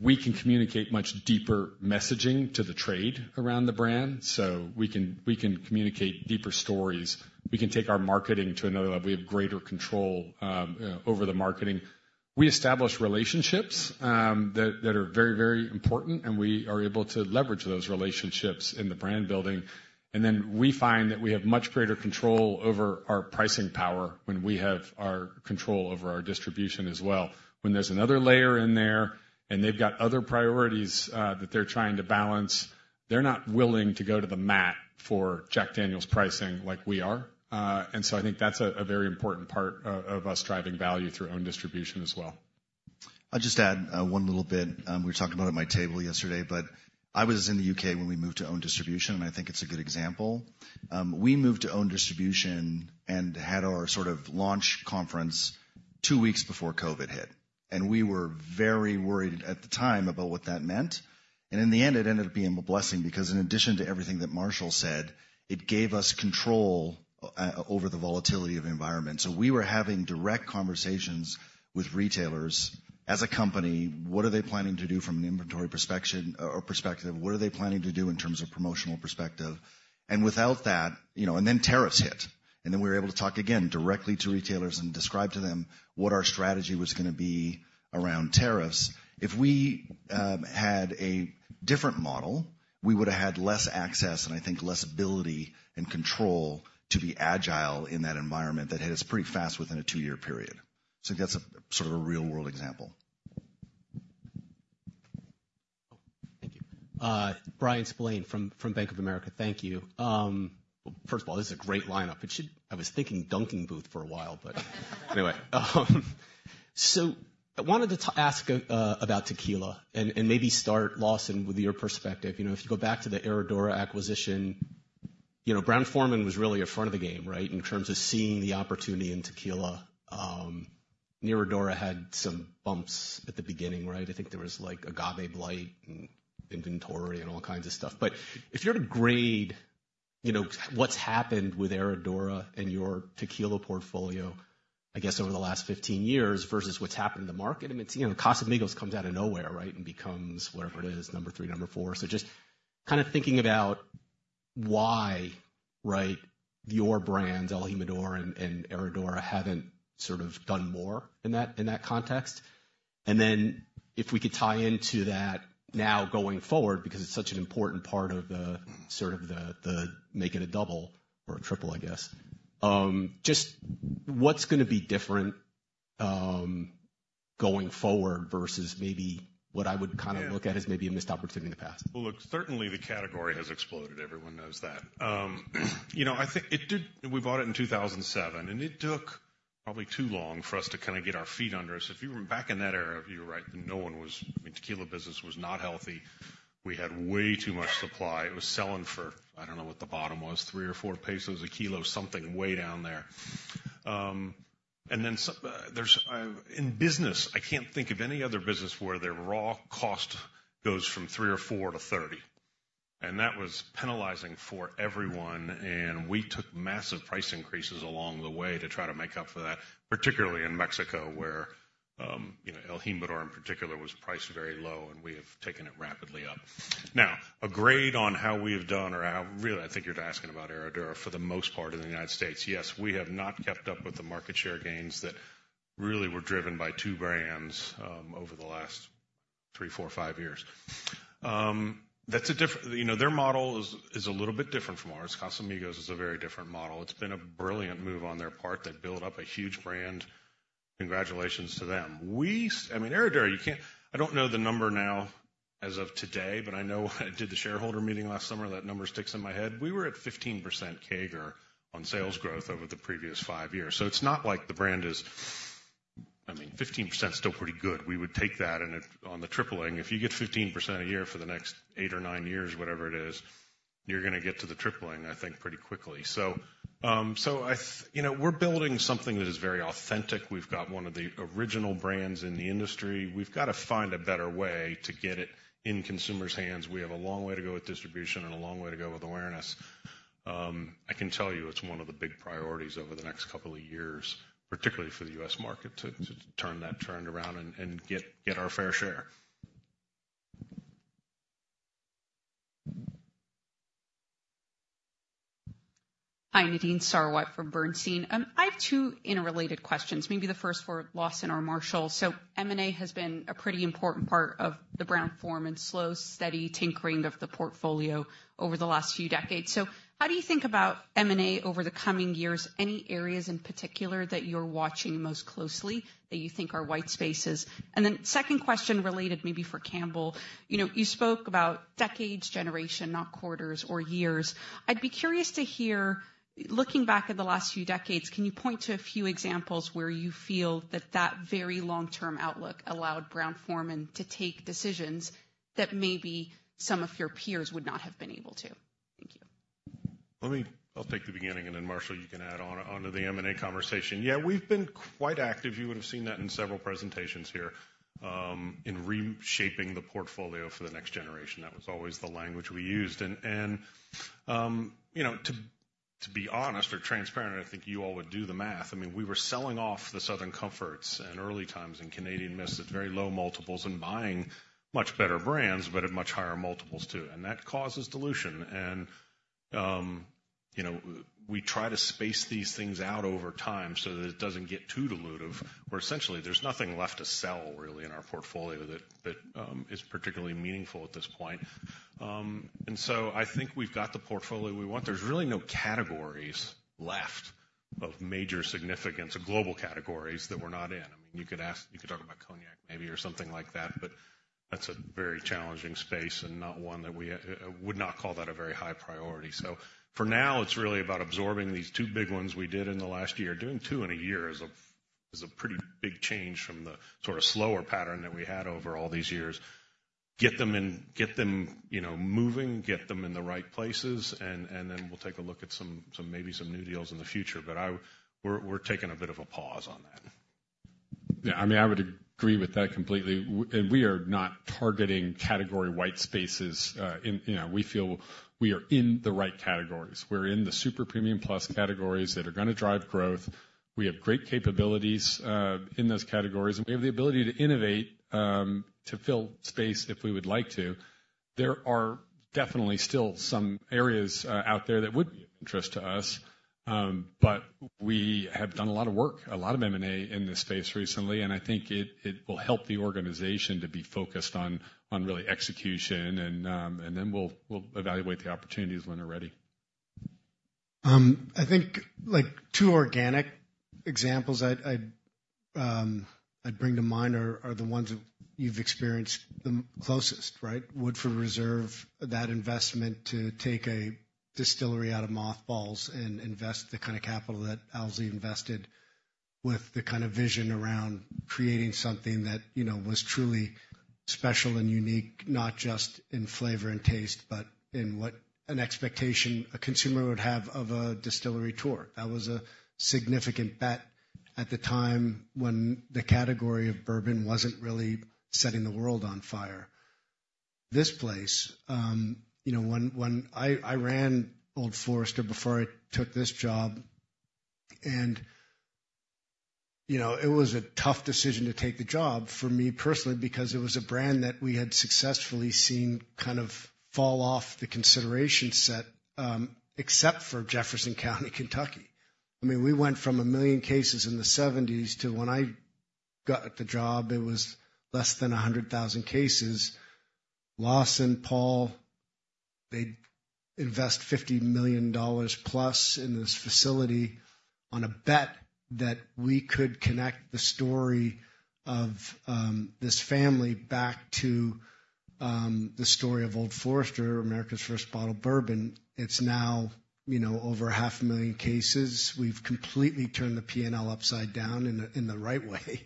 Speaker 7: We can communicate much deeper messaging to the trade around the brand, so we can communicate deeper stories. We can take our marketing to another level. We have greater control over the marketing. We establish relationships that are very, very important, and we are able to leverage those relationships in the brand building. Then we find that we have much greater control over our pricing power when we have our control over our distribution as well. When there's another layer in there, and they've got other priorities that they're trying to balance, they're not willing to go to the mat for Jack Daniel's pricing like we are. So I think that's a very important part of us driving value through own distribution as well.
Speaker 4: I'll just add one little bit. We were talking about at my table yesterday, but I was in the U.K. when we moved to own distribution, and I think it's a good example. We moved to own distribution and had our sort of launch conference two weeks before COVID hit, and we were very worried at the time about what that meant. And in the end, it ended up being a blessing, because in addition to everything that Marshall said, it gave us control over the volatility of environment. So we were having direct conversations with retailers. As a company, what are they planning to do from an inventory perspective, or perspective? What are they planning to do in terms of promotional perspective? And without that, you know And then tariffs hit, and then we were able to talk again directly to retailers and describe to them what our strategy was gonna be around tariffs. If we had a different model, we would have had less access, and I think less ability and control to be agile in that environment that hit us pretty fast within a twoyear period. So that's a sort of a real-world example.
Speaker 19: Oh, thank you. Bryan Spillane from Bank of America. Thank you. First of all, this is a great lineup. It should, I was thinking dunking booth for a while, but anyway. So I wanted to ask about tequila, and maybe start, Lawson, with your perspective. You know, if you go back to the Herradura acquisition, you know, Brown-Forman was really at front of the game, right? In terms of seeing the opportunity in tequila. Herradura had some bumps at the beginning, right? I think there was, like, agave blight and inventory and all kinds of stuff. But if you were to grade, you know, what's happened with Herradura and your tequila portfolio, I guess, over the last 15 years versus what's happened in the market. I mean, you know, Casamigos comes out of nowhere, right? Becomes whatever it is, number three, number four. So just kind of thinking about why, right, your brands, El Jimador and Herradura, haven't sort of done more in that, in that context. And then if we could tie into that now going forward, because it's such an important part of the, sort of the, the Make It a Double or a triple, I guess. Just what's gonna be different going forward versus maybe what I would kind of look at as maybe a missed opportunity in the past?
Speaker 2: Well, look, certainly the category has exploded. Everyone knows that. You know, I think it did. We bought it in 2007, and it took probably too long for us to kind of get our feet under us. If you were back in that era, you were right, no one was. I mean, tequila business was not healthy. We had way too much supply. It was selling for, I don't know what the bottom was, 3 or 4 pesos a kilo, something way down there. And then there's in business, I can't think of any other business where their raw cost goes from 3 or 4 to 30, and that was penalizing for everyone. We took massive price increases along the way to try to make up for that, particularly in Mexico, where you know, El Jimador, in particular, was priced very low, and we have taken it rapidly up. Now, a grade on how we have done, or how, really, I think you're asking about Herradura for the most part in the United States. Yes, we have not kept up with the market share gains that really were driven by two brands over the last 3, 4, 5 years. You know, their model is a little bit different from ours. Casamigos is a very different model. It's been a brilliant move on their part. They've built up a huge brand. Congratulations to them. I mean, Herradura, you can't I don't know the number now as of today, but I know I did the shareholder meeting last summer; that number sticks in my head. We were at 15% CAGR on sales growth over the previous five years. So it's not like the brand is, I mean, 15% is still pretty good. We would take that, and it, on the tripling, if you get 15% a year for the next eight or nine years, whatever it is, you're gonna get to the tripling, I think, pretty quickly. So, you know, we're building something that is very authentic. We've got one of the original brands in the industry. We've got to find a better way to get it in consumers' hands. We have a long way to go with distribution and a long way to go with awareness. I can tell you it's one of the big priorities over the next couple of years, particularly for the U.S. market, to turn that trend around and get our fair share.
Speaker 20: Hi, Nadine Sarwat from Bernstein. I have two interrelated questions, maybe the first for Lawson or Marshall. So M&A has been a pretty important part of the Brown-Forman slow, steady tinkering of the portfolio over the last few decades. So how do you think about M&A over the coming years? Any areas in particular that you're watching most closely that you think are white spaces? And then second question, related maybe for Campbell. You know, you spoke about decades generation, not quarters or years. I'd be curious to hear, looking back at the last few decades, can you point to a few examples where you feel that that very long-term outlook allowed Brown-Forman to take decisions that maybe some of your peers would not have been able to? Thank you.
Speaker 2: Let me, I'll take the beginning, and then, Marshall, you can add on, onto the M&A conversation. Yeah, we've been quite active, you would have seen that in several presentations here, in reshaping the portfolio for the next generation. That was always the language we used. And, and, you know, to, to be honest or transparent, I think you all would do the math. I mean, we were selling off the Southern Comfort and Early Times and Canadian Mist at very low multiples and buying much better brands, but at much higher multiples, too. And that causes dilution. And, you know, we try to space these things out over time so that it doesn't get too dilutive, where essentially there's nothing left to sell really in our portfolio that, is particularly meaningful at this point. And so, I think we've got the portfolio we want. There's really no categories left of major significance or global categories that we're not in. I mean, you could ask, you could talk about Cognac maybe or something like that, but that's a very challenging space and not one that we would not call that a very high priority. So for now, it's really about absorbing these two big ones we did in the last year. Doing two in a year is a, is a pretty big change from the sort of slower pattern that we had over all these years. Get them in, get them, you know, moving, get them in the right places, and, and then we'll take a look at some, some, maybe some new deals in the future. But I, we're, we're taking a bit of a pause on that.
Speaker 7: Yeah, I mean, I would agree with that completely. And we are not targeting category white spaces, in. You know, we feel we are in the right categories. We're in the super premium plus categories that are gonna drive growth. We have great capabilities in those categories, and we have the ability to innovate to fill space if we would like to. There are definitely still some areas out there that would be of interest to us. But we have done a lot of work, a lot of M&A in this space recently, and I think it will help the organization to be focused on really execution, and then we'll evaluate the opportunities when they're ready.
Speaker 13: I think, like, two organic examples I'd bring to mind are the ones that you've experienced the closest, right? Woodford Reserve, that investment to take a distillery out of mothballs and invest the kind of capital that Owsley invested, with the kind of vision around creating something that, you know, was truly special and unique, not just in flavor and taste, but in what an expectation a consumer would have of a distillery tour. That was a significant bet at the time when the category of bourbon wasn't really setting the world on fire. This place, you know, when I ran Old Forester before I took this job, and, you know, it was a tough decision to take the job for me personally, because it was a brand that we had successfully seen kind of fall off the consideration set, except for Jefferson County, Kentucky. I mean, we went from 1 million cases in the '70s to when I got the job, it was less than 100,000 cases. Lawson, Paul, they'd invest $50 million plus in this facility on a bet that we could connect the story of this family back to the story of Old Forester, America's first bottle of bourbon. It's now, you know, over 500,000 cases. We've completely turned the P&L upside down in the right way.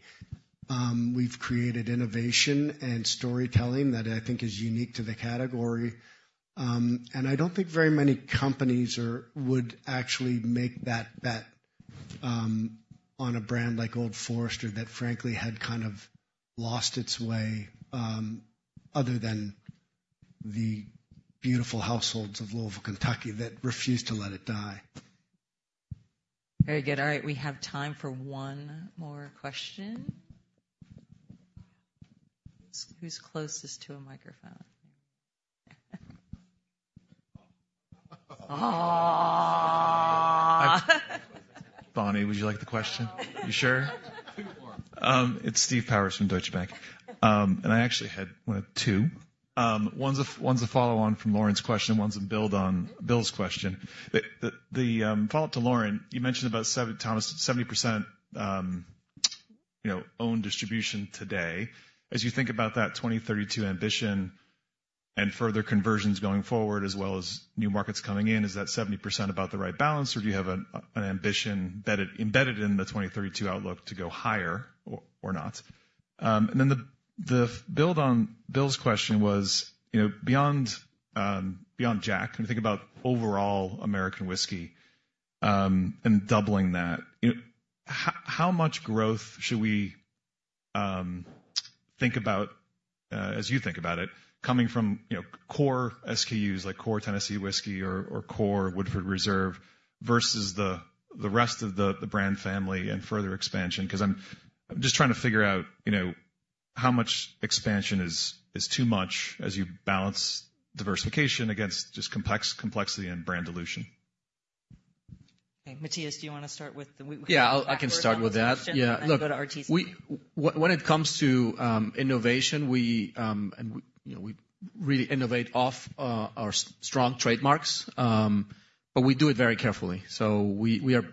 Speaker 13: We've created innovation and storytelling that I think is unique to the category. I don't think very many companies would actually make that bet on a brand like Old Forester, that, frankly, had kind of lost its way, other than the beautiful households of Louisville, Kentucky, that refused to let it die.
Speaker 1: Very good. All right, we have time for one more question. Who's closest to a microphone? Oh!
Speaker 21: Bonnie, would you like the question? You sure? It's Steve Powers from Deutsche Bank. And I actually had, well, two. One's a, one's a follow-on from Lauren's question, one's a build on Bill's question. The follow-up to Lauren, you mentioned about 70%, Thomas, 70%, you know, owned distribution today. As you think about that 2032 ambition and further conversions going forward, as well as new markets coming in, is that 70% about the right balance, or do you have an, an ambition that it embedded in the 2032 outlook to go higher or, or not? And then the build on Bill's question was, you know, beyond, beyond Jack, when you think about overall American whiskey, and doubling that, you know, how much growth should we think about, as you think about it, coming from, you know, core SKUs, like core Tennessee Whiskey or core Woodford Reserve, versus the rest of the brand family and further expansion? Because I'm just trying to figure out, you know, how much expansion is too much as you balance diversification against just complexity and brand dilution.
Speaker 1: Okay, Matias, do you wanna start with the-
Speaker 3: Yeah, I can start with that.
Speaker 1: Then go to RTC.
Speaker 3: Yeah, look, when it comes to innovation, and, you know, we really innovate off our strong trademarks, but we do it very carefully. So we are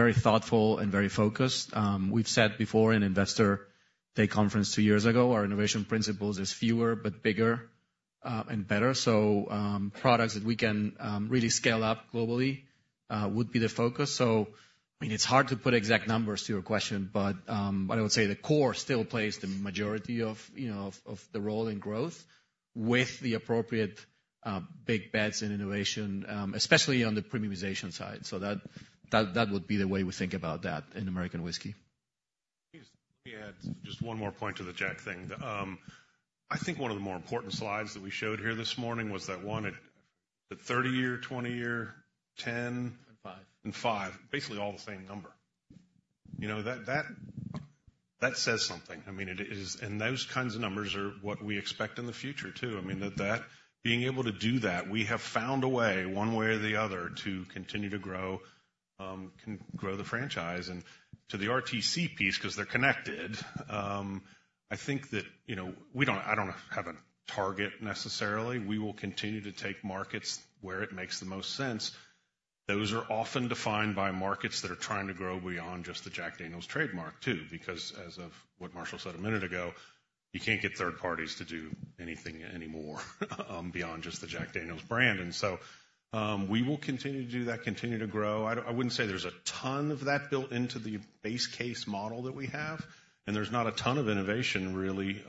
Speaker 3: very thoughtful and very focused. We've said before in Investor Day conference two years ago, our innovation principles is fewer but bigger and better. So products that we can really scale up globally would be the focus. So, I mean, it's hard to put exact numbers to your question, but I would say the core still plays the majority of, you know, of the role in growth with the appropriate big bets in innovation, especially on the premiumization side. So that would be the way we think about that in American whiskey.
Speaker 2: Let me add just one more point to the Jack thing. I think one of the more important slides that we showed here this morning was that one, the 30-year, 20-year, 10-
Speaker 13: And five.
Speaker 2: and five, basically all the same number. You know, that, that, that says something. I mean, it is. And those kinds of numbers are what we expect in the future, too. I mean, that, being able to do that, we have found a way, one way or the other, to continue to grow, grow the franchise. And to the RTC piece, 'cause they're connected, I think that, you know, we don't, I don't have a target necessarily. We will continue to take markets where it makes the most sense. Those are often defined by markets that are trying to grow beyond just the Jack Daniel's trademark, too, because as of what Marshall said a minute ago, you can't get third parties to do anything anymore, beyond just the Jack Daniel's brand. And so, we will continue to do that, continue to grow. I don't, I wouldn't say there's a ton of that built into the base case model that we have, and there's not a ton of innovation, really.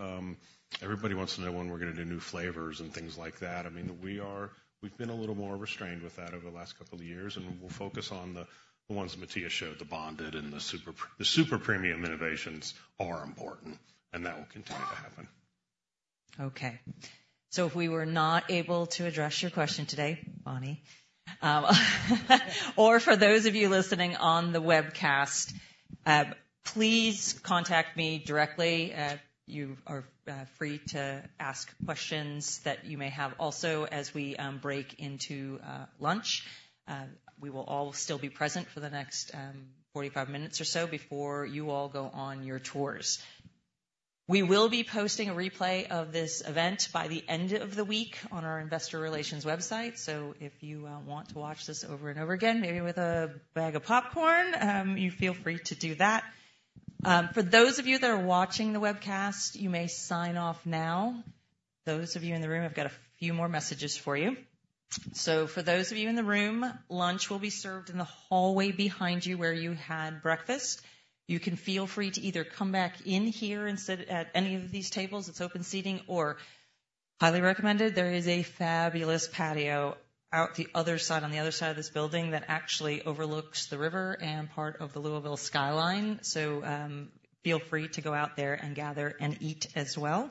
Speaker 2: Everybody wants to know when we're gonna do new flavors and things like that. I mean, we are, we've been a little more restrained with that over the last couple of years, and we'll focus on the, the ones Matias showed, the Bonded and the super. The super premium innovations are important, and that will continue to happen.
Speaker 1: Okay, so if we were not able to address your question today, Bonnie, or for those of you listening on the webcast, please contact me directly. You are free to ask questions that you may have. Also, as we break into lunch, we will all still be present for the next 45 minutes or so before you all go on your tours. We will be posting a replay of this event by the end of the week on our investor relations website. So if you want to watch this over and over again, maybe with a bag of popcorn, you feel free to do that. For those of you that are watching the webcast, you may sign off now. Those of you in the room, I've got a few more messages for you. So for those of you in the room, lunch will be served in the hallway behind you, where you had breakfast. You can feel free to either come back in here and sit at any of these tables; it's open seating or highly recommended. There is a fabulous patio out the other side, on the other side of this building, that actually overlooks the river and part of the Louisville skyline. So, feel free to go out there and gather and eat as well.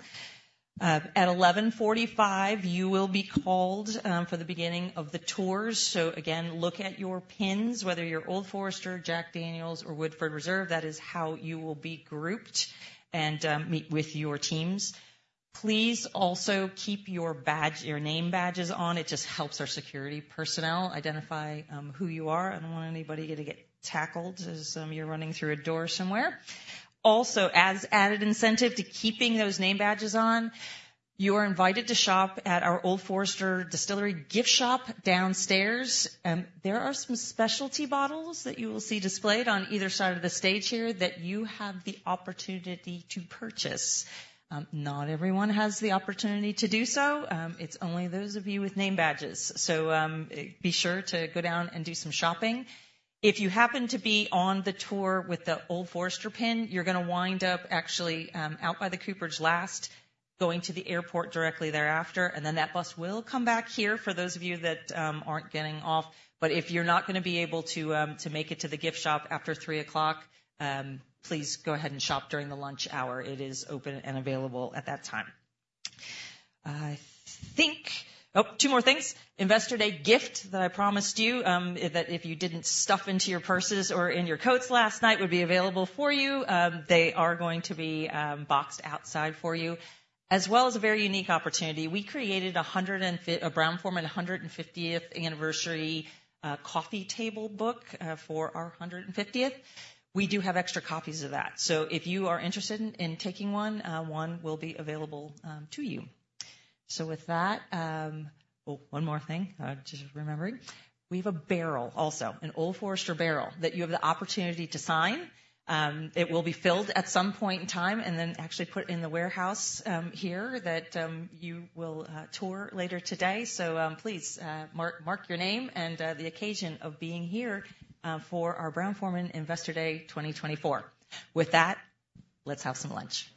Speaker 1: At 11:45, you will be called for the beginning of the tours. So again, look at your pins, whether you're Old Forester, Jack Daniel's, or Woodford Reserve. That is how you will be grouped and meet with your teams. Please also keep your badge, your name badges on. It just helps our security personnel identify who you are. I don't want anybody to get tackled as you're running through a door somewhere. Also, as added incentive to keeping those name badges on, you are invited to shop at our Old Forester Distillery gift shop downstairs, and there are some specialty bottles that you will see displayed on either side of the stage here, that you have the opportunity to purchase. Not everyone has the opportunity to do so. It's only those of you with name badges. So, be sure to go down and do some shopping. If you happen to be on the tour with the Old Forester pin, you're gonna wind up actually out by the Cooperage last, going to the airport directly thereafter, and then that bus will come back here for those of you that aren't getting off. But if you're not gonna be able to make it to the gift shop after 3:00, please go ahead and shop during the lunch hour. It is open and available at that time. I think. Oh, two more things. Investor Day gift that I promised you, that if you didn't stuff into your purses or in your coats last night, would be available for you. They are going to be boxed outside for you, as well as a very unique opportunity. We created a Brown-Forman 150th anniversary coffee table book for our 150th. We do have extra copies of that. So if you are interested in taking one, one will be available to you. So with that. Oh, one more thing, just remembering. We have a barrel, also, an Old Forester barrel, that you have the opportunity to sign. It will be filled at some point in time and then actually put in the warehouse here that you will tour later today. So, please, mark your name and the occasion of being here for our Brown-Forman Investor Day 2024. With that, let's have some lunch.